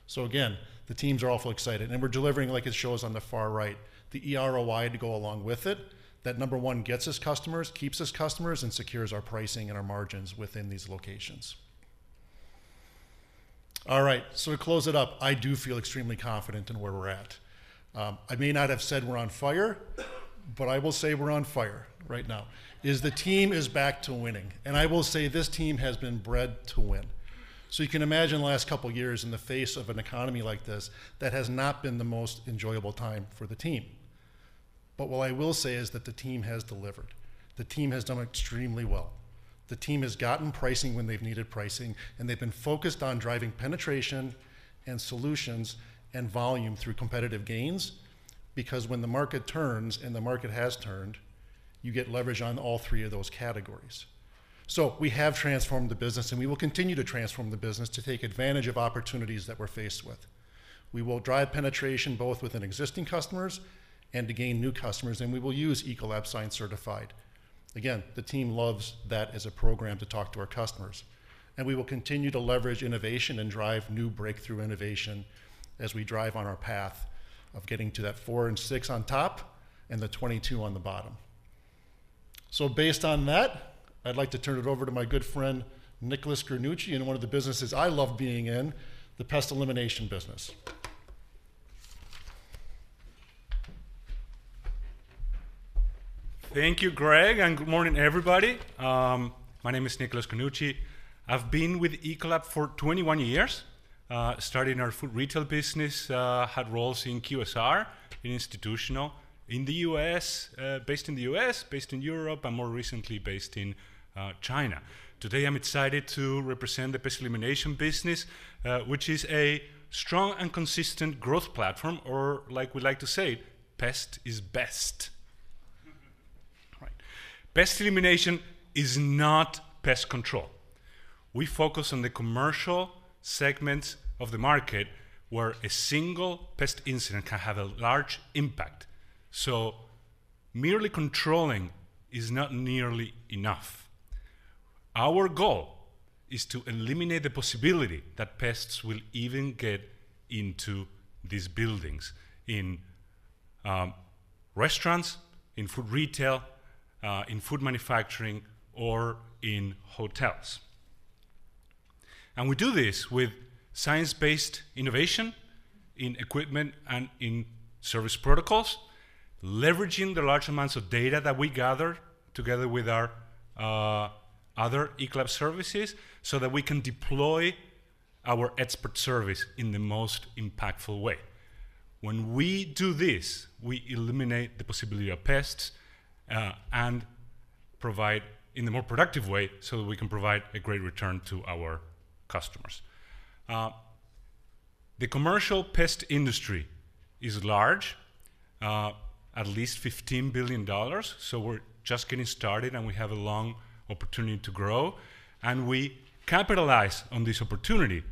So again, the teams are awfully excited, and we're delivering, like it shows on the far right, the eROI to go along with it. That number one gets us customers, keeps us customers, and secures our pricing and our margins within these locations. All right, so to close it up, I do feel extremely confident in where we're at. I may not have said we're on fire, but I will say we're on fire right now. The team is back to winning. I will say this team has been bred to win. So you can imagine the last couple of years in the face of an economy like this, that has not been the most enjoyable time for the team. But what I will say is that the team has delivered. The team has done extremely well. The team has gotten pricing when they've needed pricing, and they've been focused on driving penetration and solutions and volume through competitive gains, because when the market turns, and the market has turned, you get leverage on all three of those categories. So we have transformed the business, and we will continue to transform the business to take advantage of opportunities that we're faced with. We will drive penetration both within existing customers and to gain new customers, and we will use Ecolab Science Certified. Again, the team loves that as a program to talk to our customers. We will continue to leverage innovation and drive new breakthrough innovation as we drive on our path of getting to that 4 and 6 on top, and the 22 on the bottom. So based on that, I'd like to turn it over to my good friend, Nicolas Granucci, in one of the businesses I love being in, the Pest Elimination business. Thank you, Greg, and good morning, everybody. My name is Nicolas Granucci. I've been with Ecolab for 21 years, starting our Food Retail business, had roles in QSR, in Institutional, in the U.S., based in the U.S., based in Europe, and more recently based in, China. Today, I'm excited to represent the Pest Elimination business, which is a strong and consistent growth platform, or like we like to say, pest is best. All right. Pest Elimination is not pest control. We focus on the Commercial segments of the market where a single pest incident can have a large impact. So merely controlling is not nearly enough. Our goal is to eliminate the possibility that pests will even get into these buildings, in, restaurants, in Food Retail, in food manufacturing, or in hotels. And we do this with science-based innovation... In equipment and in service protocols, leveraging the large amounts of data that we gather together with our other Ecolab services, so that we can deploy our expert service in the most impactful way. When we do this, we eliminate the possibility of pests and provide in a more productive way, so that we can provide a great return to our customers. The commercial pest industry is large, at least $15 billion, so we're just getting started, and we have a long opportunity to grow, and we capitalize on this opportunity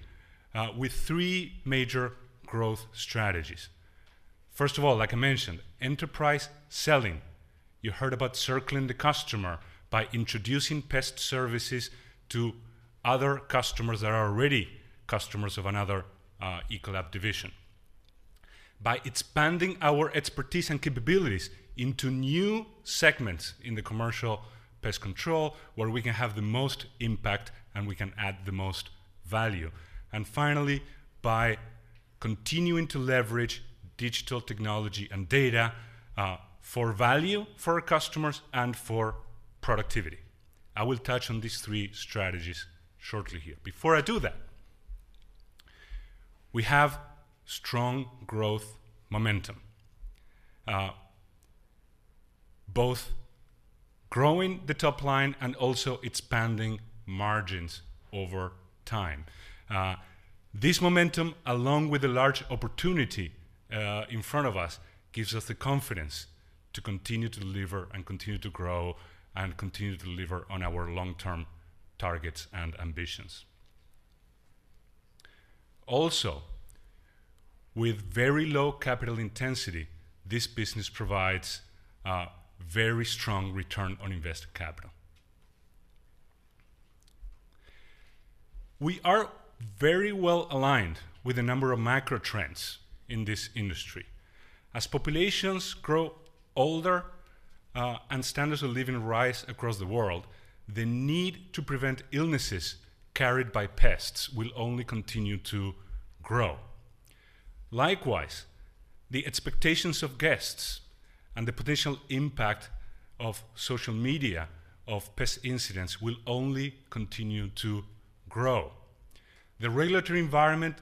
with three major growth strategies. First of all, like I mentioned, Enterprise Selling. You heard about Circling the Customer by introducing Pest services to other customers that are already customers of another Ecolab division. By expanding our expertise and capabilities into new segments in the commercial pest control, where we can have the most impact, and we can add the most value. And finally, by continuing to leverage digital technology and data, for value for our customers and for productivity. I will touch on these three strategies shortly here. Before I do that, we have strong growth momentum, both growing the top line and also expanding margins over time. This momentum, along with a large opportunity, in front of us, gives us the confidence to continue to deliver and continue to grow and continue to deliver on our long-term targets and ambitions. Also, with very low capital intensity, this business provides a very strong return on invested capital. We are very well aligned with a number of macro trends in this industry. As populations grow older, and standards of living rise across the world, the need to prevent illnesses carried by pests will only continue to grow. Likewise, the expectations of guests and the potential impact of social media of pest incidents will only continue to grow. The regulatory environment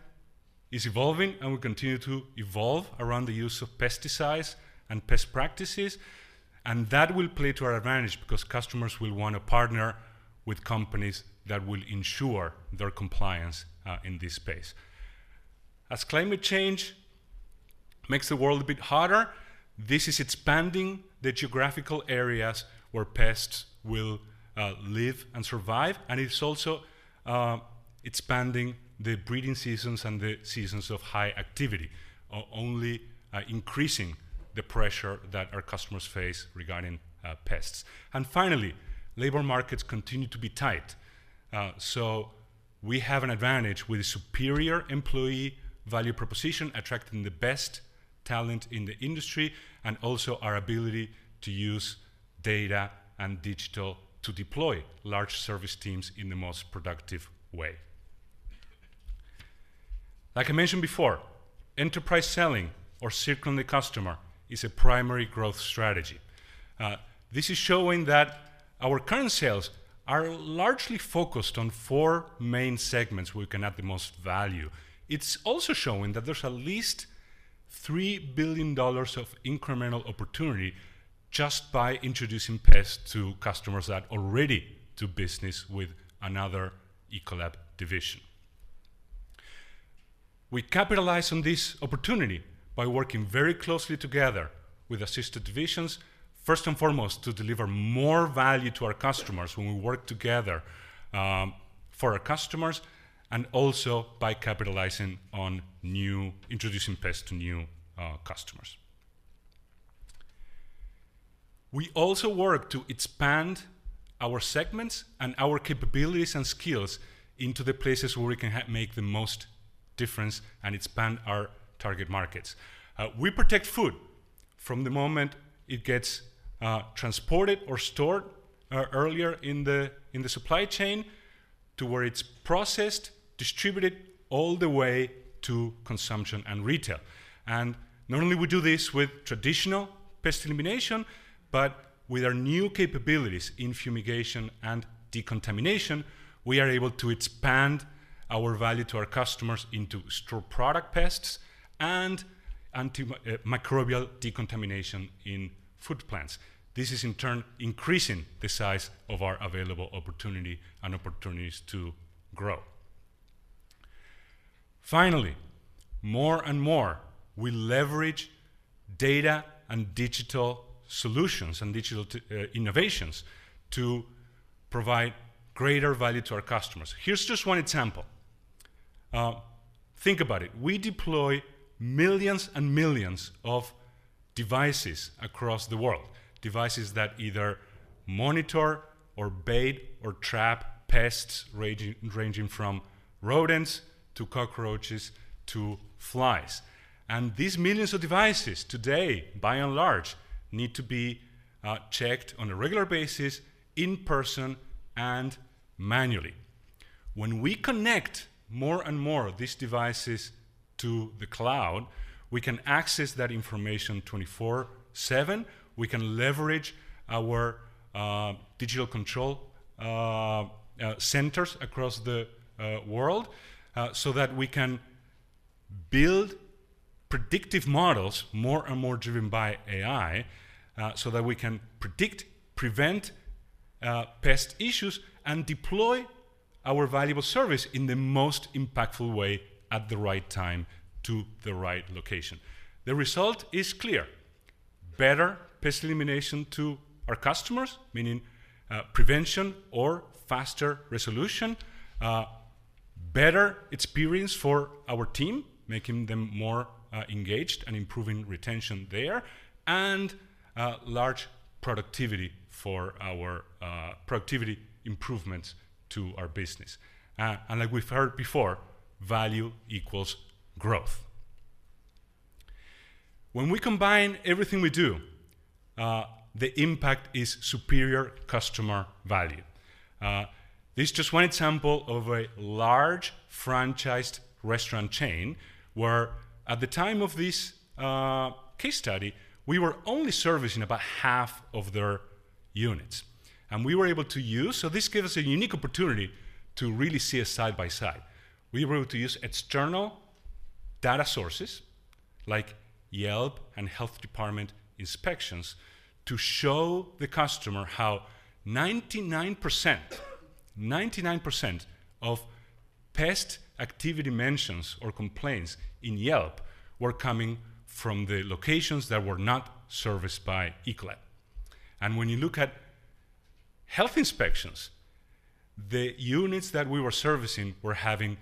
is evolving and will continue to evolve around the use of pesticides and pest practices, and that will play to our advantage because customers will want to partner with companies that will ensure their compliance, in this space. As climate change makes the world a bit hotter, this is expanding the geographical areas where pests will live and survive, and it's also expanding the breeding seasons and the seasons of high activity only increasing the pressure that our customers face regarding pests. And finally, labor markets continue to be tight, so we have an advantage with a superior employee value proposition, attracting the best talent in the industry, and also our ability to use data and digital to deploy large service teams in the most productive way. Like I mentioned before, Enterprise Selling or Circling the Customer is a primary growth strategy. This is showing that our current sales are largely focused on four main segments where we can add the most value. It's also showing that there's at least $3 billion of incremental opportunity just by introducing Pest to customers that already do business with another Ecolab division. We capitalize on this opportunity by working very closely together with sister divisions, first and foremost, to deliver more value to our customers when we work together for our customers, and also by capitalizing on new introducing Pest to new customers. We also work to expand our segments and our capabilities and skills into the places where we can make the most difference and expand our target markets. We protect food from the moment it gets transported or stored earlier in the supply chain to where it's processed, distributed, all the way to consumption and retail. Not only do we do this with traditional Pest Elimination, but with our new capabilities in fumigation and decontamination, we are able to expand our value to our customers into stored product pests and antimicrobial decontamination in food plants. This is, in turn, increasing the size of our available opportunity and opportunities to grow. Finally, more and more, we leverage data and digital solutions and digital innovations to provide greater value to our customers. Here's just one example. Think about it. We deploy millions and millions of devices across the world, devices that either monitor or bait or trap pests, ranging from rodents to cockroaches to flies. And these millions of devices today, by and large, need to be checked on a regular basis, in person and manually. When we connect more and more of these devices to the cloud, we can access that information 24/7. We can leverage our digital control centers across the world so that we can build predictive models, more and more driven by AI, so that we can predict, prevent pest issues, and deploy our valuable service in the most impactful way at the right time to the right location. The result is clear: better Pest Elimination to our customers, meaning prevention or faster resolution, better experience for our team, making them more engaged and improving retention there, and large productivity for our productivity improvements to our business. And like we've heard before, value equals growth. When we combine everything we do, the impact is superior customer value. This is just one example of a large franchised restaurant chain, where at the time of this case study, we were only servicing about half of their units, and we were able to use. So this gave us a unique opportunity to really see a side by side. We were able to use external data sources like Yelp and health department inspections to show the customer how 99%, 99% of pest activity mentions or complaints in Yelp were coming from the locations that were not serviced by Ecolab. And when you look at health inspections, the units that we were servicing were having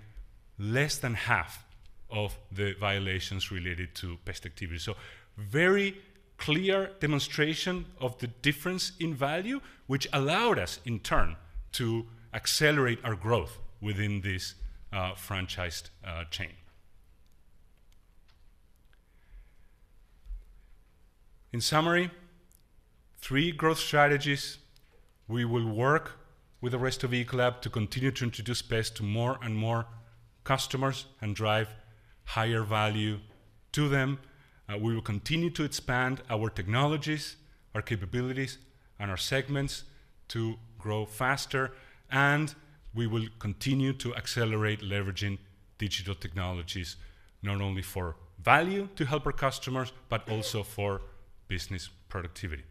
less than half of the violations related to pest activity. So very clear demonstration of the difference in value, which allowed us, in turn, to accelerate our growth within this franchised chain. In summary, three growth strategies: we will work with the rest of Ecolab to continue to introduce Pest to more and more customers and drive higher value to them. We will continue to expand our technologies, our capabilities, and our segments to grow faster, and we will continue to accelerate leveraging digital technologies, not only for value to help our customers, but also for business productivity.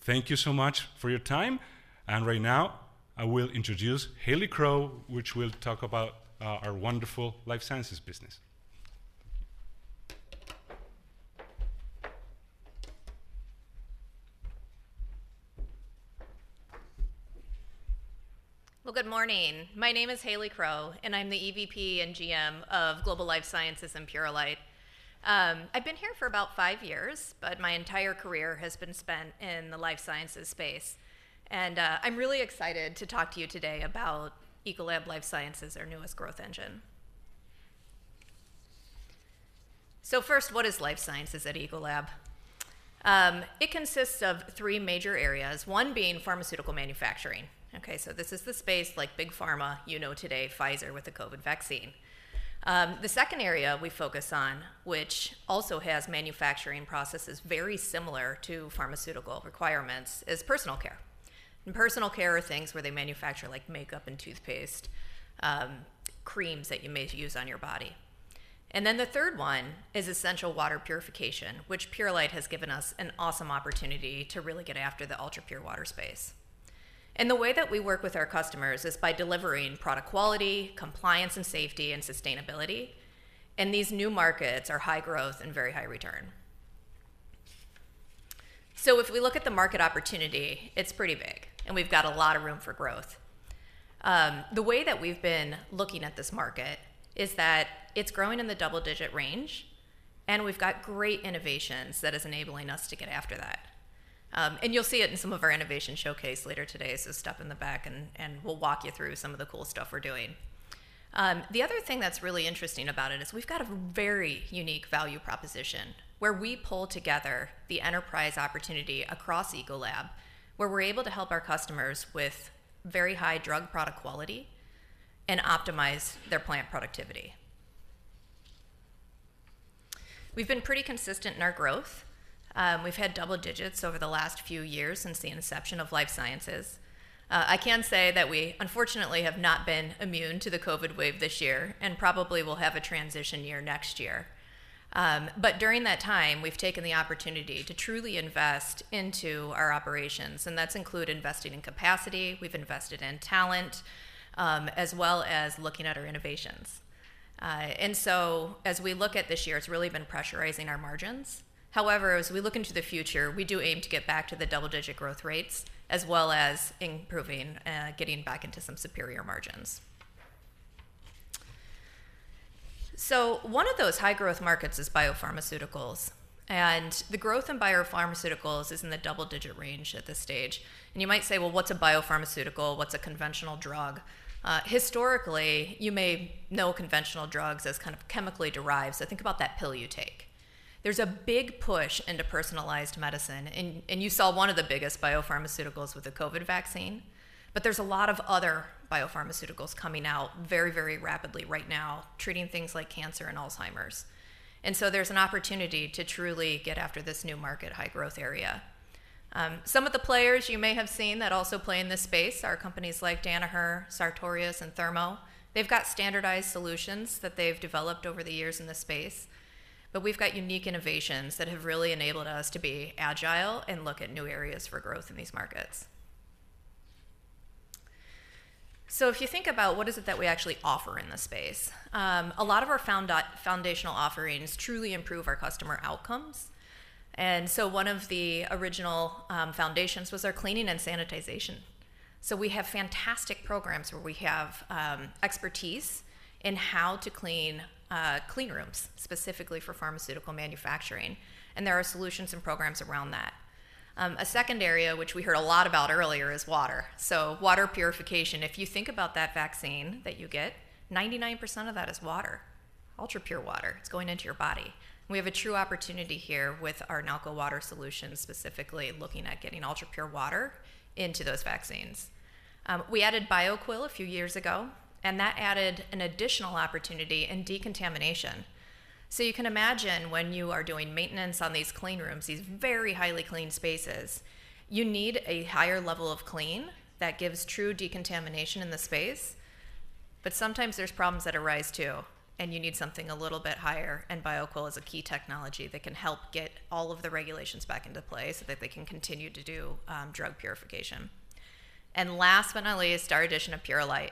Thank you so much for your time, and right now, I will introduce Hayley Crowe, which will talk about our wonderful Life Sciences business. Well, good morning. My name is Hayley Crowe, and I'm the EVP and GM of Global Life Sciences and Purolite. I've been here for about five years, but my entire career has been spent in the Life Sciences space, and I'm really excited to talk to you today about Ecolab Life Sciences, our newest growth engine. So first, what is Life Sciences at Ecolab? It consists of three major areas, one being pharmaceutical manufacturing. Okay, so this is the space like Big Pharma, you know, today, Pfizer with the COVID vaccine. The second area we focus on, which also has manufacturing processes very similar to pharmaceutical requirements, is personal care. And personal care are things where they manufacture, like, makeup and toothpaste, creams that you may use on your body. And then the third one is essential water purification, which Purolite has given us an awesome opportunity to really get after the ultrapure water space. And the way that we work with our customers is by delivering product quality, compliance and safety, and sustainability, and these new markets are high growth and very high return. So if we look at the market opportunity, it's pretty big, and we've got a lot of room for growth. The way that we've been looking at this market is that it's growing in the double-digit range, and we've got great innovations that is enabling us to get after that. And you'll see it in some of our Innovation Showcase later today. So step in the back and we'll walk you through some of the cool stuff we're doing. The other thing that's really interesting about it is we've got a very unique value proposition where we pull together the enterprise opportunity across Ecolab, where we're able to help our customers with very high drug product quality and optimize their plant productivity. We've been pretty consistent in our growth. We've had double digits over the last few years since the inception of Life Sciences. I can say that we, unfortunately, have not been immune to the COVID wave this year, and probably will have a transition year next year. But during that time, we've taken the opportunity to truly invest into our operations, and that's included investing in capacity, we've invested in talent, as well as looking at our innovations. And so as we look at this year, it's really been pressurizing our margins. However, as we look into the future, we do aim to get back to the double-digit growth rates, as well as improving, getting back into some superior margins. So one of those high-growth markets is biopharmaceuticals, and the growth in biopharmaceuticals is in the double-digit range at this stage. And you might say, "Well, what's a biopharmaceutical? What's a conventional drug?" Historically, you may know conventional drugs as kind of chemically derived, so think about that pill you take. There's a big push into personalized medicine, and, and you saw one of the biggest biopharmaceuticals with the COVID vaccine, but there's a lot of other biopharmaceuticals coming out very, very rapidly right now, treating things like cancer and Alzheimer's. And so there's an opportunity to truly get after this new market high-growth area. Some of the players you may have seen that also play in this space are companies like Danaher, Sartorius, and Thermo. They've got standardized solutions that they've developed over the years in this space, but we've got unique innovations that have really enabled us to be agile and look at new areas for growth in these markets. So if you think about what is it that we actually offer in this space, a lot of our foundational offerings truly improve our customer outcomes. And so one of the original foundations was our cleaning and sanitization. So we have fantastic programs where we have expertise in how to clean cleanrooms, specifically for pharmaceutical manufacturing, and there are solutions and programs around that. A second area, which we heard a lot about earlier, is water. So water purification. If you think about that vaccine that you get, 99% of that is water, ultra-pure water. It's going into your body. We have a true opportunity here with our Nalco Water solutions, specifically looking at getting ultra-pure water into those vaccines. We added Bioquell a few years ago, and that added an additional opportunity in decontamination. So you can imagine when you are doing maintenance on these cleanrooms, these very highly clean spaces, you need a higher level of clean that gives true decontamination in the space, but sometimes there's problems that arise, too, and you need something a little bit higher, and Bioquell is a key technology that can help get all of the regulations back into play so that they can continue to do drug purification. And last but not least, our addition of Purolite.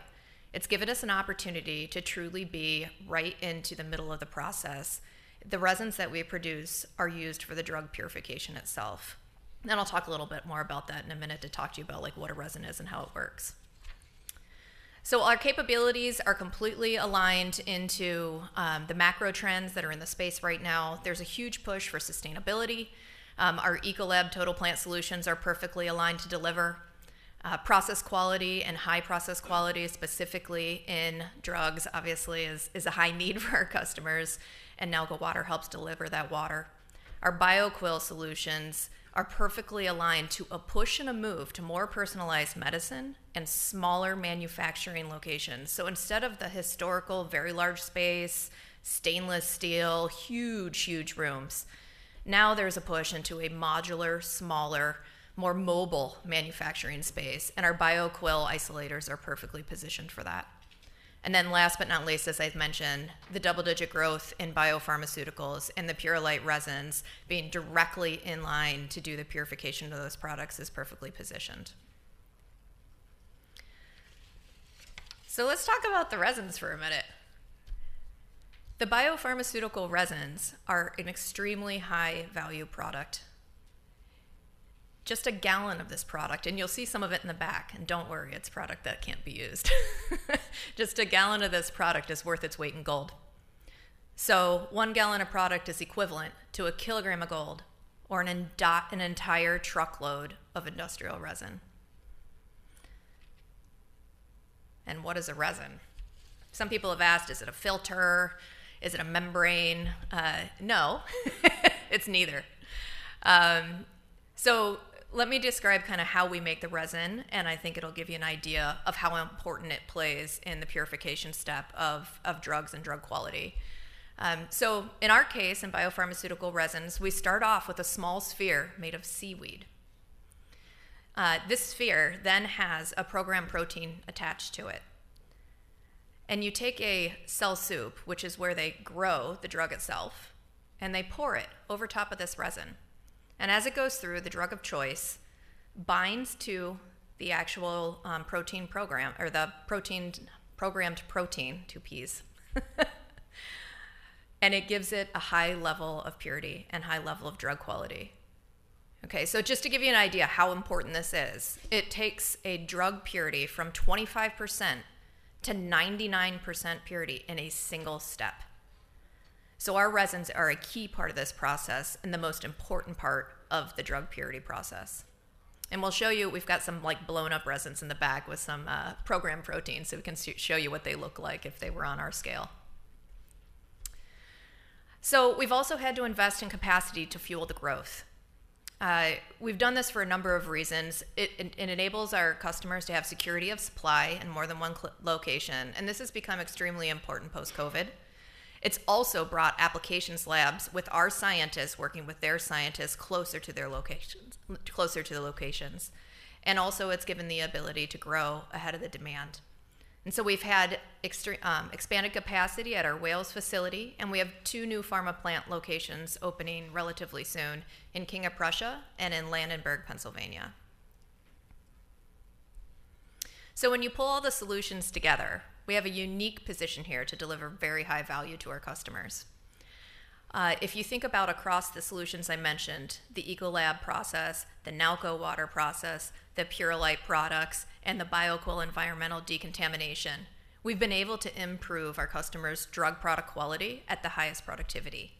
It's given us an opportunity to truly be right into the middle of the process. The resins that we produce are used for the drug purification itself. I'll talk a little bit more about that in a minute to talk to you about, like, what a resin is and how it works. Our capabilities are completely aligned into the macro trends that are in the space right now. There's a huge push for sustainability. Our Ecolab Total Plant Solutions are perfectly aligned to deliver process quality, and high process quality, specifically in drugs, obviously is a high need for our customers, and Nalco Water helps deliver that water. Our Bioquell solutions are perfectly aligned to a push and a move to more personalized medicine and smaller manufacturing locations. So instead of the historical, very large space, stainless steel, huge, huge rooms, now there's a push into a modular, smaller, more mobile manufacturing space, and our Bioquell isolators are perfectly positioned for that. And then last but not least, as I've mentioned, the double-digit growth in biopharmaceuticals and the Purolite resins being directly in line to do the purification of those products is perfectly positioned. So let's talk about the resins for a minute. The biopharmaceutical resins are an extremely high-value product. Just a gallon of this product, and you'll see some of it in the back, and don't worry, it's product that can't be used. Just a gallon of this product is worth its weight in gold. So one gallon of product is equivalent to a kilogram of gold or an entire truckload of industrial resin. And what is a resin? Some people have asked, "Is it a filter? Is it a membrane?" No, it's neither. So let me describe kinda how we make the resin, and I think it'll give you an idea of how important it plays in the purification step of drugs and drug quality. So in our case, in biopharmaceutical resins, we start off with a small sphere made of seaweed. This sphere then has a program protein attached to it, and you take a cell soup, which is where they grow the drug itself, and they pour it over top of this resin. And as it goes through, the drug of choice binds to the actual protein program, or the protein, programmed protein, two Ps, and it gives it a high level of purity and high level of drug quality. Okay, so just to give you an idea how important this is, it takes a drug purity from 25% to 99% purity in a single step. So our resins are a key part of this process and the most important part of the drug purity process. And we'll show you, we've got some, like, blown-up resins in the back with some program proteins, so we can show you what they look like if they were on our scale. So we've also had to invest in capacity to fuel the growth. We've done this for a number of reasons. It enables our customers to have security of supply in more than one location, and this has become extremely important post-COVID. It's also brought applications labs with our scientists, working with their scientists closer to their locations, closer to the locations, and also it's given the ability to grow ahead of the demand. And so we've had extreme, expanded capacity at our Wales facility, and we have two new pharma plant locations opening relatively soon in King of Prussia and in Landenberg, Pennsylvania. So when you pull all the solutions together, we have a unique position here to deliver very high value to our customers. If you think about across the solutions I mentioned, the Ecolab process, the Nalco Water process, the Purolite products, and the Bioquell environmental decontamination, we've been able to improve our customers' drug product quality at the highest productivity.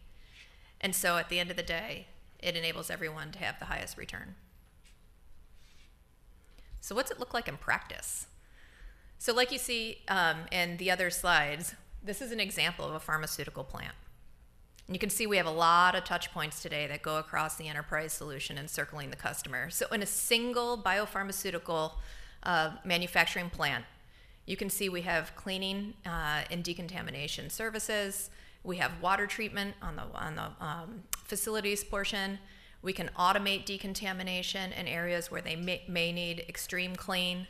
And so at the end of the day, it enables everyone to have the highest return. So what's it look like in practice? So like you see, in the other slides, this is an example of a pharmaceutical plant. You can see we have a lot of touch points today that go across the enterprise solution in Circling the Customer. So in a single biopharmaceutical manufacturing plant, you can see we have cleaning and decontamination services, we have water treatment on the facilities portion. We can automate decontamination in areas where they may need extreme clean.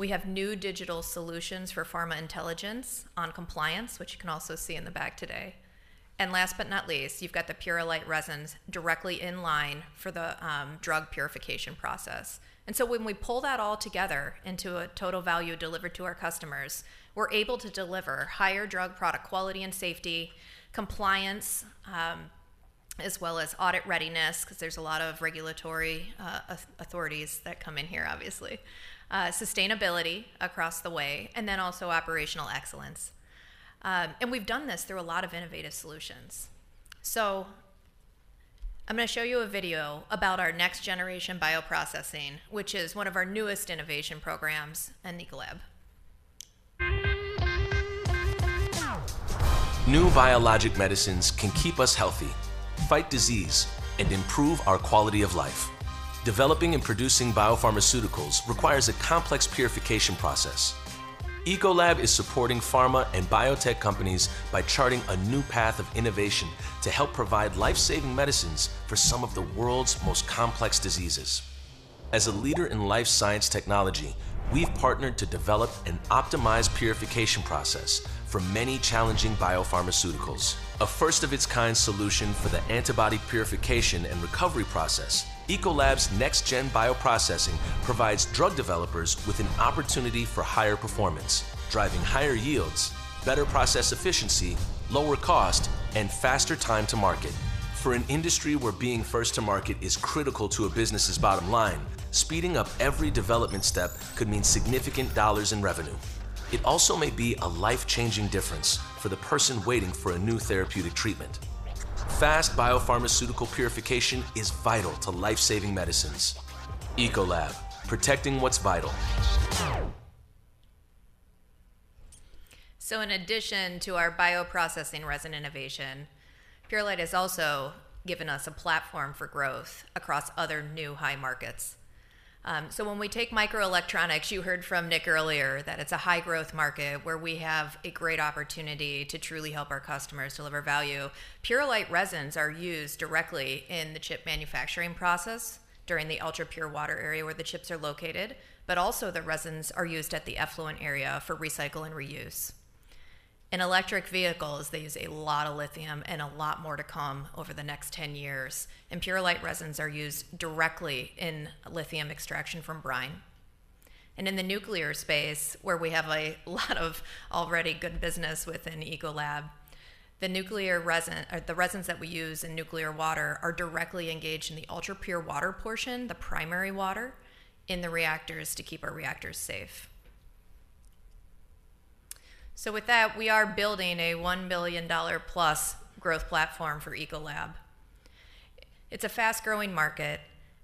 We have new digital solutions for pharma intelligence on compliance, which you can also see in the back today. And last but not least, you've got the Purolite resins directly in line for the drug purification process. And so when we pull that all together into a Total Value Delivered to our customers, we're able to deliver higher drug product quality and safety, compliance, as well as audit readiness, 'cause there's a lot of regulatory authorities that come in here, obviously. Sustainability across the way, and then also operational excellence. And we've done this through a lot of innovative solutions. So I'm gonna show you a video about our next generation bioprocessing, which is one of our newest innovation programs in Ecolab. New biologic medicines can keep us healthy, fight disease, and improve our quality of life. Developing and producing biopharmaceuticals requires a complex purification process. Ecolab is supporting pharma and biotech companies by charting a new path of innovation to help provide life-saving medicines for some of the world's most complex diseases. As a leader in life science technology, we've partnered to develop an optimized purification process for many challenging biopharmaceuticals. A first-of-its-kind solution for the antibody purification and recovery process, Ecolab's Next Gen Bioprocessing provides drug developers with an opportunity for higher performance, driving higher yields, better process efficiency, lower cost, and faster time to market. For an industry where being first to market is critical to a business's bottom line, speeding up every development step could mean significant dollars in revenue. It also may be a life-changing difference for the person waiting for a new therapeutic treatment. Fast biopharmaceutical purification is vital to life-saving medicines. Ecolab, protecting what's vital. So in addition to our bioprocessing resin innovation, Purolite has also given us a platform for growth across other new high markets. So when we take microelectronics, you heard from Nick earlier that it's a high growth market where we have a great opportunity to truly help our customers deliver value. Purolite resins are used directly in the chip manufacturing process during the ultrapure water area where the chips are located, but also the resins are used at the effluent area for recycle and reuse. In electric vehicles, they use a lot of lithium and a lot more to come over the next 10 years, and Purolite resins are used directly in lithium extraction from brine. In the nuclear space, where we have a lot of already good business within Ecolab, the nuclear resins that we use in nuclear water are directly engaged in the ultrapure water portion, the primary water, in the reactors to keep our reactors safe. With that, we are building a $1 billion+ growth platform for Ecolab. It's a fast-growing market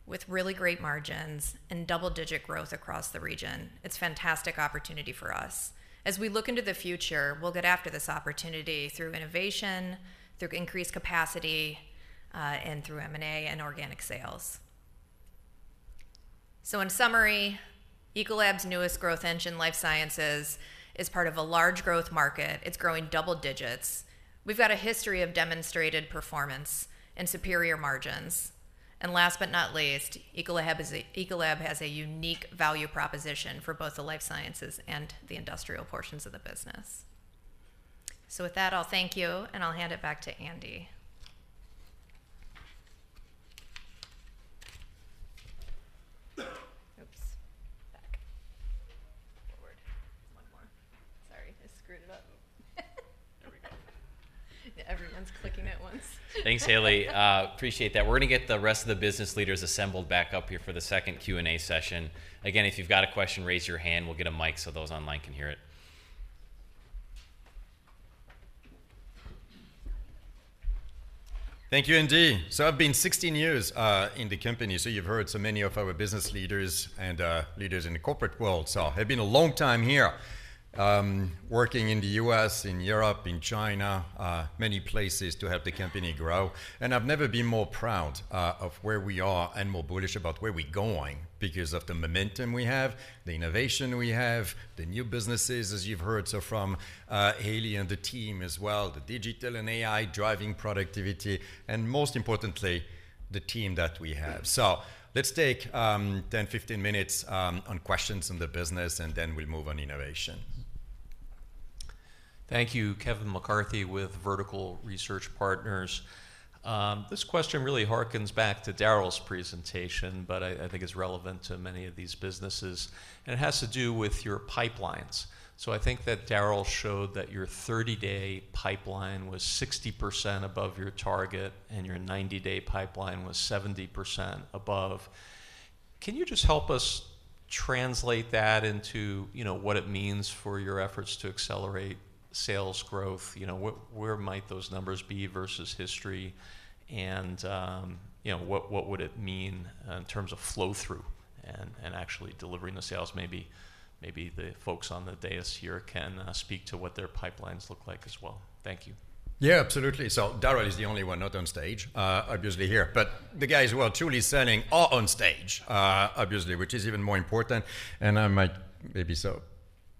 with really great margins and double-digit growth across the region. It's fantastic opportunity for us. As we look into the future, we'll get after this opportunity through innovation, through increased capacity, and through M&A and organic sales. In summary, Ecolab's newest growth engine, Life Sciences, is part of a large growth market. It's growing double digits. We've got a history of demonstrated performance and superior margins. And last but not least, Ecolab has a unique value proposition for both the Life Sciences and the Industrial portions of the business. So with that, I'll thank you, and I'll hand it back to Andy. Oops, back. Forward. One more. Sorry, I screwed it up. There we go. Everyone's clicking at once. Thanks, Hayley. Appreciate that. We're gonna get the rest of the business leaders assembled back up here for the second Q&A session. Again, if you've got a question, raise your hand. We'll get a mic so those online can hear it. Thank you, Andy. So I've been 16 years in the company. So you've heard so many of our business leaders and leaders in the corporate world. So I've been a long time here, working in the U.S., in Europe, in China, many places to help the company grow, and I've never been more proud of where we are and more bullish about where we're going because of the momentum we have, the innovation we have, the new businesses, as you've heard so from Hayley and the team as well, the digital and AI driving productivity, and most importantly, the team that we have. So let's take 10, 15 minutes on questions on the business, and then we'll move on innovation. Thank you. Kevin McCarthy with Vertical Research Partners. This question really hearkens back to Darrell's presentation, but I think it's relevant to many of these businesses, and it has to do with your pipelines. So I think that Darrell showed that your 30-day pipeline was 60% above your target, and your 90-day pipeline was 70% above. Can you just help us translate that into, you know, what it means for your efforts to accelerate sales growth. You know, where might those numbers be versus history? And, you know, what would it mean in terms of flow-through and actually delivering the sales? Maybe the folks on the dais here can speak to what their pipelines look like as well. Thank you. Yeah, absolutely. So Darrell is the only one not on stage, obviously here, but the guys who are truly selling are on stage, obviously, which is even more important, and I might maybe so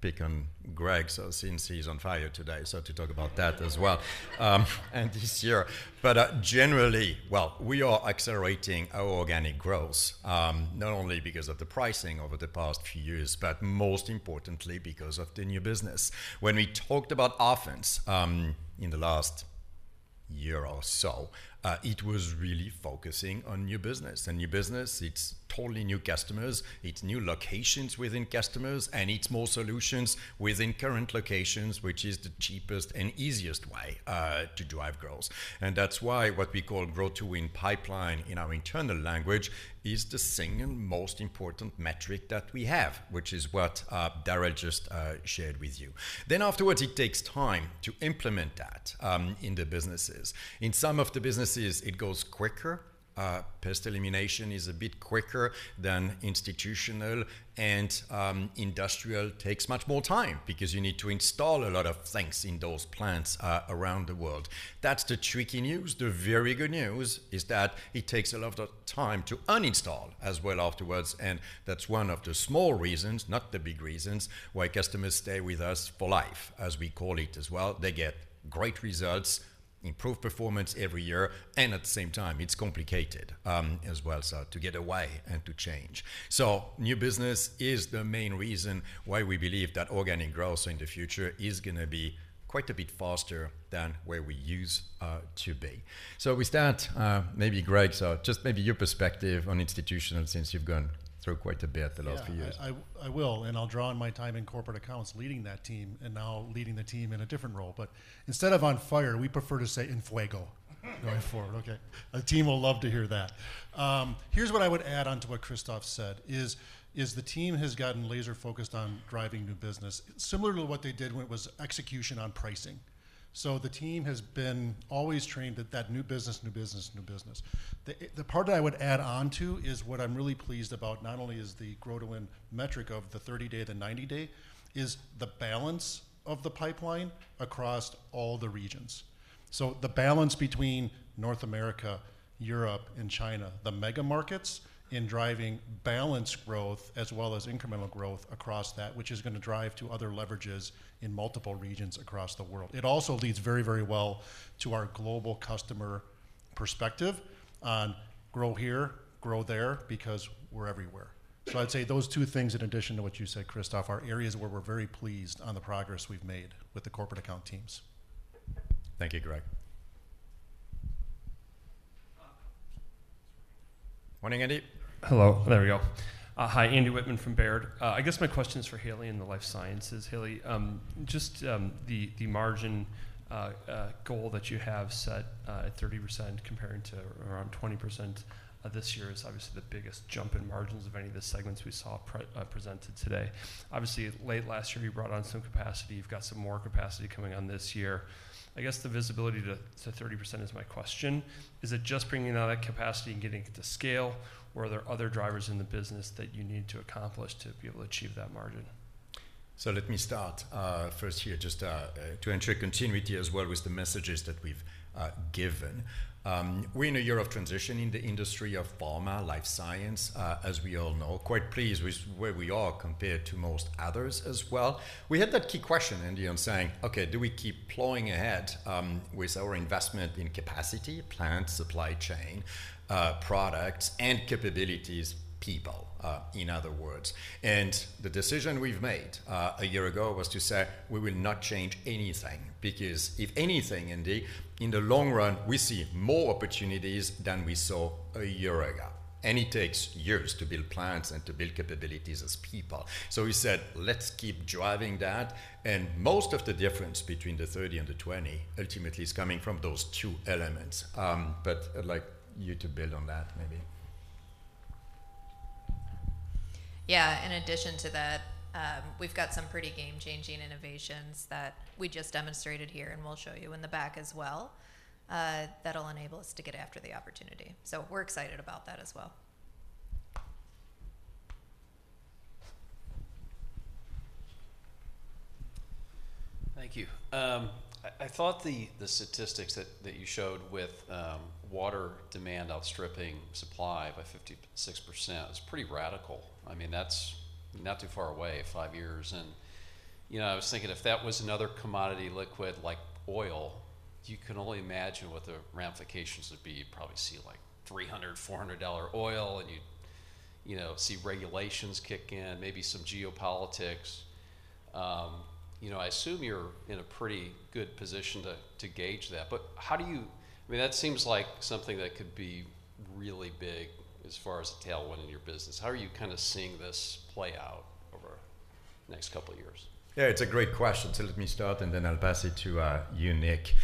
pick on Greg, so since he's on fire today, so to talk about that as well, and this year. But, generally, well, we are accelerating our organic growth, not only because of the pricing over the past few years, but most importantly because of the new business. When we talked about offense, in the last year or so, it was really focusing on new business. And new business, it's totally new customers, it's new locations within customers, and it's more solutions within current locations, which is the cheapest and easiest way, to drive growth. That's why what we call Grow-to-Win pipeline in our internal language is the single most important metric that we have, which is what Darrell just shared with you. Afterwards, it takes time to implement that in the businesses. In some of the businesses it goes quicker. Pest Elimination is a bit quicker than Institutional, and Industrial takes much more time because you need to install a lot of things in those plants around the world. That's the tricky news. The very good news is that it takes a lot of time to uninstall as well afterwards, and that's one of the small reasons, not the big reasons, why customers stay with us for life, as we call it as well. They get great results, improved performance every year, and at the same time, it's complicated, as well, so to get away and to change. So new business is the main reason why we believe that organic growth in the future is gonna be quite a bit faster than where we used to be. So with that, maybe Greg, so just maybe your perspective on Institutional, since you've gone through quite a bit the last few years. Yeah, I will, and I'll draw on my time in corporate accounts, leading that team and now leading the team in a different role. But instead of on fire, we prefer to say en fuego going forward, okay? The team will love to hear that. Here's what I would add on to what Christophe said, is the team has gotten laser focused on driving new business, similar to what they did when it was execution on pricing. So the team has been always trained at that new business, new business, new business. The part that I would add on to is what I'm really pleased about, not only is the Grow-to-Win metric of the 30-day to 90-day, is the balance of the pipeline across all the regions. So the balance between North America, Europe, and China, the mega markets, in driving balanced growth as well as incremental growth across that, which is gonna drive to other leverages in multiple regions across the world. It also leads very, very well to our global customer perspective on grow here, grow there, because we're everywhere. So I'd say those two things, in addition to what you said, Christophe, are areas where we're very pleased on the progress we've made with the corporate account teams. Thank you, Greg. Morning, Andy. Hello. There we go. Hi, Andy Wittmann from Baird. I guess my question is for Hayley in the Life Sciences. Hayley, just the margin goal that you have set at 30% comparing to around 20% this year is obviously the biggest jump in margins of any of the segments we saw presented today. Obviously, late last year, you brought on some capacity. You've got some more capacity coming on this year. I guess the visibility to 30% is my question. Is it just bringing on that capacity and getting it to scale, or are there other drivers in the business that you need to accomplish to be able to achieve that margin? So let me start, first here, just, to ensure continuity as well with the messages that we've given. We're in a year of transition in the industry of pharma, life science, as we all know. Quite pleased with where we are compared to most others as well. We had that key question, Andy, on saying, "Okay, do we keep plowing ahead, with our investment in capacity, plant, supply chain, products and capabilities, people, in other words?" And the decision we've made, a year ago, was to say, we will not change anything, because if anything, Andy, in the long run, we see more opportunities than we saw a year ago. And it takes years to build plants and to build capabilities as people. So we said, "Let's keep driving that." And most of the difference between the 30 and the 20 ultimately is coming from those two elements. But I'd like you to build on that maybe. Yeah, in addition to that, we've got some pretty game-changing innovations that we just demonstrated here, and we'll show you in the back as well, that'll enable us to get after the opportunity. So we're excited about that as well. Thank you. I thought the statistics that you showed with water demand outstripping supply by 56% was pretty radical. I mean, that's not too far away, five years. You know, I was thinking if that was another commodity liquid like oil, you can only imagine what the ramifications would be. You'd probably see, like, $300-$400 oil, and you'd, you know, see regulations kick in, maybe some geopolitics. You know, I assume you're in a pretty good position to gauge that. But how do you—I mean, that seems like something that could be really big as far as a tailwind in your business. How are you kind of seeing this play out next couple years? Yeah, it's a great question, so let me start, and then I'll pass it to you, Nick.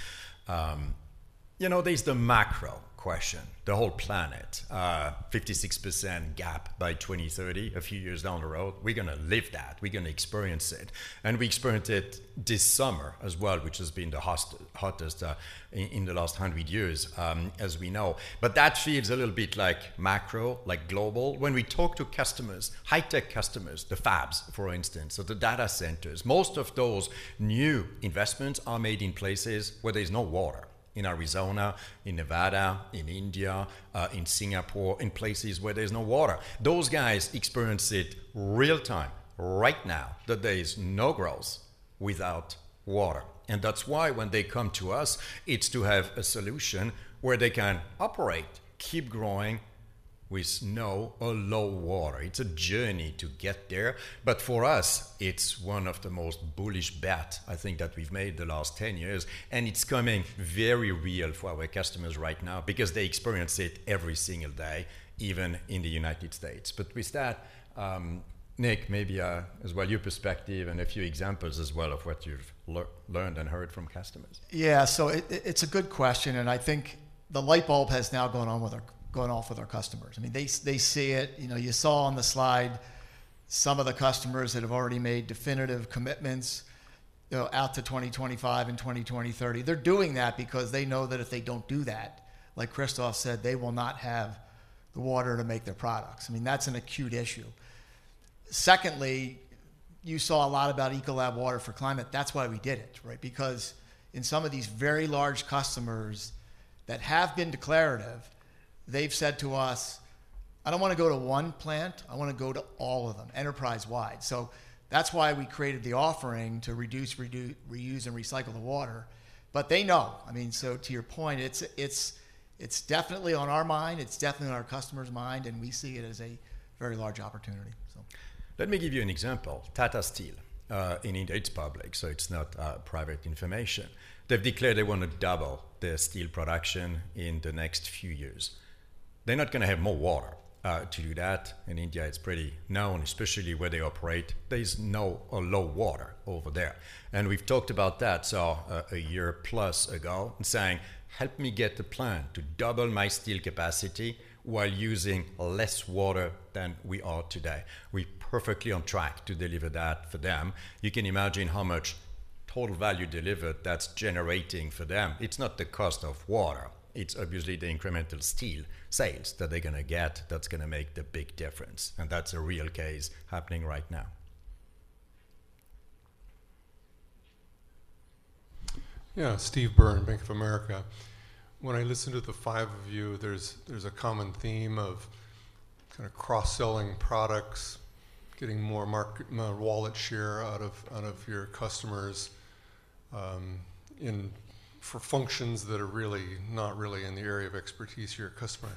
You know, there's the macro question, the whole planet, 56% gap by 2030, a few years down the road. We're gonna live that. We're gonna experience it, and we experienced it this summer as well, which has been the hottest in the last 100 years, as we know. But that feels a little bit like macro, like global. When we talk to customers, high tech customers, the fabs, for instance, or the data centers, most of those new investments are made in places where there's no water, in Arizona, in Nevada, in India, in Singapore, in places where there's no water. Those guys experience it real time, right now, that there is no growth without water. And that's why when they come to us, it's to have a solution where they can operate, keep growing with no or low water. It's a journey to get there, but for us, it's one of the most bullish bet, I think, that we've made the last 10 years, and it's coming very real for our customers right now because they experience it every single day, even in the United States. But with that, Nick, maybe, as well, your perspective and a few examples as well of what you've learned and heard from customers. Yeah. So it's a good question, and I think the light bulb has now gone on with our—gone off with our customers. I mean, they—they see it. You know, you saw on the slide some of the customers that have already made definitive commitments, you know, out to 2025 and 2030. They're doing that because they know that if they don't do that, like Christophe said, they will not have the water to make their products. I mean, that's an acute issue. Secondly, you saw a lot about Ecolab Water for Climate. That's why we did it, right? Because in some of these very large customers that have been declarative, they've said to us, "I don't wanna go to one plant. I wanna go to all of them, enterprise-wide." So that's why we created the offering to reduce, reuse, and recycle the water. But they know. I mean, so to your point, it's definitely on our mind, it's definitely on our customers' mind, and we see it as a very large opportunity, so. Let me give you an example. Tata Steel in India, it's public, so it's not private information. They've declared they wanna double their steel production in the next few years. They're not gonna have more water to do that. In India, it's pretty known, especially where they operate, there's no or low water over there, and we've talked about that. So, a year plus ago, saying: Help me get the plan to double my steel capacity while using less water than we are today. We're perfectly on track to deliver that for them. You can imagine how much Total Value Delivered that's generating for them. It's not the cost of water, it's obviously the incremental steel sales that they're gonna get that's gonna make the big difference, and that's a real case happening right now. Yeah. Steve Byrne, Bank of America. When I listen to the five of you, there's a common theme of kind of cross-selling products, getting more market wallet share out of your customers, for functions that are really not in the area of expertise for your customer.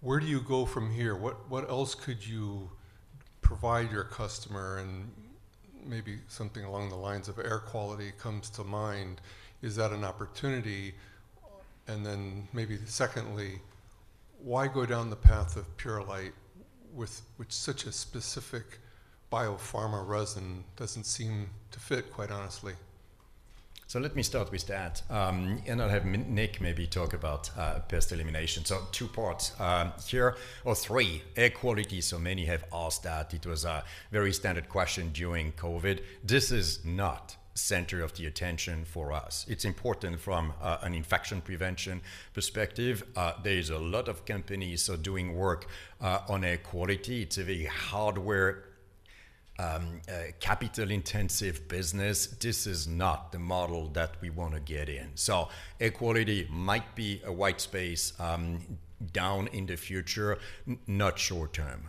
Where do you go from here? What else could you provide your customer? And maybe something along the lines of air quality comes to mind. Is that an opportunity? And then maybe secondly, why go down the path of Purolite with which such a specific biopharma resin doesn't seem to fit, quite honestly? So let me start with that, and I'll have Nick maybe talk about Pest Elimination. So two parts here, or three. Air quality, so many have asked that. It was a very standard question during COVID. This is not center of the attention for us. It's important from an Infection Prevention perspective. There's a lot of companies doing work on air quality. It's a very hardware capital-intensive business. This is not the model that we wanna get in. So air quality might be a white space down in the future, not short term,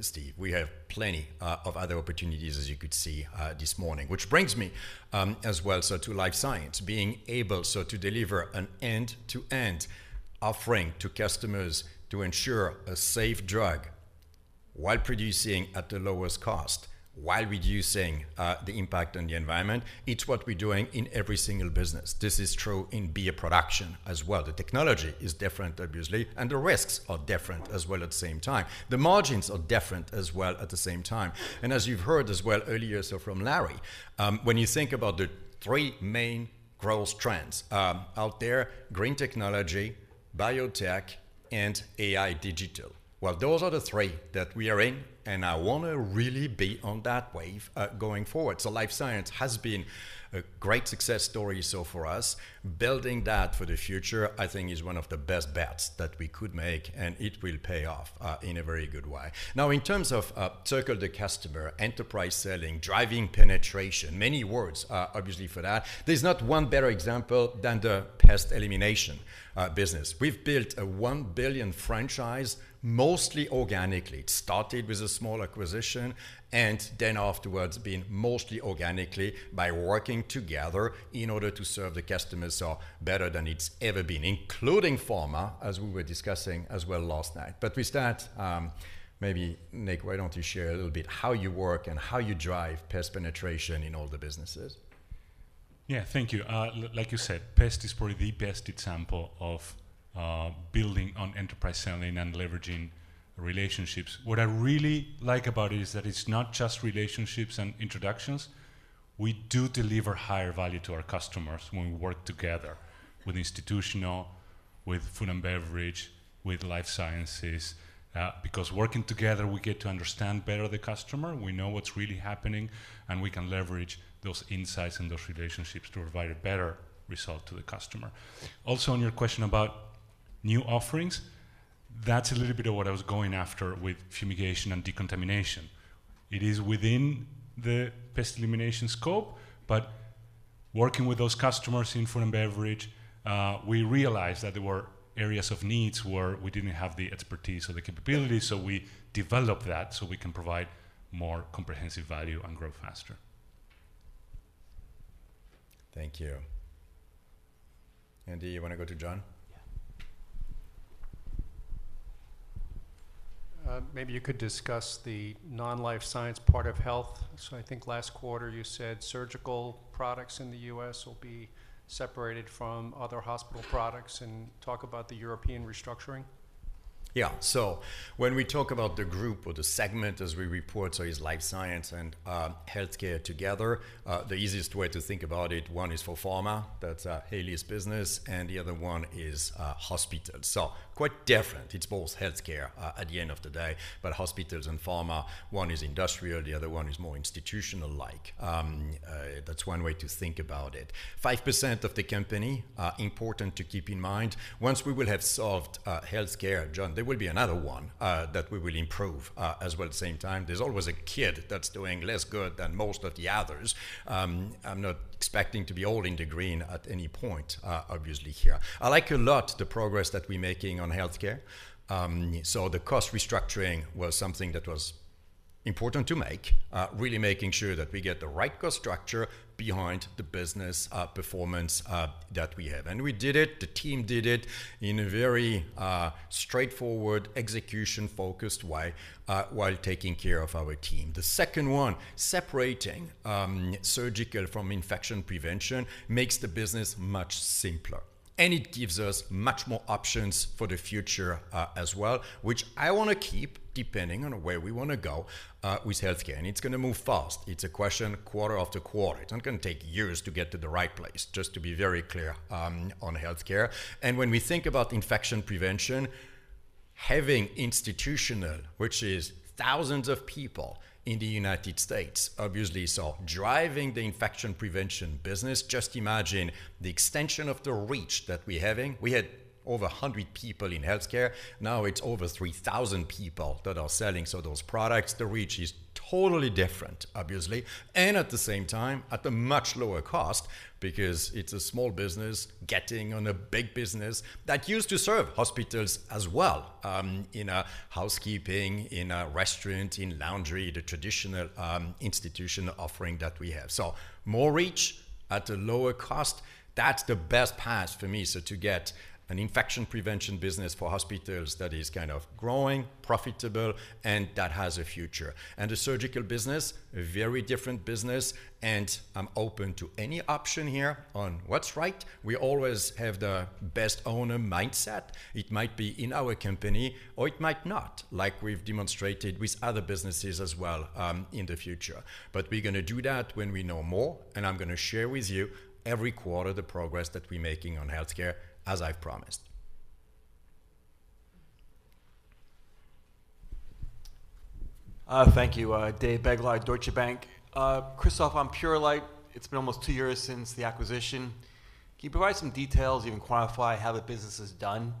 Steve. We have plenty of other opportunities, as you could see, this morning. Which brings me, as well, so to life science, being able so to deliver an end-to-end offering to customers to ensure a safe drug while producing at the lowest cost, while reducing the impact on the environment. It's what we're doing in every single business. This is true in beer production as well. The technology is different, obviously, and the risks are different as well at the same time. The margins are different as well at the same time. And as you've heard as well earlier, so from Larry, when you think about the three main growth trends out there, green technology, biotech, and AI digital. Well, those are the three that we are in, and I wanna really be on that wave going forward. So life science has been a great success story so for us. Building that for the future, I think, is one of the best bets that we could make, and it will pay off in a very good way. Now, in terms of circle the customer, Enterprise Selling, driving penetration, many words, obviously, for that, there's not one better example than the Pest Elimination business. We've built a $1 billion franchise, mostly organically. It started with a small acquisition, and then afterwards, being mostly organically by working together in order to serve the customers so better than it's ever been, including pharma, as we were discussing as well last night. But with that, maybe, Nick, why don't you share a little bit how you work and how you drive pest penetration in all the businesses?... Yeah, thank you. Like you said, pest is probably the best example of building on Enterprise Selling and leveraging relationships. What I really like about it is that it's not just relationships and introductions. We do deliver higher value to our customers when we work together with Institutional, with Food & Beverage, with Life Sciences, because working together, we get to understand better the customer. We know what's really happening, and we can leverage those insights and those relationships to provide a better result to the customer. Also, on your question about new offerings, that's a little bit of what I was going after with fumigation and decontamination. It is within the Pest Elimination scope, but working with those customers in Food & Beverage, we realized that there were areas of needs where we didn't have the expertise or the capability, so we developed that, so we can provide more comprehensive value and grow faster. Thank you. Andy, you wanna go to John? Maybe you could discuss the non-Life Sciences part of Healthcare. I think last quarter you said Surgical products in the U.S. will be separated from other hospital products, and talk about the European restructuring. Yeah. So when we talk about the group or the segment as we report, so it's Life Science and Healthcare together. The easiest way to think about it, one is for pharma, that's Hayley's business, and the other one is hospitals. So quite different. It's both Healthcare at the end of the day, but hospitals and pharma, one is Industrial, the other one is more Institutional-like. That's one way to think about it. 5% of the company, important to keep in mind, once we will have solved Healthcare, John, there will be another one that we will improve as well at the same time. There's always a kid that's doing less good than most of the others. I'm not expecting to be all in the green at any point, obviously here. I like a lot the progress that we're making on Healthcare. So the cost restructuring was something that was important to make really making sure that we get the right cost structure behind the business performance that we have. We did it. The team did it in a very straightforward, execution-focused way while taking care of our team. The second one, separating Surgical from Infection Prevention makes the business much simpler, and it gives us much more options for the future as well, which I wanna keep, depending on where we wanna go with Healthcare, and it's gonna move fast. It's a question quarter after quarter. It's not gonna take years to get to the right place, just to be very clear on Healthcare. When we think about Infection Prevention, having Institutional, which is thousands of people in the United States, obviously, so driving the Infection Prevention business, just imagine the extension of the reach that we're having. We had over 100 people in Healthcare. Now it's over 3,000 people that are selling, so those products, the reach is totally different, obviously, and at the same time, at a much lower cost because it's a small business getting on a big business that used to serve hospitals as well, in housekeeping, in restaurant, in laundry, the traditional Institutional offering that we have. So more reach at a lower cost, that's the best path for me. So to get an Infection Prevention business for hospitals that is kind of growing, profitable, and that has a future. The Surgical business, a very different business, and I'm open to any option here on what's right. We always have the best owner mindset. It might be in our company, or it might not, like we've demonstrated with other businesses as well, in the future. But we're gonna do that when we know more, and I'm gonna share with you every quarter the progress that we're making on Healthcare, as I've promised. Thank you. Dave Begleiter, Deutsche Bank. Christophe, on Purolite, it's been almost two years since the acquisition. Can you provide some details, even quantify how the business is done?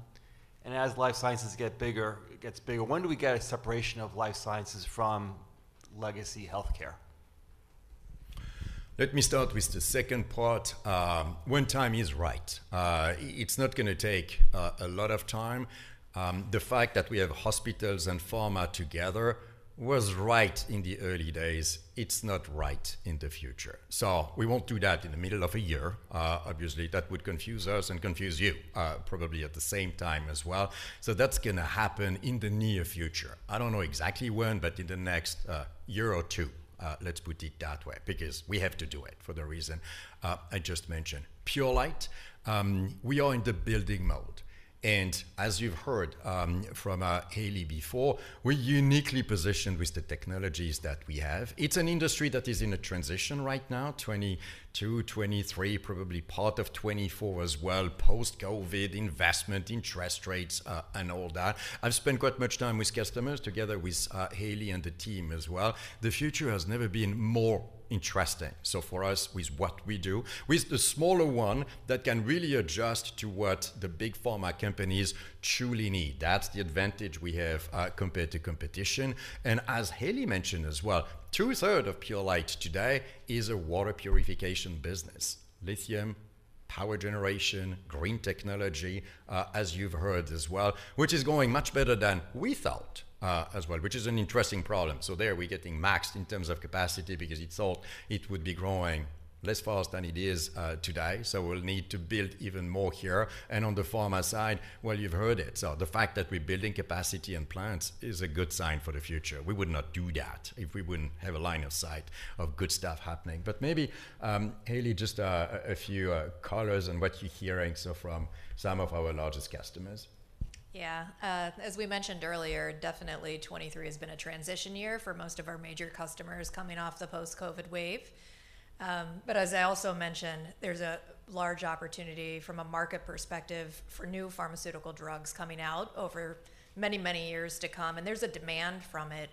And as Life Sciences get bigger, it gets bigger, when do we get a separation of Life Sciences from legacy Healthcare? Let me start with the second part. When time is right. It's not gonna take a lot of time. The fact that we have hospitals and pharma together was right in the early days. It's not right in the future. So we won't do that in the middle of a year. Obviously, that would confuse us and confuse you, probably at the same time as well. So that's gonna happen in the near future. I don't know exactly when, but in the next year or two, let's put it that way, because we have to do it for the reason I just mentioned. Purolite, we are in the building mode, and as you've heard, from Hayley before, we're uniquely positioned with the technologies that we have. It's an industry that is in a transition right now, 2022, 2023, probably part of 2024 as well, post-COVID, investment, interest rates, and all that. I've spent quite much time with customers, together with Hayley and the team as well. The future has never been more interesting. So for us, with what we do, with the smaller one that can really adjust to what the big pharma companies truly need, that's the advantage we have, compared to competition. And as Hayley mentioned as well, two-thirds of Purolite today is a water purification business. Lithium, power generation, green technology, as you've heard as well, which is going much better than we thought, as well, which is an interesting problem. So there, we're getting maxed in terms of capacity because we thought it would be growing less fast than it is today, so we'll need to build even more here. And on the pharma side, well, you've heard it. So the fact that we're building capacity and plants is a good sign for the future. We would not do that if we wouldn't have a line of sight of good stuff happening. But maybe, Hayley, just a few colors on what you're hearing, so from some of our largest customers? ... Yeah, as we mentioned earlier, definitely 2023 has been a transition year for most of our major customers coming off the post-COVID wave. But as I also mentioned, there's a large opportunity from a market perspective for new pharmaceutical drugs coming out over many, many years to come, and there's a demand from it,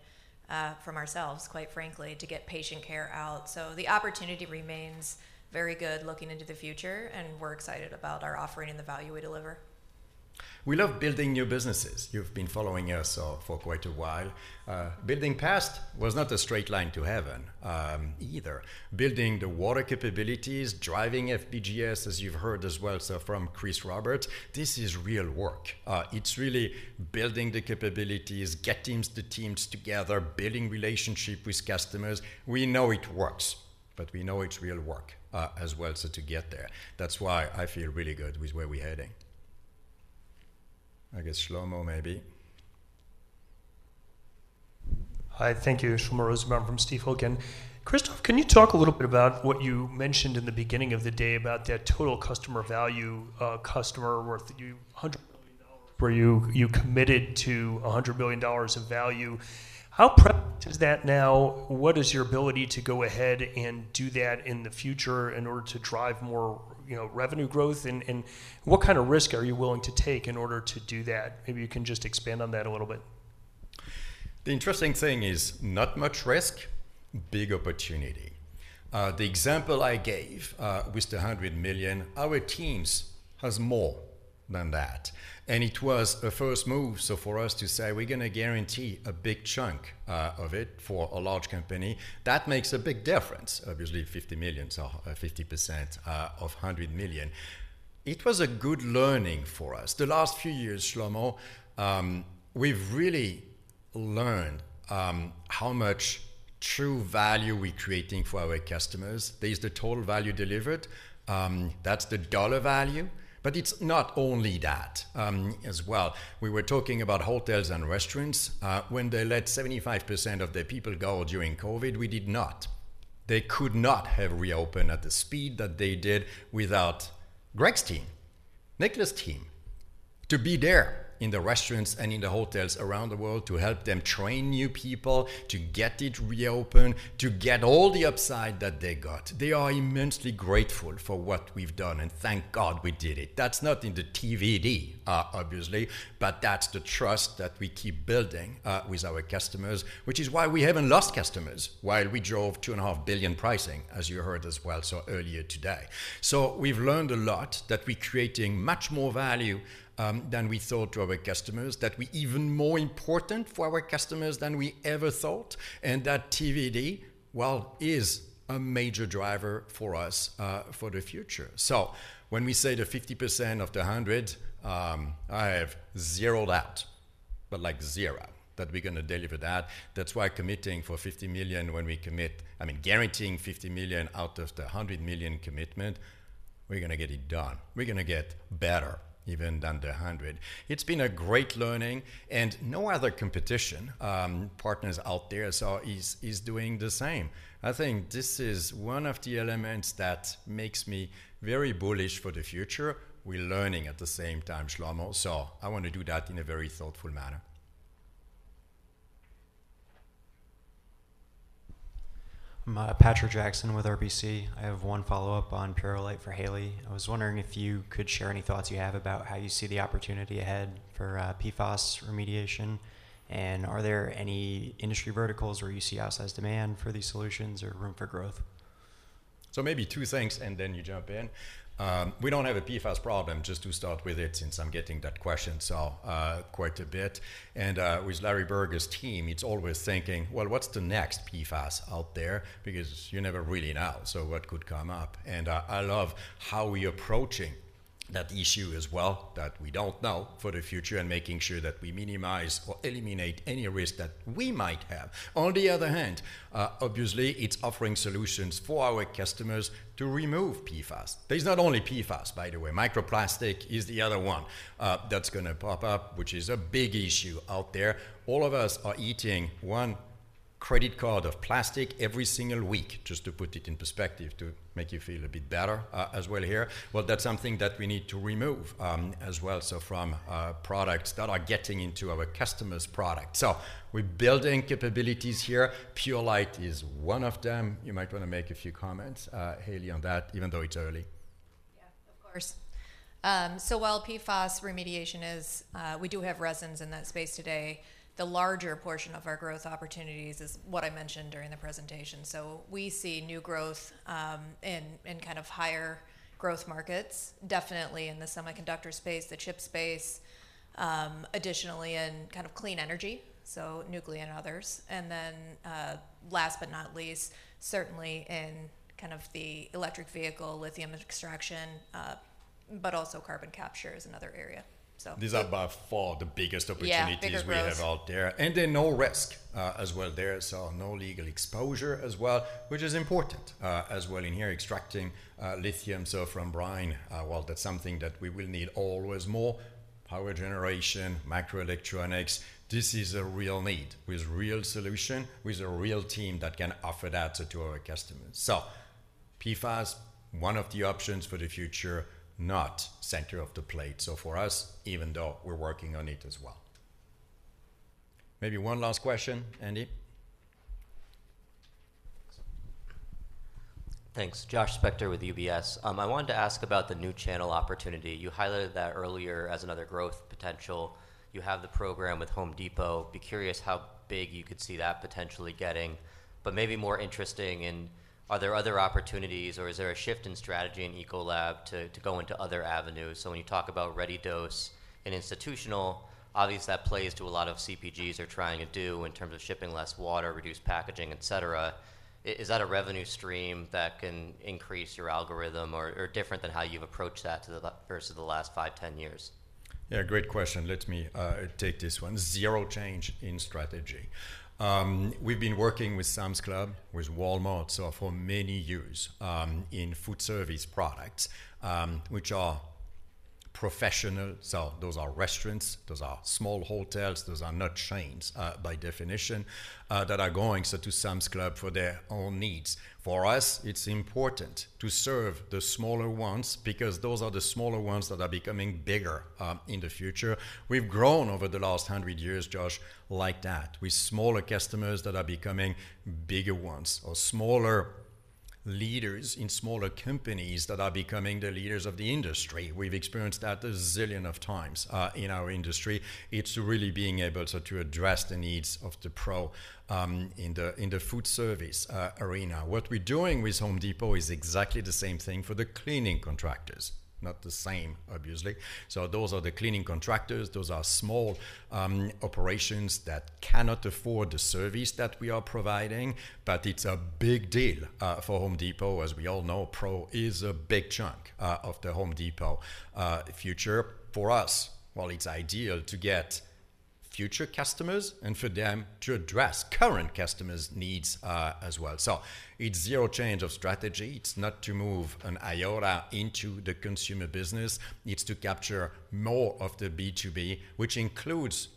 from ourselves, quite frankly, to get patient care out. So the opportunity remains very good looking into the future, and we're excited about our offering and the value we deliver. We love building new businesses. You've been following us for quite a while. Building fast was not a straight line to heaven, either. Building the water capabilities, driving FBGS, as you've heard as well, so from Chris Roberts, this is real work. It's really building the capabilities, getting the teams together, building relationship with customers. We know it works, but we know it's real work, as well, so to get there. That's why I feel really good with where we're heading. I guess Shlomo, maybe. Hi. Thank you. Shlomo Rosenbaum from Stifel. Christophe, can you talk a little bit about what you mentioned in the beginning of the day about that total customer value, customer worth? You $100 million, where you, you committed to a $100 billion of value. How practical is that now? What is your ability to go ahead and do that in the future in order to drive more, you know, revenue growth, and, and what kind of risk are you willing to take in order to do that? Maybe you can just expand on that a little bit. The interesting thing is not much risk, big opportunity. The example I gave with the $100 million, our teams has more than that, and it was a first move. So for us to say, "We're gonna guarantee a big chunk of it for a large company," that makes a big difference. Obviously, $50 million, so 50% of $100 million. It was a good learning for us. The last few years, Shlomo, we've really learned how much true value we're creating for our customers. There's the Total Value Delivered, that's the dollar value, but it's not only that, as well. We were talking about hotels and restaurants. When they let 75% of their people go during COVID, we did not. They could not have reopened at the speed that they did without Greg's team, Nicholas' team, to be there in the restaurants and in the hotels around the world to help them train new people, to get it reopened, to get all the upside that they got. They are immensely grateful for what we've done, and thank God we did it. That's not in the TVD, obviously, but that's the trust that we keep building with our customers, which is why we haven't lost customers while we drove $2.5 billion pricing, as you heard as well, so earlier today. So we've learned a lot, that we're creating much more value than we thought to our customers, that we're even more important for our customers than we ever thought, and that TVD, well, is a major driver for us for the future. So when we say the 50% of the 100, I have zeroed out, but like zero, that we're gonna deliver that. That's why committing for $50 million when we commit, I mean, guaranteeing $50 million out of the $100 million commitment, we're gonna get it done. We're gonna get better even than the 100. It's been a great learning, and no other competition, partners out there, so is, is doing the same. I think this is one of the elements that makes me very bullish for the future. We're learning at the same time, Shlomo, so I want to do that in a very thoughtful manner. I'm Patrick Jackson with RBC. I have one follow-up on Purolite for Hayley. I was wondering if you could share any thoughts you have about how you see the opportunity ahead for PFAS remediation, and are there any industry verticals where you see outsized demand for these solutions or room for growth? So maybe two things, and then you jump in. We don't have a PFAS problem, just to start with it, since I'm getting that question so quite a bit. And with Larry Berger's team, it's always thinking, "Well, what's the next PFAS out there?" Because you never really know, so what could come up. And I love how we approaching that issue as well, that we don't know for the future, and making sure that we minimize or eliminate any risk that we might have. On the other hand, obviously, it's offering solutions for our customers to remove PFAS. There's not only PFAS, by the way. Microplastic is the other one that's gonna pop up, which is a big issue out there. All of us are eating one credit card of plastic every single week, just to put it in perspective, to make you feel a bit better, as well here. Well, that's something that we need to remove, as well, so from products that are getting into our customers' product. So we're building capabilities here. Purolite is one of them. You might wanna make a few comments, Hayley, on that, even though it's early. Yeah, of course. So while PFAS remediation is... We do have resins in that space today, the larger portion of our growth opportunities is what I mentioned during the presentation. So we see new growth in kind of higher growth markets, definitely in the semiconductor space, the chip space, additionally in kind of clean energy, so nuclear and others. And then, last but not least, certainly in kind of the electric vehicle, lithium extraction, but also carbon capture is another area. So- These are by far the biggest opportunities- Yeah, bigger growth... we have out there, and then no risk as well there, so no legal exposure as well, which is important as well in here, extracting lithium, so from brine, well, that's something that we will need always more. Power generation, microelectronics, this is a real need, with real solution, with a real team that can offer that to our customers. So, PFAS, one of the options for the future, not center of the plate. So for us, even though we're working on it as well. Maybe one last question. Andy? Thanks. Josh Spector with UBS. I wanted to ask about the new channel opportunity. You highlighted that earlier as another growth potential. You have the program with Home Depot. Be curious how big you could see that potentially getting, but maybe more interesting, and are there other opportunities, or is there a shift in strategy in Ecolab to go into other avenues? So when you talk about ReadyDose and Institutional, obviously, that plays to a lot of CPGs are trying to do in terms of shipping less water, reduced packaging, et cetera. Is that a revenue stream that can increase your algorithm or different than how you've approached that to the last versus the last five, 10 years? Yeah, great question. Let me take this one. Zero change in strategy. We've been working with Sam's Club, with Walmart, so for many years, in food service products, which are professional. So those are restaurants, those are small hotels, those are not chains, by definition, that are going so to Sam's Club for their own needs. For us, it's important to serve the smaller ones because those are the smaller ones that are becoming bigger, in the future. We've grown over the last hundred years, Josh, like that, with smaller customers that are becoming bigger ones, or smaller leaders in smaller companies that are becoming the leaders of the industry. We've experienced that a zillion of times, in our industry. It's really being able so to address the needs of the Pro, in the, in the food service, arena. What we're doing with Home Depot is exactly the same thing for the cleaning contractors, not the same, obviously. So those are the cleaning contractors. Those are small operations that cannot afford the service that we are providing, but it's a big deal for Home Depot. As we all know, Pro is a big chunk of the Home Depot future. For us, while it's ideal to get future customers and for them to address current customers' needs as well. So it's zero change of strategy. It's not to move an iota into the consumer business. It's to capture more of the B2B, which includes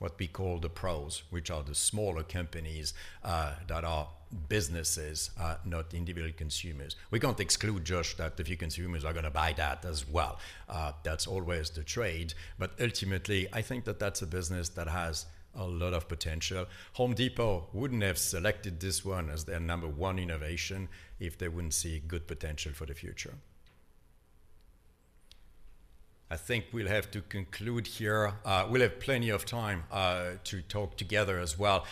what we call the Pros, which are the smaller companies that are businesses, not individual consumers. We can't exclude, Josh, that a few consumers are gonna buy that as well. That's always the trade, but ultimately, I think that that's a business that has a lot of potential. Home Depot wouldn't have selected this one as their number one innovation if they wouldn't see good potential for the future. I think we'll have to conclude here. We'll have plenty of time to talk together as well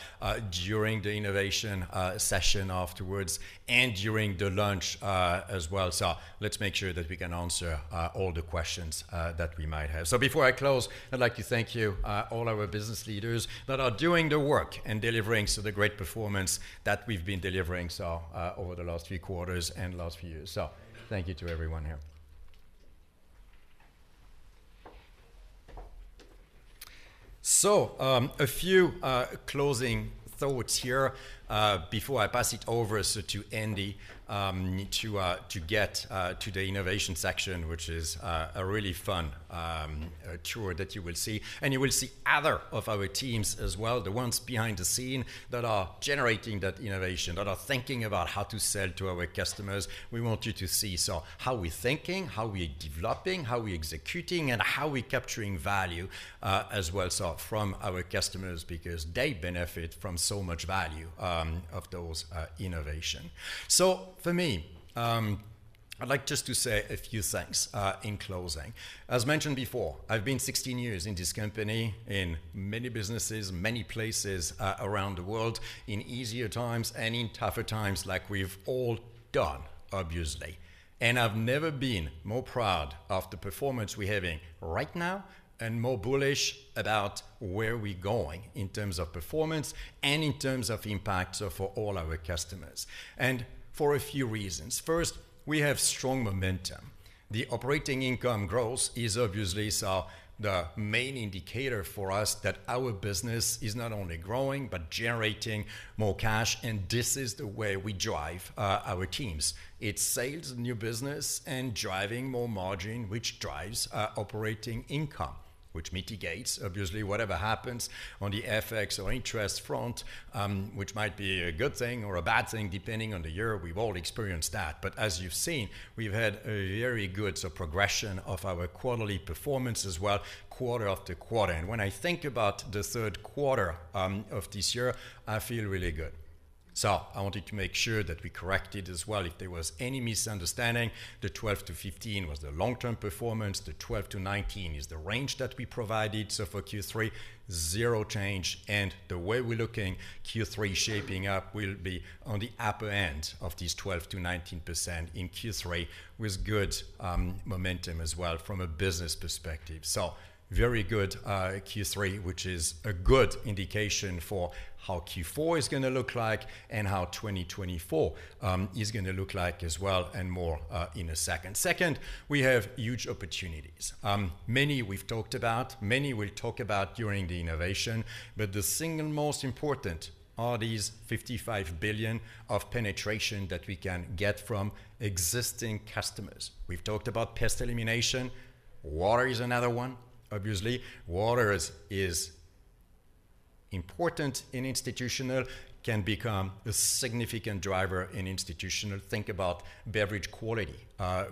during the innovation session afterwards and during the lunch as well. So let's make sure that we can answer all the questions that we might have. So before I close, I'd like to thank you all our business leaders that are doing the work and delivering so the great performance that we've been delivering so over the last few quarters and last few years. So thank you to everyone here. A few closing thoughts here before I pass it over to Andy to get to the innovation section, which is a really fun tour that you will see. And you will see other of our teams as well, the ones behind the scene that are generating that innovation, that are thinking about how to sell to our customers. We want you to see, so how we're thinking, how we're developing, how we're executing, and how we're capturing value as well, so from our customers, because they benefit from so much value of those innovation. So for me, I'd like just to say a few things in closing. As mentioned before, I've been 16 years in this company, in many businesses, many places around the world, in easier times and in tougher times, like we've all done, obviously. And I've never been more proud of the performance we're having right now, and more bullish about where we're going in terms of performance and in terms of impact, so for all our customers, and for a few reasons. First, we have strong momentum. The operating income growth is obviously, so the main indicator for us that our business is not only growing, but generating more cash, and this is the way we drive our teams. It's sales, new business, and driving more margin, which drives operating income, which mitigates, obviously, whatever happens on the FX or interest front, which might be a good thing or a bad thing, depending on the year. We've all experienced that. But as you've seen, we've had a very good progression of our quarterly performance as well, quarter after quarter. And when I think about the third quarter of this year, I feel really good. So I wanted to make sure that we corrected as well, if there was any misunderstanding. The 12-15 was the long-term performance. The 12-19 is the range that we provided. So for Q3, zero change, and the way we're looking, Q3 shaping up will be on the upper end of this 12%-19% in Q3, with good momentum as well from a business perspective. So very good Q3, which is a good indication for how Q4 is gonna look like and how 2024 is gonna look like as well, and more in a second. Second, we have huge opportunities. Many we've talked about, many we'll talk about during the innovation, but the single most important are these $55 billion of penetration that we can get from existing customers. We've talked about Pest Elimination. Water is another one, obviously. Water is important in Institutional and can become a significant driver in Institutional. Think about beverage quality,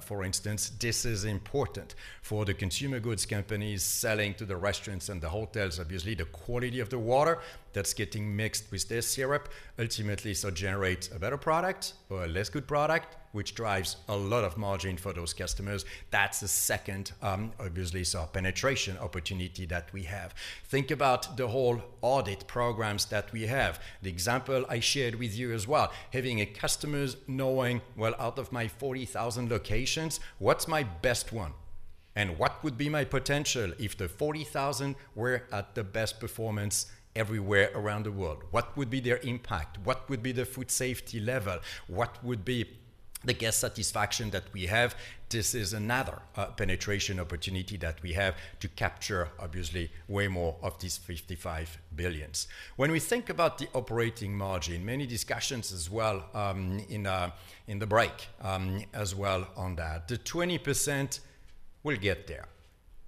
for instance. This is important for the consumer goods companies selling to the restaurants and the hotels. Obviously, the quality of the water that's getting mixed with their syrup ultimately so generates a better product or a less good product, which drives a lot of margin for those customers. That's the second, obviously, so penetration opportunity that we have. Think about the whole audit programs that we have. The example I shared with you as well, having a customer knowing, well, out of my 40,000 locations, what's my best one? What would be my potential if the 40,000 were at the best performance everywhere around the world? What would be their impact? What would be the food safety level? What would be the guest satisfaction that we have? This is another penetration opportunity that we have to capture, obviously, way more of these $55 billion. When we think about the operating margin, many discussions as well in the break as well on that. The 20%, we'll get there.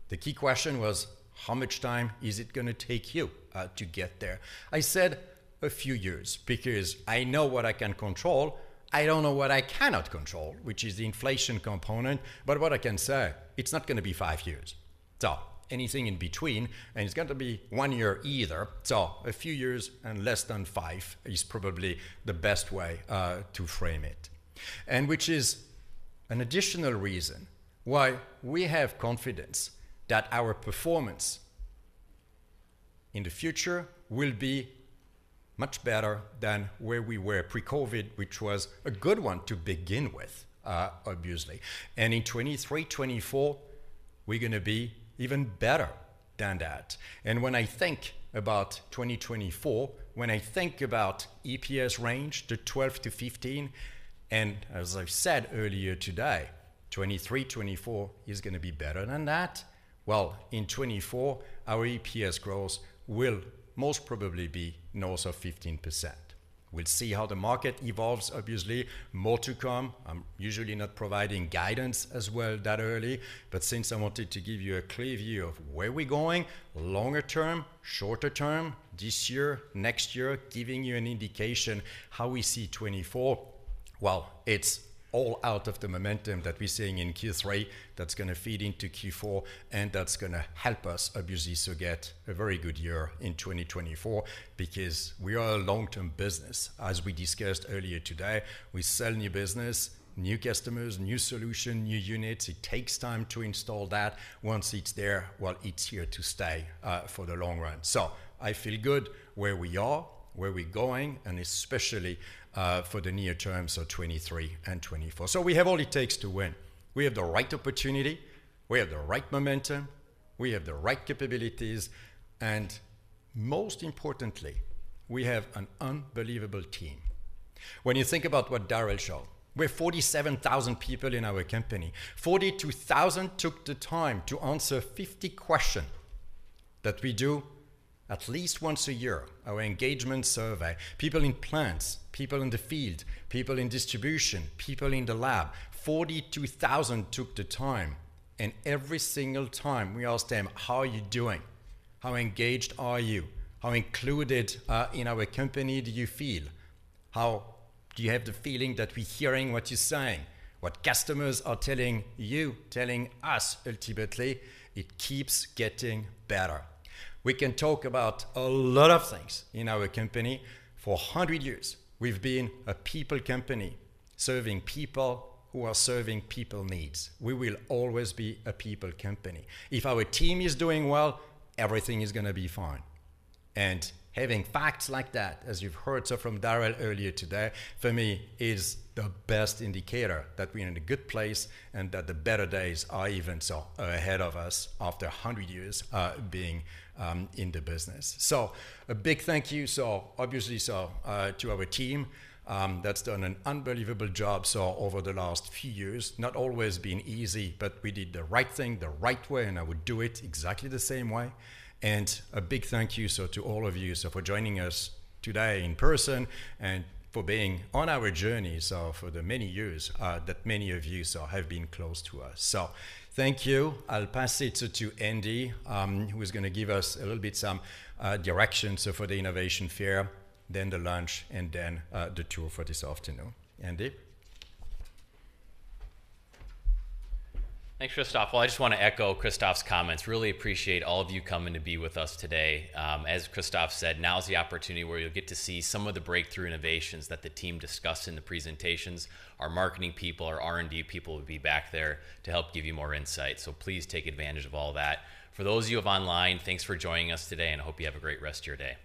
The key question was, how much time is it gonna take you to get there? I said, "A few years," because I know what I can control. I don't know what I cannot control, which is the inflation component, but what I can say, it's not gonna be 5 years. So anything in between, and it's not gonna be 1 year either, so a few years and less than 5 is probably the best way to frame it. And which is an additional reason why we have confidence that our performance in the future will be much better than where we were pre-COVID, which was a good one to begin with, obviously. And in 2023, 2024, we're gonna be even better than that. And when I think about 2024, when I think about EPS range, the 12-15, and as I've said earlier today, 2023, 2024 is gonna be better than that. Well, in 2024, our EPS growth will most probably be north of 15%. We'll see how the market evolves, obviously, more to come. I'm usually not providing guidance as well that early, but since I wanted to give you a clear view of where we're going, longer term, shorter term, this year, next year, giving you an indication how we see 2024, well, it's all out of the momentum that we're seeing in Q3 that's gonna feed into Q4, and that's gonna help us, obviously, so get a very good year in 2024 because we are a long-term business. As we discussed earlier today, we sell new business, new customers, new solution, new units. It takes time to install that. Once it's there, well, it's here to stay for the long run. So I feel good where we are, where we're going, and especially for the near term, so 2023 and 2024. So we have all it takes to win. We have the right opportunity, we have the right momentum, we have the right capabilities, and most importantly, we have an unbelievable team. When you think about what Darrell showed, we're 47,000 people in our company. 42,000 took the time to answer 50 questions that we do at least once a year, our engagement survey. People in plants, people in the field, people in distribution, people in the lab. 42,000 took the time, and every single time, we asked them, "How are you doing? How engaged are you? How included in our company do you feel? How do you have the feeling that we're hearing what you're saying, what customers are telling you, telling us ultimately?" It keeps getting better. We can talk about a lot of things in our company. For 100 years, we've been a people company, serving people who are serving people needs. We will always be a people company. If our team is doing well, everything is gonna be fine. And having facts like that, as you've heard from Darrell earlier today, for me, is the best indicator that we're in a good place, and that the better days are ahead of us after 100 years in the business. So a big thank you to our team that's done an unbelievable job over the last few years. Not always been easy, but we did the right thing, the right way, and I would do it exactly the same way. And a big thank you to all of you for joining us today in person and for being on our journey for the many years that many of you have been close to us. So thank you. I'll pass it to, to Andy, who is gonna give us a little bit some directions, so for the innovation fair, then the lunch, and then, the tour for this afternoon. Andy? Thanks, Christophe. Well, I just wanna echo Christophe's comments. Really appreciate all of you coming to be with us today. As Christophe said, now is the opportunity where you'll get to see some of the breakthrough innovations that the team discussed in the presentations. Our marketing people, our R&D people will be back there to help give you more insight, so please take advantage of all that. For those of you online, thanks for joining us today, and I hope you have a great rest of your day.